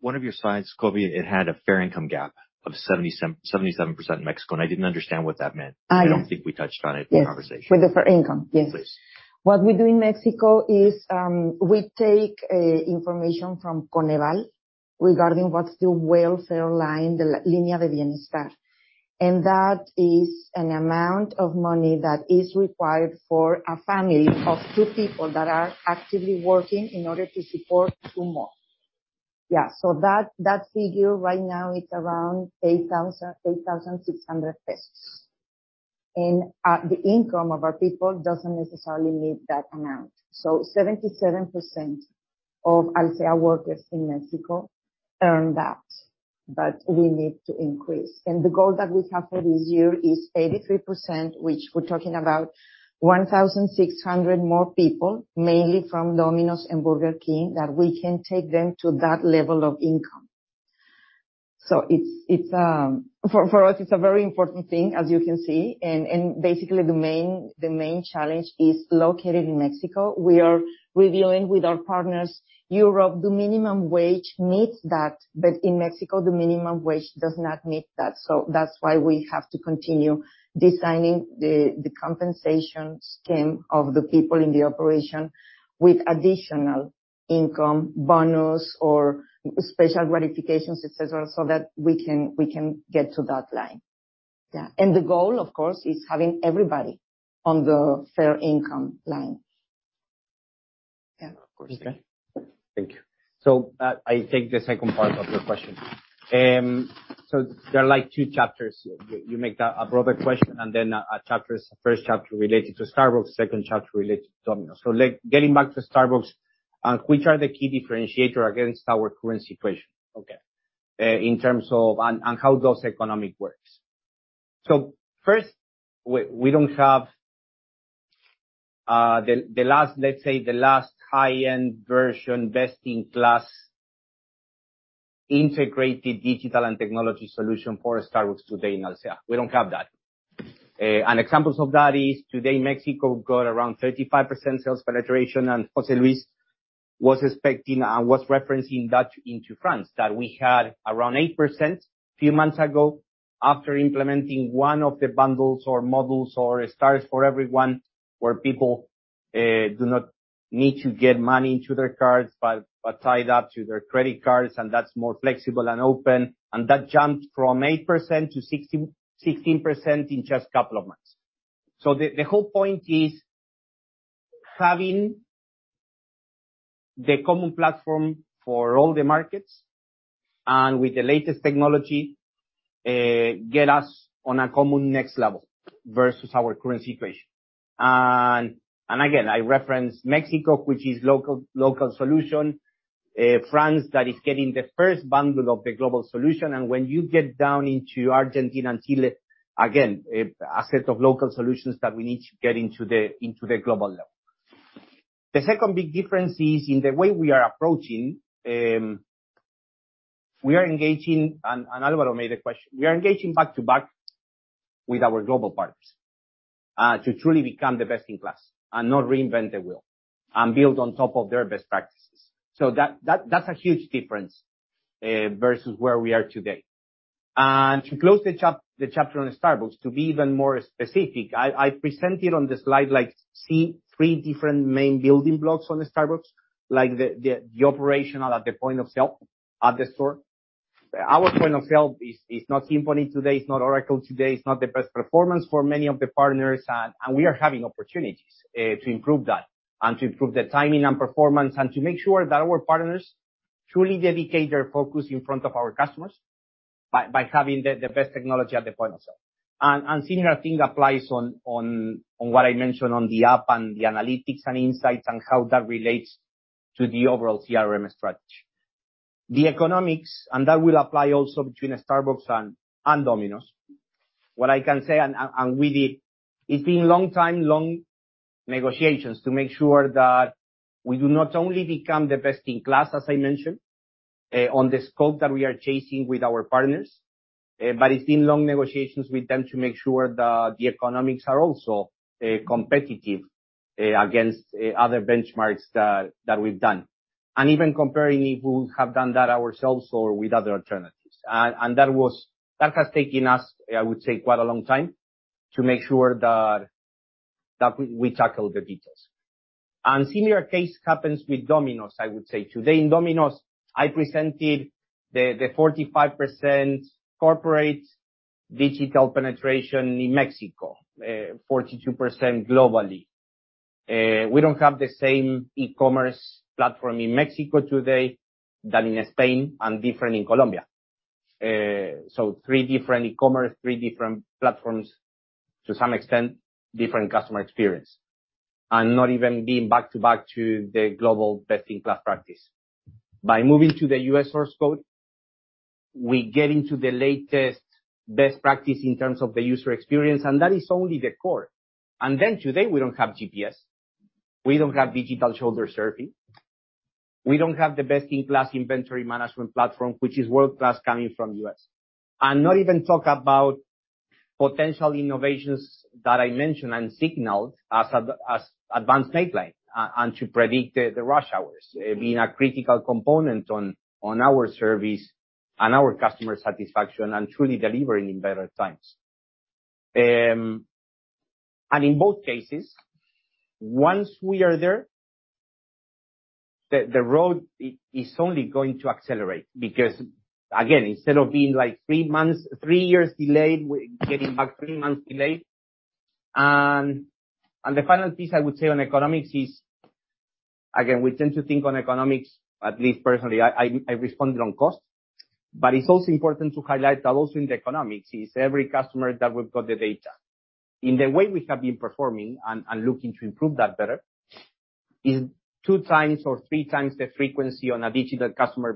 One of your slides, Cory, it had a fair income gap of 77% in Mexico, and I didn't understand what that meant. I- I don't think we touched on it. Yes. In the conversation. With the fair income. Yes. Please. What we do in Mexico is, we take information from CONEVAL regarding what's the welfare line, the línea de bienestar. That is an amount of money that is required for a family of two people that are actively working in order to support two more. That figure right now is around 8,600 pesos. The income of our people doesn't necessarily meet that amount. 77% of Alsea workers in Mexico earn that, but we need to increase. The goal that we have for this year is 83%, which we're talking about 1,600 more people, mainly from Domino's and Burger King, that we can take them to that level of income. It's, for us, it's a very important thing, as you can see. Basically the main challenge is located in Mexico. We are reviewing with our partners. Europe, the minimum wage meets that. In Mexico, the minimum wage does not meet that. That's why we have to continue designing the compensation scheme of the people in the operation with additional income, bonus or special gratifications, et cetera, so that we can get to that line. Yeah. The goal, of course, is having everybody on the fair income line. Yeah. Of course. Okay. Thank you. I take the second part of your question. There are, like, two chapters. You make that a broader question and then a chapter is... first chapter related to Starbucks, second chapter related to Domino's. Getting back to Starbucks, which are the key differentiator against our current situation, okay, in terms of and how those economic works. First, we don't have the last, let's say, the last high-end version, best-in-class integrated digital and technology solution for Starbucks today in Alsea. We don't have that. Examples of that is today Mexico got around 35% sales penetration. José Luis was expecting and was referencing that into France that we had around 8% a few months ago after implementing one of the bundles or models or Stars for Everyone, where people do not need to get money into their cards, but tie it up to their credit cards, and that's more flexible and open. That jumped from 8%-16% in just couple of months. The whole point is having the common platform for all the markets and with the latest technology, get us on a common next level versus our current situation. Again, I reference Mexico, which is local solution. France, that is getting the first bundle of the global solution. When you get down into Argentina and Chile, again, a set of local solutions that we need to get into the, into the global level. The second big difference is in the way we are approaching. We are engaging. Alvaro made a question. We are engaging back-to-back with our global partners to truly become the best in class and not reinvent the wheel and build on top of their best practices. That's a huge difference versus where we are today. To close the chapter on Starbucks, to be even more specific, I presented on the slide, like, see three different main building blocks on the Starbucks, like the operational at the point of sale at the store. Our point of sale is not Simphony today, it's not Oracle today, it's not the best performance for many of the partners. We are having opportunities to improve that and to improve the timing and performance and to make sure that our partners truly dedicate their focus in front of our customers by having the best technology at the point of sale. Similar thing applies on what I mentioned on the app and the analytics and insights and how that relates to the overall CRM strategy. The economics, and that will apply also between Starbucks and Domino's. What I can say, and we did, it's been long time, long negotiations to make sure that we do not only become the best in class, as I mentioned, on the scope that we are chasing with our partners, but it's been long negotiations with them to make sure that the economics are also competitive against other benchmarks that we've done. Even comparing if we have done that ourselves or with other alternatives. And that has taken us, I would say, quite a long time to make sure that we tackle the details. Similar case happens with Domino's, I would say. Today in Domino's, I presented the 45% corporate digital penetration in Mexico, 42% globally. We don't have the same e-commerce platform in Mexico today than in Spain and different in Colombia. Three different e-commerce, three different platforms, to some extent, different customer experience, and not even being back-to-back to the global best-in-class practice. By moving to the U.S. source code, we get into the latest best practice in terms of the user experience, and that is only the core. Then today, we don't have GPS, we don't have digital shoulder surfing, we don't have the best-in-class inventory management platform, which is world-class coming from U.S. Not even talk about. Potential innovations that I mentioned and signaled as advanced make line, and to predict the rush hours, being a critical component on our service and our customer satisfaction, and truly delivering in better times. In both cases, once we are there, the road is only going to accelerate because, again, instead of being like three months, three years delayed, we're getting back three months delayed. The final piece I would say on economics is, again, we tend to think on economics, at least personally, I responded on cost. It's also important to highlight that also in the economics is every customer that we've got the data. In the way we have been performing and looking to improve that better is 2x or 3x the frequency on a digital customer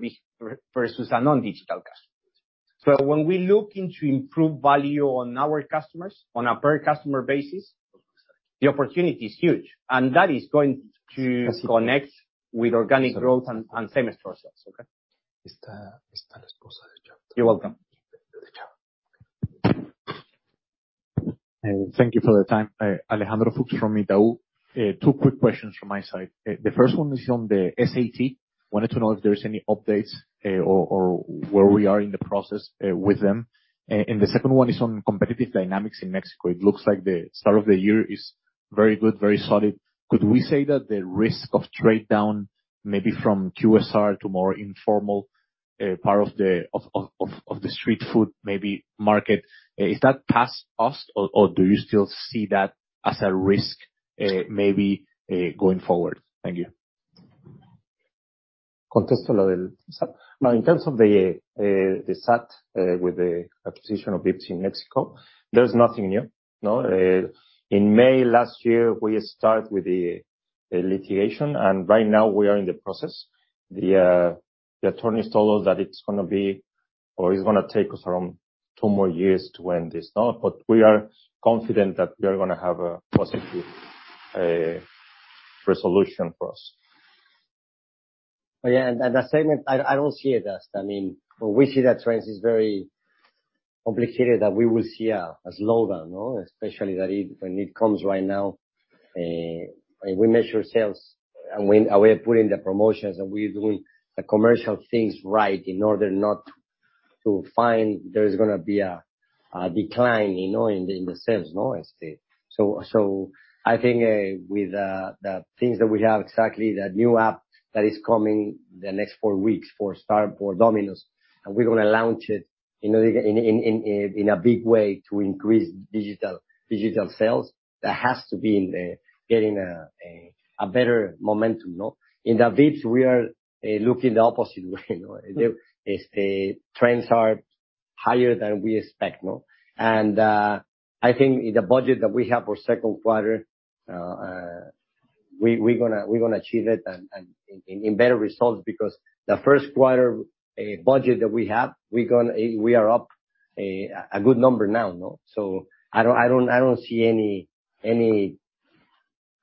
versus a non-digital customer. When we look into improved value on our customers on a per customer basis, the opportunity is huge, and that is going to connect with organic growth and same-store sales. Okay. You're welcome. Thank you for the time. Alejandro Fuchs from Itaú. Two quick questions from my side. The first one is on the SAT. Wanted to know if there's any updates, or where we are in the process with them. The second one is on competitive dynamics in Mexico. It looks like the start of the year is very good, very solid. Could we say that the risk of trade down, maybe from QSR to more informal part of the street food, maybe market, is that past us, or do you still see that as a risk going forward? Thank you. Now, in terms of the SAT, with the acquisition of Vips in Mexico, there's nothing new. No. In May last year, we start with the litigation, and right now we are in the process. The, the attorneys told us that it's gonna be or it's gonna take us around two more years to end this now. We are confident that we are gonna have a positive, resolution for us. Yeah. As I said, I don't see it as... I mean, we see that trends is very complicated, that we will see a slowdown, no? Especially that when it comes right now. And we measure sales, and we are putting the promotions and we're doing the commercial things right in order not to find there is gonna be a decline, you know, in the sales, no. I think, with the things that we have exactly, the new app that is coming the next four weeks for Domino's, and we're gonna launch it in a big way to increase digital sales. That has to be in the getting a better momentum, no. In Vips, we are looking the opposite way, you know. The trends are higher than we expect, no. I think in the budget that we have for second quarter, we're gonna achieve it and in better results because the first quarter budget that we have, we are up a good number now, no? I don't see any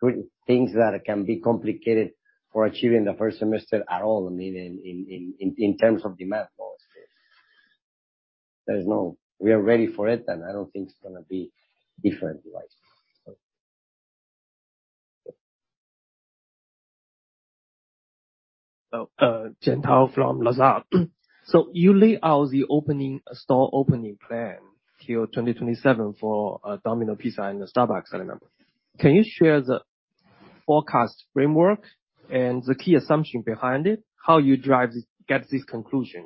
things that can be complicated for achieving the first semester at all. I mean, in terms of demand, no, este. There's no. We are ready for it, and I don't think it's gonna be different, right. Jian Tao from Lazard. You lay out the opening, store opening plan till 2027 for Domino's Pizza and the Starbucks, Alejandro. Can you share the forecast framework and the key assumption behind it? How you drive this, get this conclusion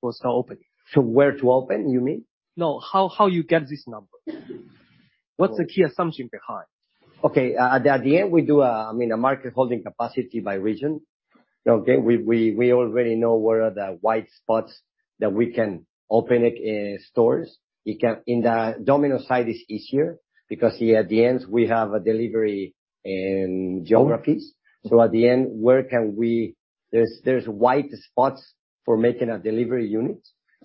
for store opening? To where to open, you mean? No. How you get this number? What's the key assumption behind? Okay. At the end, we do, I mean, a market holding capacity by region. Okay. We already know where are the white spots that we can open stores. In the Domino's side, it's easier because here at the end, we have a delivery and geographies. At the end, where can we There's white spots for making a delivery unit.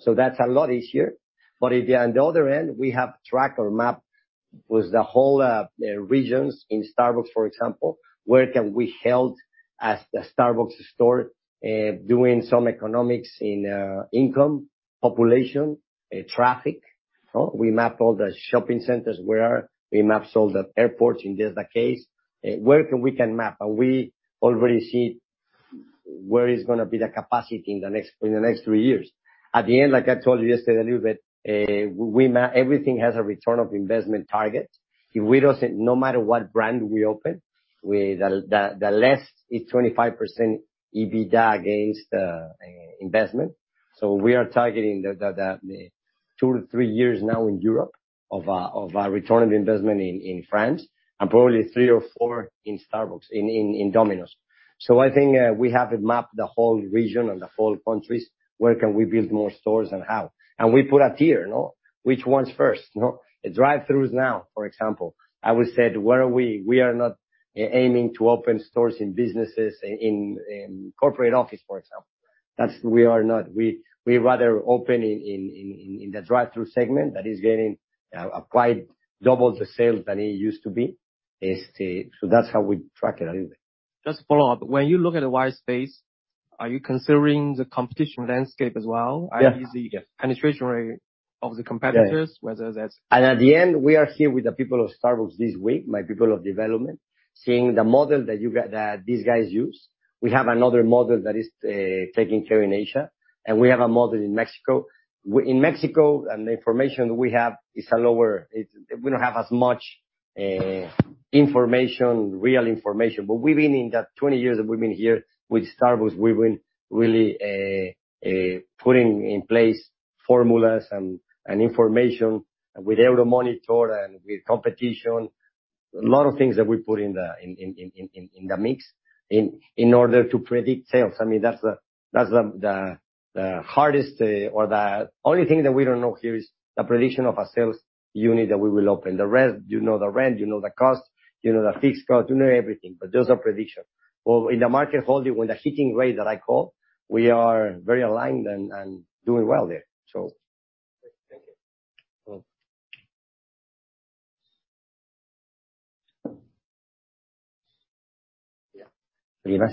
That's a lot easier. On the other end, we have track or map with the whole regions in Starbucks, for example, where can we held as the Starbucks store doing some economics in income, population, traffic. No. We map all the shopping centers. We map all the airports in that's the case. Where can we can map, and we already see where is gonna be the capacity in the next three years. At the end, like I told you yesterday a little bit, everything has a return of investment target. If we don't see, no matter what brand we open, the less is 25% EBITDA against investment. We are targeting the two to three years now in Europe of a return of investment in France, and probably three or four in Starbucks, in Domino's. I think, we have mapped the whole region and the whole countries, where can we build more stores and how. We put a tier, no? Which one's first, no? The drive-throughs now, for example. I would said, where are we? We are not aiming to open stores in businesses, in corporate office, for example. We are not. We rather open in the drive-through segment that is getting quite double the sales than it used to be. That's how we track it a little bit. Just to follow up. When you look at the white space, are you considering the competition landscape as well? Yes. Yes. I mean, the penetration rate of the competitors, whether that's. At the end, we are here with the people of Starbucks this week, my people of development, seeing the model that these guys use. We have another model that is taking care in Asia, and we have a model in Mexico. In Mexico, and the information that we have is a lower. It's, we don't have as much information, real information. We've been in that 20 years that we've been here with Starbucks, we've been really putting in place formulas and information with Euromonitor and with competition. A lot of things that we put in the mix in order to predict sales. I mean, that's the hardest or the only thing that we don't know here is the prediction of a sales unit that we will open. The rest, you know the rent, you know the cost, you know the fixed cost, you know everything, but just a prediction. Well, in the market volume, with the hitting rate that I call, we are very aligned and doing well there. Thank you. Mm-hmm. Yeah. I think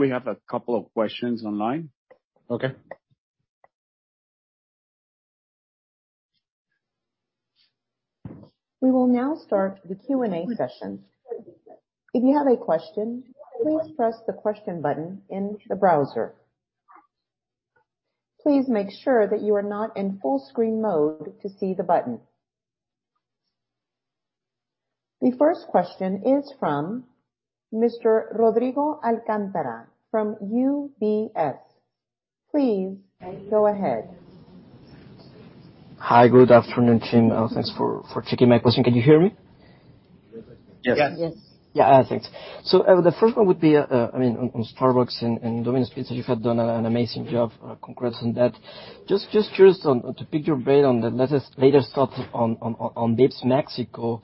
we have a couple of questions online. Okay. We will now start the Q&A session. If you have a question, please press the Question button in the browser. Please make sure that you are not in full screen mode to see the button. The first question is from Mr. Rodrigo Alcántara from UBS. Please go ahead. Hi. Good afternoon, team. Thanks for taking my question. Can you hear me? Yes. Yeah. Thanks. The first one would be, I mean, on Starbucks and Domino's Pizza, you have done an amazing job. Congrats on that. Just curious to pick your brain on the latest thoughts on Vips Mexico.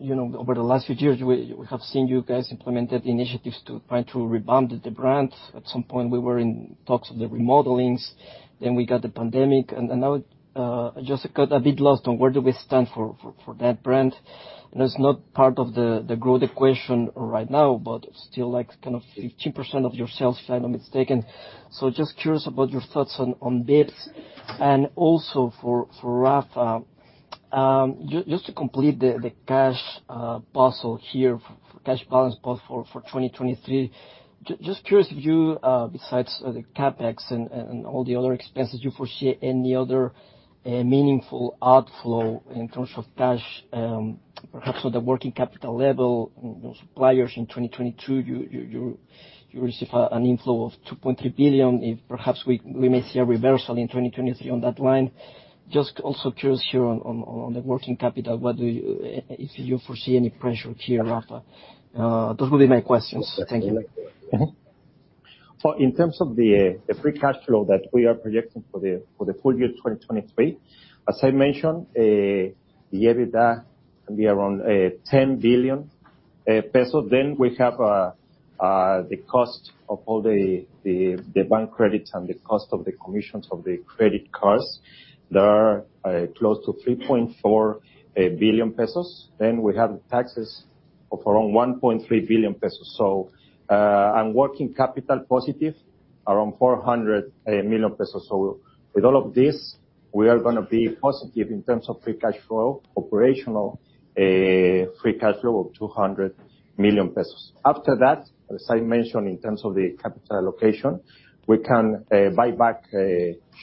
You know, over the last few years, we have seen you guys implemented initiatives to try to revamp the brand. At some point, we were in talks of the remodelings, then we got the pandemic. Now, just got a bit lost on where do we stand for that brand. It's not part of the growth equation right now, but still like kind of 15% of your sales, if I'm not mistaken. Just curious about your thoughts on Vips. Also for Rafa, just to complete the cash puzzle here, for cash balance puzzle for 2023, just curious if you, besides the CapEx and all the other expenses, you foresee any other meaningful outflow in terms of cash, perhaps on the working capital level. You know, suppliers in 2022, you receive an inflow of 2.3 billion. If perhaps we may see a reversal in 2023 on that line. Just also curious here on the working capital, if you foresee any pressure here, Rafa? Those would be my questions. Thank you. In terms of the free cash flow that we are projecting for the full year 2023, as I mentioned, the EBITDA can be around 10 billion pesos. We have the cost of all the bank credits and the cost of the commissions of the credit cards that are close to 3.4 billion pesos. We have the taxes of around 1.3 billion pesos. Working capital positive, around 400 million pesos. With all of this, we are gonna be positive in terms of free cash flow, operational free cash flow of 200 million pesos. After that, as I mentioned in terms of the capital allocation, we can buy back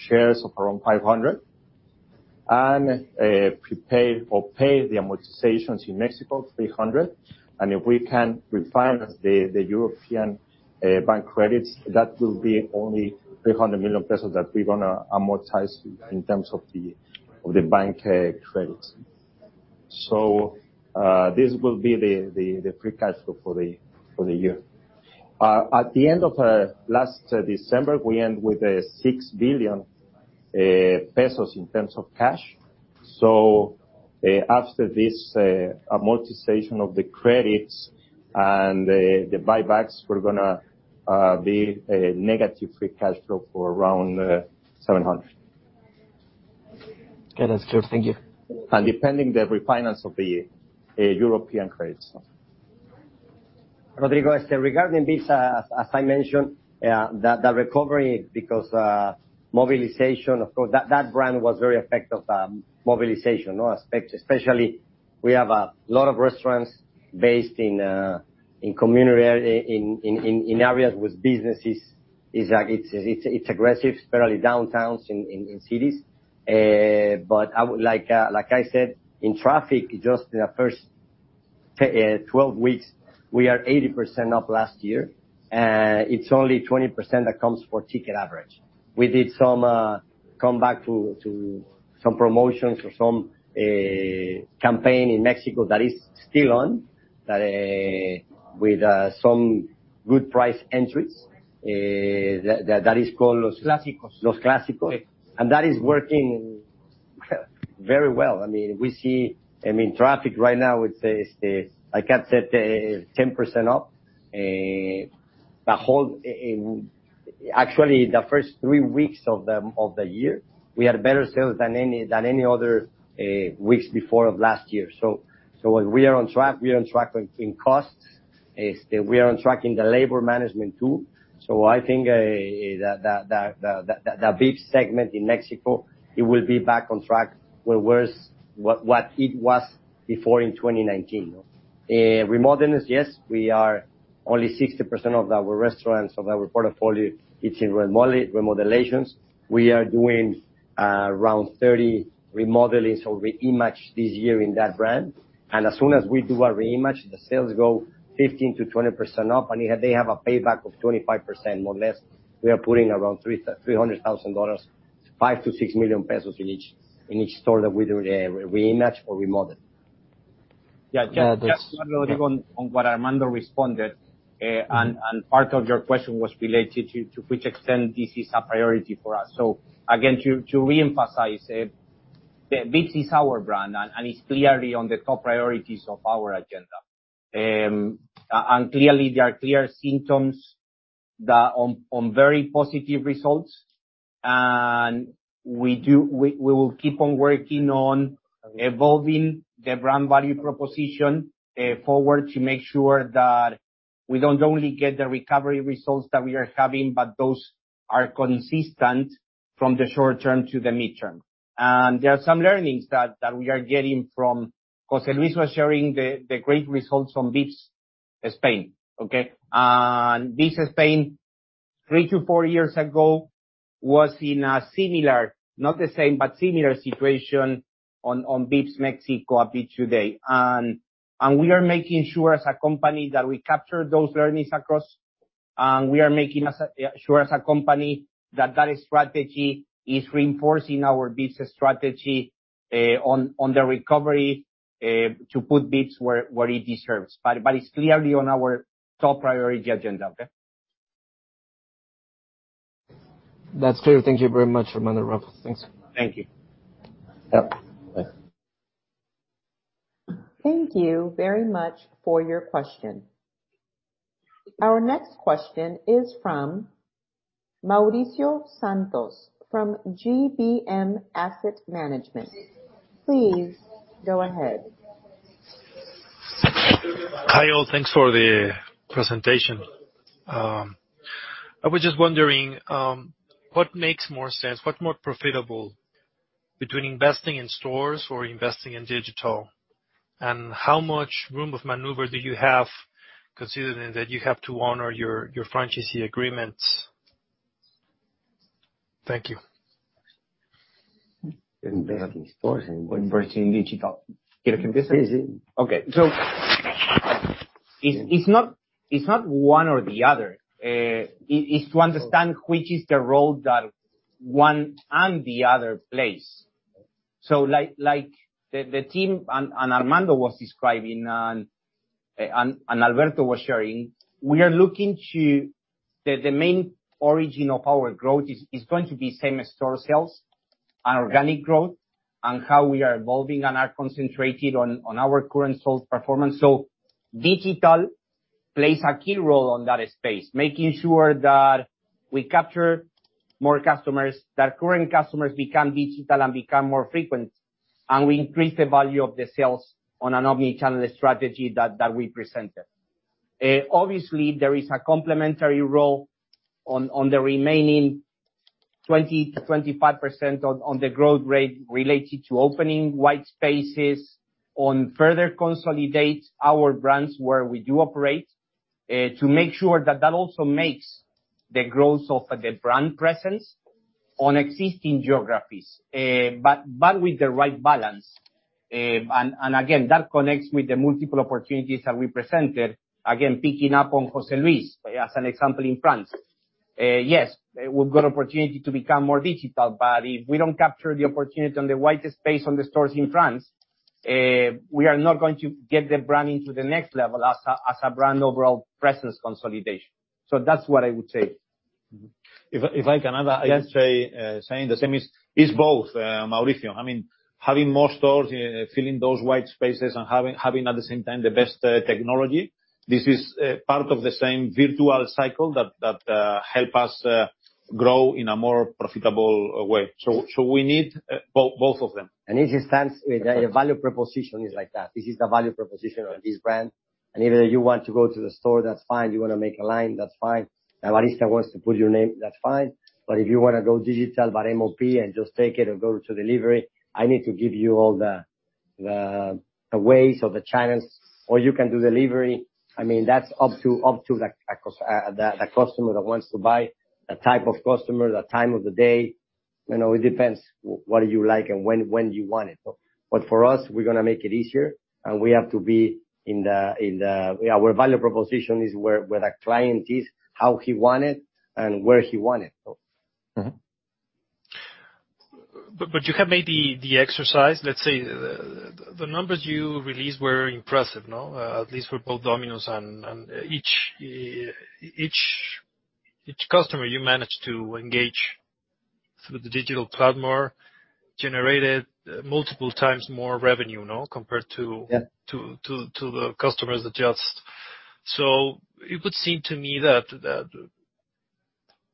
shares of around 500 and prepay or pay the amortizations in Mexico, 300. If we can refinance the European bank credits, that will be only 300 million pesos that we're gonna amortize in terms of the bank credits. This will be the free cash flow for the year. At the end of last December, we end with 6 billion pesos in terms of cash. After this amortization of the credits and the buybacks, we're gonna be a negative free cash flow for around 700. Okay. That's clear. Thank you. Depending the refinance of the European credits. Rodrigo, regarding this, as I mentioned, the recovery because mobilization, of course, that brand was very affected of mobilization. Especially we have a lot of restaurants based in community in areas with businesses. It's like, it's aggressive, especially downtowns in cities. I would like I said, in traffic, just in the first 12 weeks, we are 80% of last year. It's only 20% that comes for ticket average. We did some come back to some promotions or some campaign in Mexico that is still on, that with some good price entries. That is called Los Clásicos. Los Clásicos. That is working very well. I mean, we see. I mean, traffic right now would say is, like I said, 10% up. The whole, actually the first three weeks of the year, we had better sales than any other weeks before of last year. We are on track. We are on track with in costs. We are on track in the labor management too. I think the Vips segment in Mexico, it will be back on track with where it's. What it was before in 2019. Remodeling, yes. We are only 60% of our restaurants, of our portfolio is in remodelations. We are doing around 30 remodelings or reimage this year in that brand. As soon as we do a reimage, the sales go 15%-20% up. They have a payback of 25%, more or less. We are putting around $300,000, 5 million-6 million pesos in each store that we do a reimage or remodel. Yeah. Just a little on what Armando responded, and part of your question was related to which extent this is a priority for us. Again, to reemphasize, Vips is our brand and it's clearly on the top priorities of our agenda. And clearly there are clear symptoms that on very positive results. We will keep on working on evolving the brand value proposition forward to make sure that we don't only get the recovery results that we are having, but those are consistent from the short term to the midterm. There are some learnings that we are getting from... José Luis was sharing the great results from Vips Spain, okay? Vips Spain, three to four years ago, was in a similar, not the same, but similar situation on Vips Mexico a bit today. We are making sure as a company that we capture those learnings across. We are making sure as a company that that strategy is reinforcing our Vips strategy on the recovery to put Vips where it deserves. It's clearly on our top priority agenda. Okay? That's clear. Thank you very much, Armando, Rafael. Thanks. Thank you. Yep. Thanks. Thank you very much for your question. Our next question is from Mauricio Santos from GBM Asset Management. Please go ahead. Hi, all. Thanks for the presentation. I was just wondering, what makes more sense, what's more profitable between investing in stores or investing in digital? How much room of maneuver do you have considering that you have to honor your franchisee agreements? Thank you. Investing in stores. Investing in digital. Easy. It's not one or the other. It is to understand which is the role that one and the other plays. Like the team and Armando was describing and Alberto was sharing, we are looking to. The main origin of our growth is going to be same-store sales and organic growth and how we are evolving and are concentrated on our current store performance. Digital plays a key role on that space, making sure that we capture more customers, that current customers become digital and become more frequent, and we increase the value of the sales on an omnichannel strategy that we presented. Obviously, there is a complementary role on the remaining 20%-25% on the growth rate related to opening white spaces on further consolidate our brands where we do operate to make sure that that also makes the growth of the brand presence on existing geographies. With the right balance. Again, that connects with the multiple opportunities that we presented, again, picking up on José Luis as an example in France. Yes, we've got opportunity to become more digital, but if we don't capture the opportunity on the white space on the stores in France, we are not going to get the brand into the next level as a brand overall presence consolidation. That's what I would say. If I can add, saying the same, is both, Mauricio. I mean, having more stores, filling those white spaces and having at the same time the best technology. This is part of the same white space virtual cycle that help us grow in a more profitable way. We need both of them. It stands. The value proposition is like that. This is the value proposition of this brand. Either you want to go to the store, that's fine. You wanna make a line, that's fine. The barista wants to put your name, that's fine. If you wanna go digital by MOP and just take it or go to delivery, I need to give you all the ways or the channels. You can do delivery. I mean, that's up to the customer that wants to buy, the type of customer, the time of the day. You know, it depends what you like and when you want it. For us, we're gonna make it easier, and we have to be in the... Our value proposition is where the client is, how he want it, and where he want it. Mm-hmm. You have made the exercise. Let's say the numbers you released were impressive, no? At least for both Domino's and... Each customer you manage to engage through the digital platform or generated multiple times more revenue, you know, compared to-. Yeah. It would seem to me that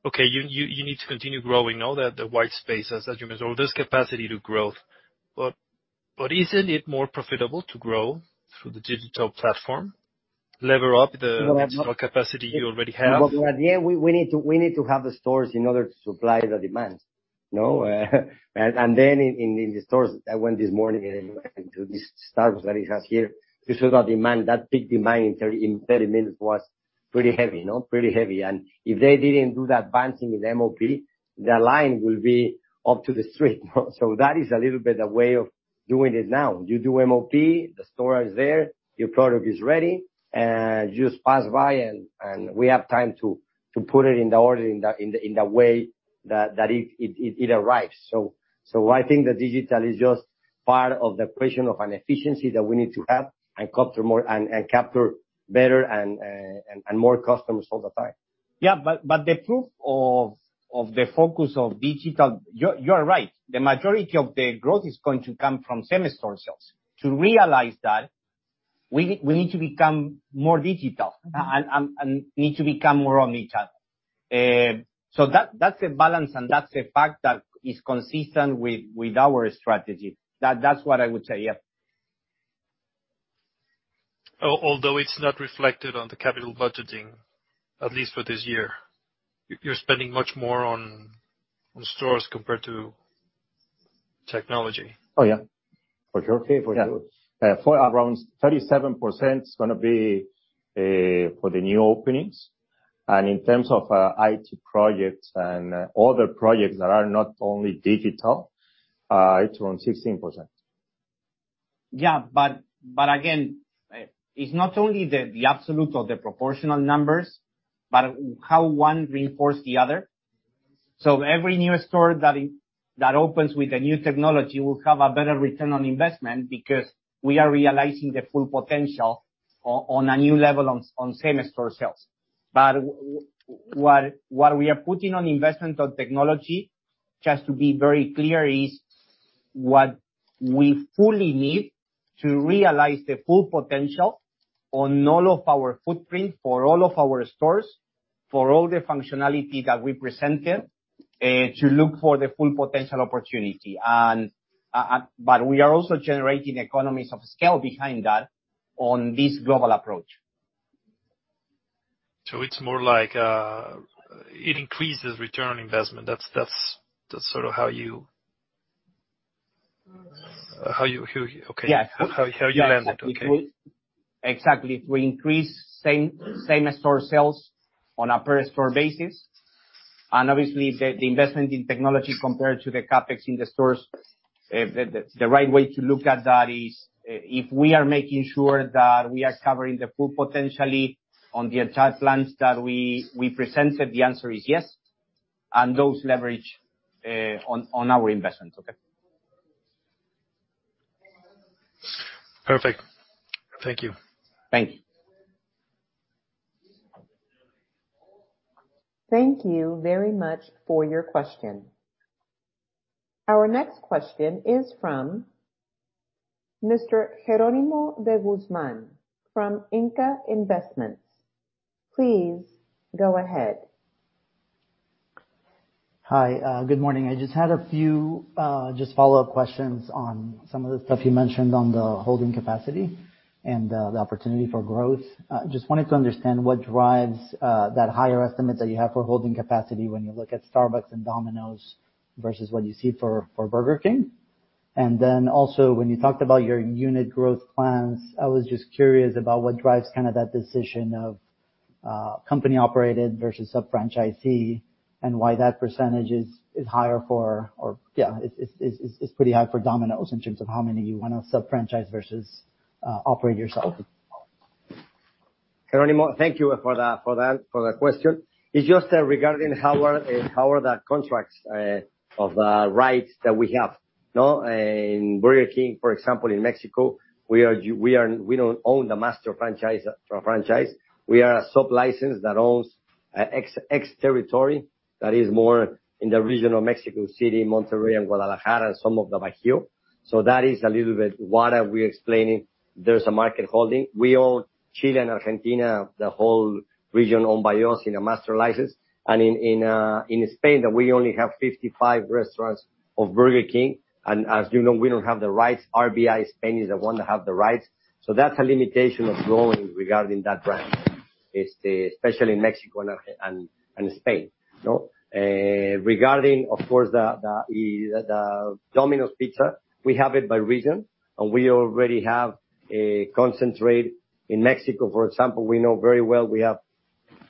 okay, you need to continue growing now that the white space as you mentioned, all this capacity to growth. Isn't it more profitable to grow through the digital platform, lever up? No, no. Additional capacity you already have? At the end, we need to have the stores in order to supply the demands, you know? Then in the stores, I went this morning to this Starbucks that it has here to show that demand, that peak demand in 30 minutes was pretty heavy, you know, pretty heavy. If they didn't do that band thing with MOP, the line will be up to the street. That is a little bit the way of doing it now. You do MOP, the store is there, your product is ready, and you just pass by and we have time to put it in the order in the way that it arrives. I think the digital is just part of the equation of an efficiency that we need to have and capture more and capture better and more customers all the time. Yeah, but the proof of the focus of digital. You're right. The majority of the growth is going to come from same-store sales. To realize that, we need to become more digital and need to become more omnichannel. That's a balance and that's a fact that is consistent with our strategy. That's what I would say. Yeah. Although it's not reflected on the capital budgeting, at least for this year, you're spending much more on stores compared to technology. Oh, yeah. For sure. Okay. For sure. Yeah. For around 37% is gonna be for the new openings. In terms of IT projects and other projects that are not only digital, it's around 16%. Yeah. Again, it's not only the absolute or the proportional numbers, but how one reinforce the other. Every new store that opens with a new technology will have a better return on investment because we are realizing the full potential on a new level on same-store sales. What we are putting on investment on technology, just to be very clear, is what we fully need to realize the full potential on all of our footprint for all of our stores, for all the functionality that we presented to look for the full potential opportunity. We are also generating economies of scale behind that on this global approach. It's more like, it increases return on investment. That's sort of how you... Okay. Yeah. How you blend it. Okay. Exactly. We increase same-store sales on a per store basis. Obviously, the investment in technology compared to the CapEx in the stores, the right way to look at that is, if we are making sure that we are covering the full potentially on the entire plans that we presented, the answer is yes, and those leverage on our investments, okay? Perfect. Thank you. Thank you. Thank you very much for your question. Our next question is from Mr. Jeronimo de Guzman from Inca Investments. Please go ahead. Hi, good morning. I just had a few just follow-up questions on some of the stuff you mentioned on the holding capacity and the opportunity for growth. Just wanted to understand what drives that higher estimate that you have for holding capacity when you look at Starbucks and Domino's versus what you see for Burger King. Then also when you talked about your unit growth plans, I was just curious about what drives kinda that decision of company operated versus sub-franchisee, and why that percentage is higher for or, yeah, is pretty high for Domino's in terms of how many you wanna sub-franchise versus operate yourself. Jeronimo, thank you for the question. It's just regarding how are the contracts of the rights that we have, you know? In Burger King, for example, in Mexico, we don't own the master franchiser for a franchise. We are a sublicense that owns territory that is more in the region of Mexico City, Monterrey, and Guadalajara, some of the Bajio. That is a little bit what are we explaining. There's a market holding. We own Chile and Argentina, the whole region owned by us in a master license. In Spain that we only have 55 restaurants of Burger King, and as you know, we don't have the rights. RBI Spain is the one that have the rights. That's a limitation of growing regarding that brand. It's especially in Mexico and Spain, you know? Regarding, of course, the Domino's Pizza, we have it by region, and we already have a concentrate. In Mexico, for example, we know very well we have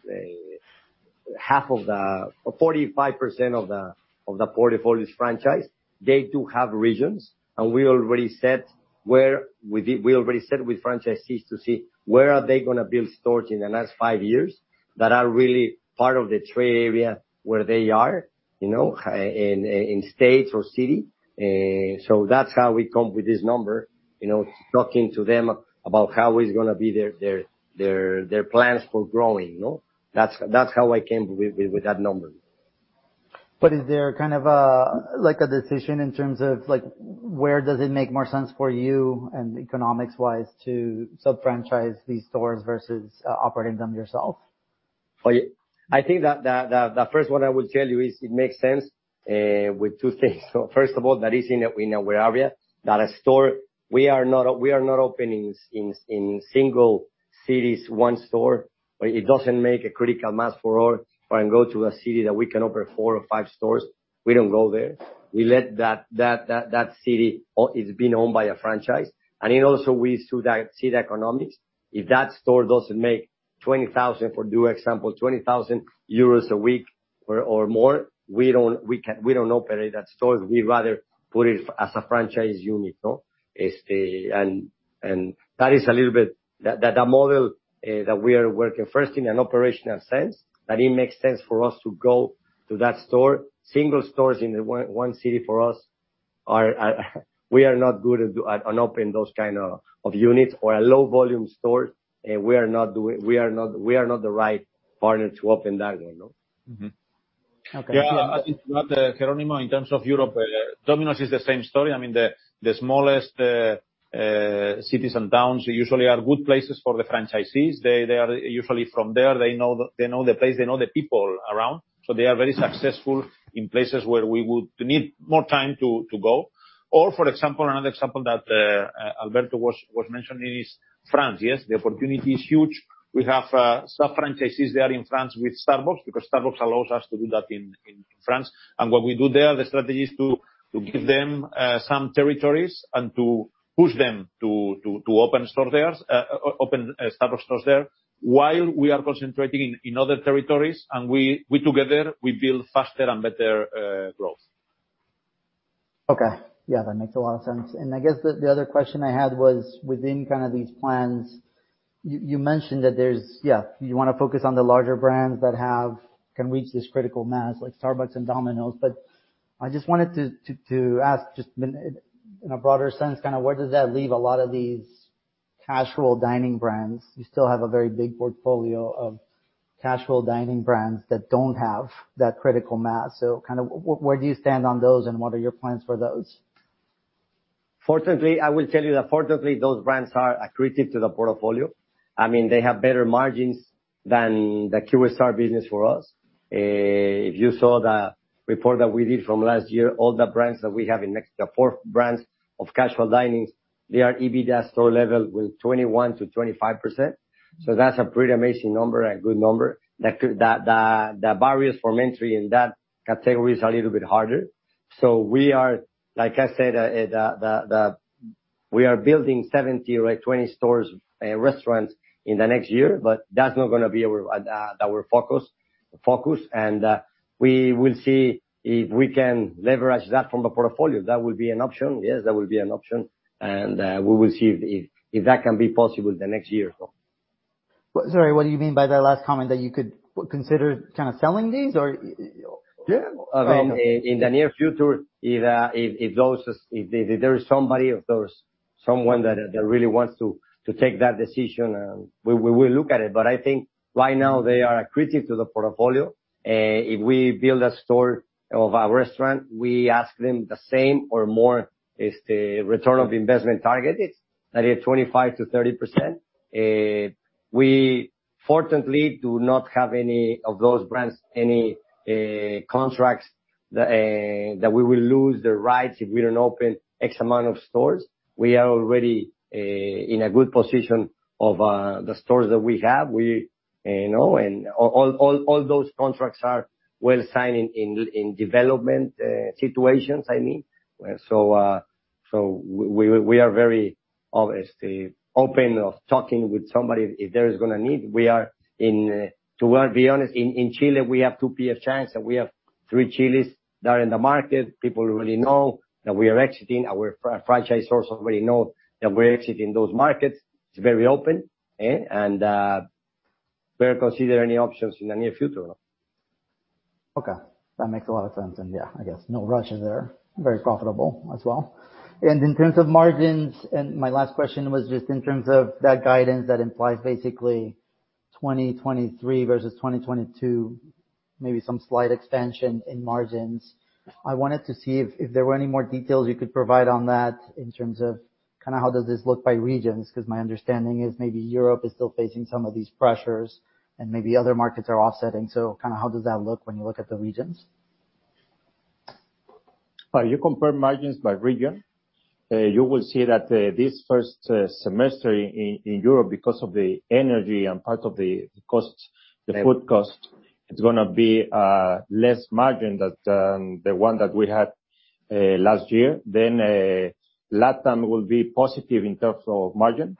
45% of the portfolio's franchise. They do have regions, and we already set with franchisees to see where are they gonna build stores in the next five years that are really part of the trade area where they are, you know, in states or city. That's how we come with this number, you know, talking to them about how is gonna be their plans for growing, you know? That's how I came with that number. Is there kind of a, like, a decision in terms of, like, where does it make more sense for you and economics-wise to sub-franchise these stores versus operating them yourself? Yeah. I think that first one I will tell you is it makes sense with two things. First of all, the reason that we know our area, that a store. We are not opening in single cities one store. It doesn't make a critical mass for all. When go to a city that we can open four or five stores, we don't go there. We let that city it's being owned by a franchise. It also we see the economics. If that store doesn't make 20,000, for example, 20,000 euros a week or more, we don't operate that store. We'd rather put it as a franchise unit, no? It's the. That is a little bit. That model, that we are working first in an operational sense, that it makes sense for us to go to that store. Single stores in one city for us are, we are not good at open those kind of units or a low volume store. We are not the right partner to open that one, no? Mm-hmm. Okay. Yeah. I think Jeronimo, in terms of Europe, Domino's is the same story. I mean, the smallest cities and towns usually are good places for the franchisees. They are usually from there. They know the place, they know the people around. They are very successful in places where we would need more time to go. Or for example, another example that Alberto was mentioning is France. Yes, the opportunity is huge. We have sub-franchisees there in France with Starbucks, because Starbucks allows us to do that in France. What we do there, the strategy is to give them some territories and to push them to open stores there, open Starbucks stores there while we are concentrating in other territories. We together, we build faster and better growth. Okay. Yeah, that makes a lot of sense. I guess the other question I had was within kind of these plans, you mentioned that there's. Yeah, you want to focus on the larger brands that have, can reach this critical mass like Starbucks and Domino's. I just wanted to ask in a broader sense, kind of where does that leave a lot of these casual dining brands? You still have a very big portfolio of casual dining brands that don't have that critical mass. Kind of where do you stand on those, and what are your plans for those? Fortunately, I will tell you that fortunately, those brands are accretive to the portfolio. I mean, they have better margins than the QSR business for us. If you saw the report that we did from last year, all the brands that we have in next... The four brands of casual dinings, they are EBITDA store level with 21%-25%. That's a pretty amazing number, a good number. That could... That barriers for entry in that category is a little bit harder. We are, like I said, the... We are building 70 or, like, 20 stores, restaurants in the next year, but that's not gonna be our focus. We will see if we can leverage that from the portfolio. That will be an option. Yes, that will be an option. We will see if that can be possible the next year or so. Sorry, what do you mean by that last comment, that you could consider kind of selling these or? I mean, in the near future, if there's someone that really wants to take that decision, we will look at it. I think right now they are accretive to the portfolio. If we build a store of our restaurant, we ask them the same or more is the return of investment targeted, that is 25%-30%. We fortunately do not have any of those brands, any contracts that we will lose the rights if we don't open X amount of stores. We are already in a good position of the stores that we have. We, you know, all those contracts are well signed in development situations, I mean. We are very, obviously, open of talking with somebody if there is gonna need. We are in. To be honest, in Chile, we have two P.F. Chang's, and we have three Chili's that are in the market. People already know that we are exiting. Our franchise stores already know that we're exiting those markets. It's very open, eh? We'll consider any options in the near future. Okay. That makes a lot of sense. Yeah, I guess no rush there. Very profitable as well. In terms of margins, my last question was just in terms of that guidance that implies basically 2023 versus 2022, maybe some slight expansion in margins. I wanted to see if there were any more details you could provide on that in terms of kinda how does this look by regions, 'cause my understanding is maybe Europe is still facing some of these pressures, and maybe other markets are offsetting. Kinda how does that look when you look at the regions? You compare margins by region. You will see that this first semester in Europe, because of the energy and part of the cost, the food cost, it's gonna be less margin that the one that we had last year. LatAm will be positive in terms of margin.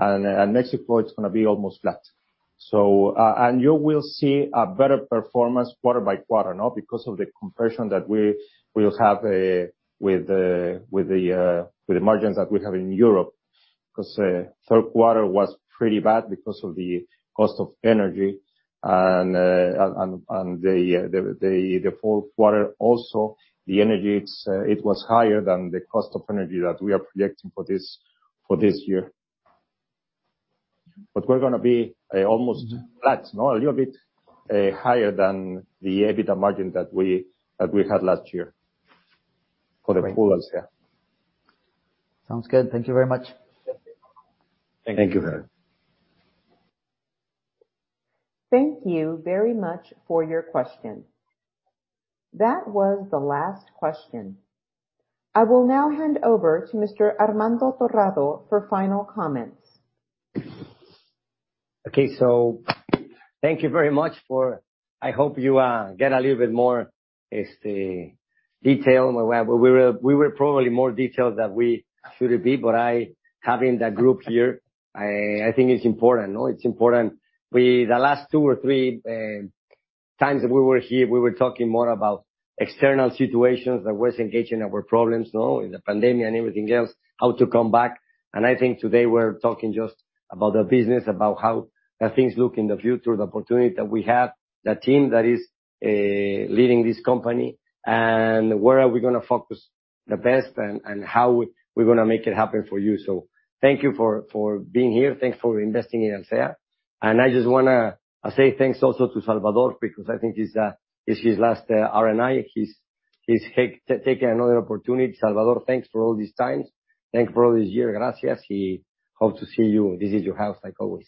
Mexico, it's gonna be almost flat. You will see a better performance quarter by quarter, no? Because of the compression that we'll have with the margins that we have in Europe. 'Cause third quarter was pretty bad because of the cost of energy. The fourth quarter also, the energy it's it was higher than the cost of energy that we are projecting for this year. We're gonna be almost flat, no? A little bit higher than the EBITDA margin that we had last year for the full year. Sounds good. Thank you very much. Thank you. Thank you. Thank you very much for your question. That was the last question. I will now hand over to Mr. Armando Torrado for final comments. Okay. Thank you very much for... I hope you get a little bit more detail. We were probably more detailed than we should be, but having that group here, I think it's important, no? It's important. The last 2x or 3x that we were here, we were talking more about external situations that was engaging our problems, no? The pandemic and everything else, how to come back. I think today we're talking just about the business, about how things look in the future, the opportunity that we have, the team that is leading this company, and where are we gonna focus the best and how we're gonna make it happen for you. Thank you for being here. Thanks for investing in Alsea. I just wanna say thanks also to Salvador because I think it's his last R&A. He's taking another opportunity. Salvador, thanks for all these times. Thank you for all this year. Gracias. He hope to see you. This is your house like always.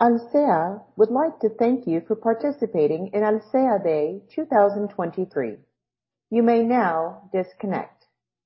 Alsea would like to thank you for participating in Alsea Day 2023. You may now disconnect.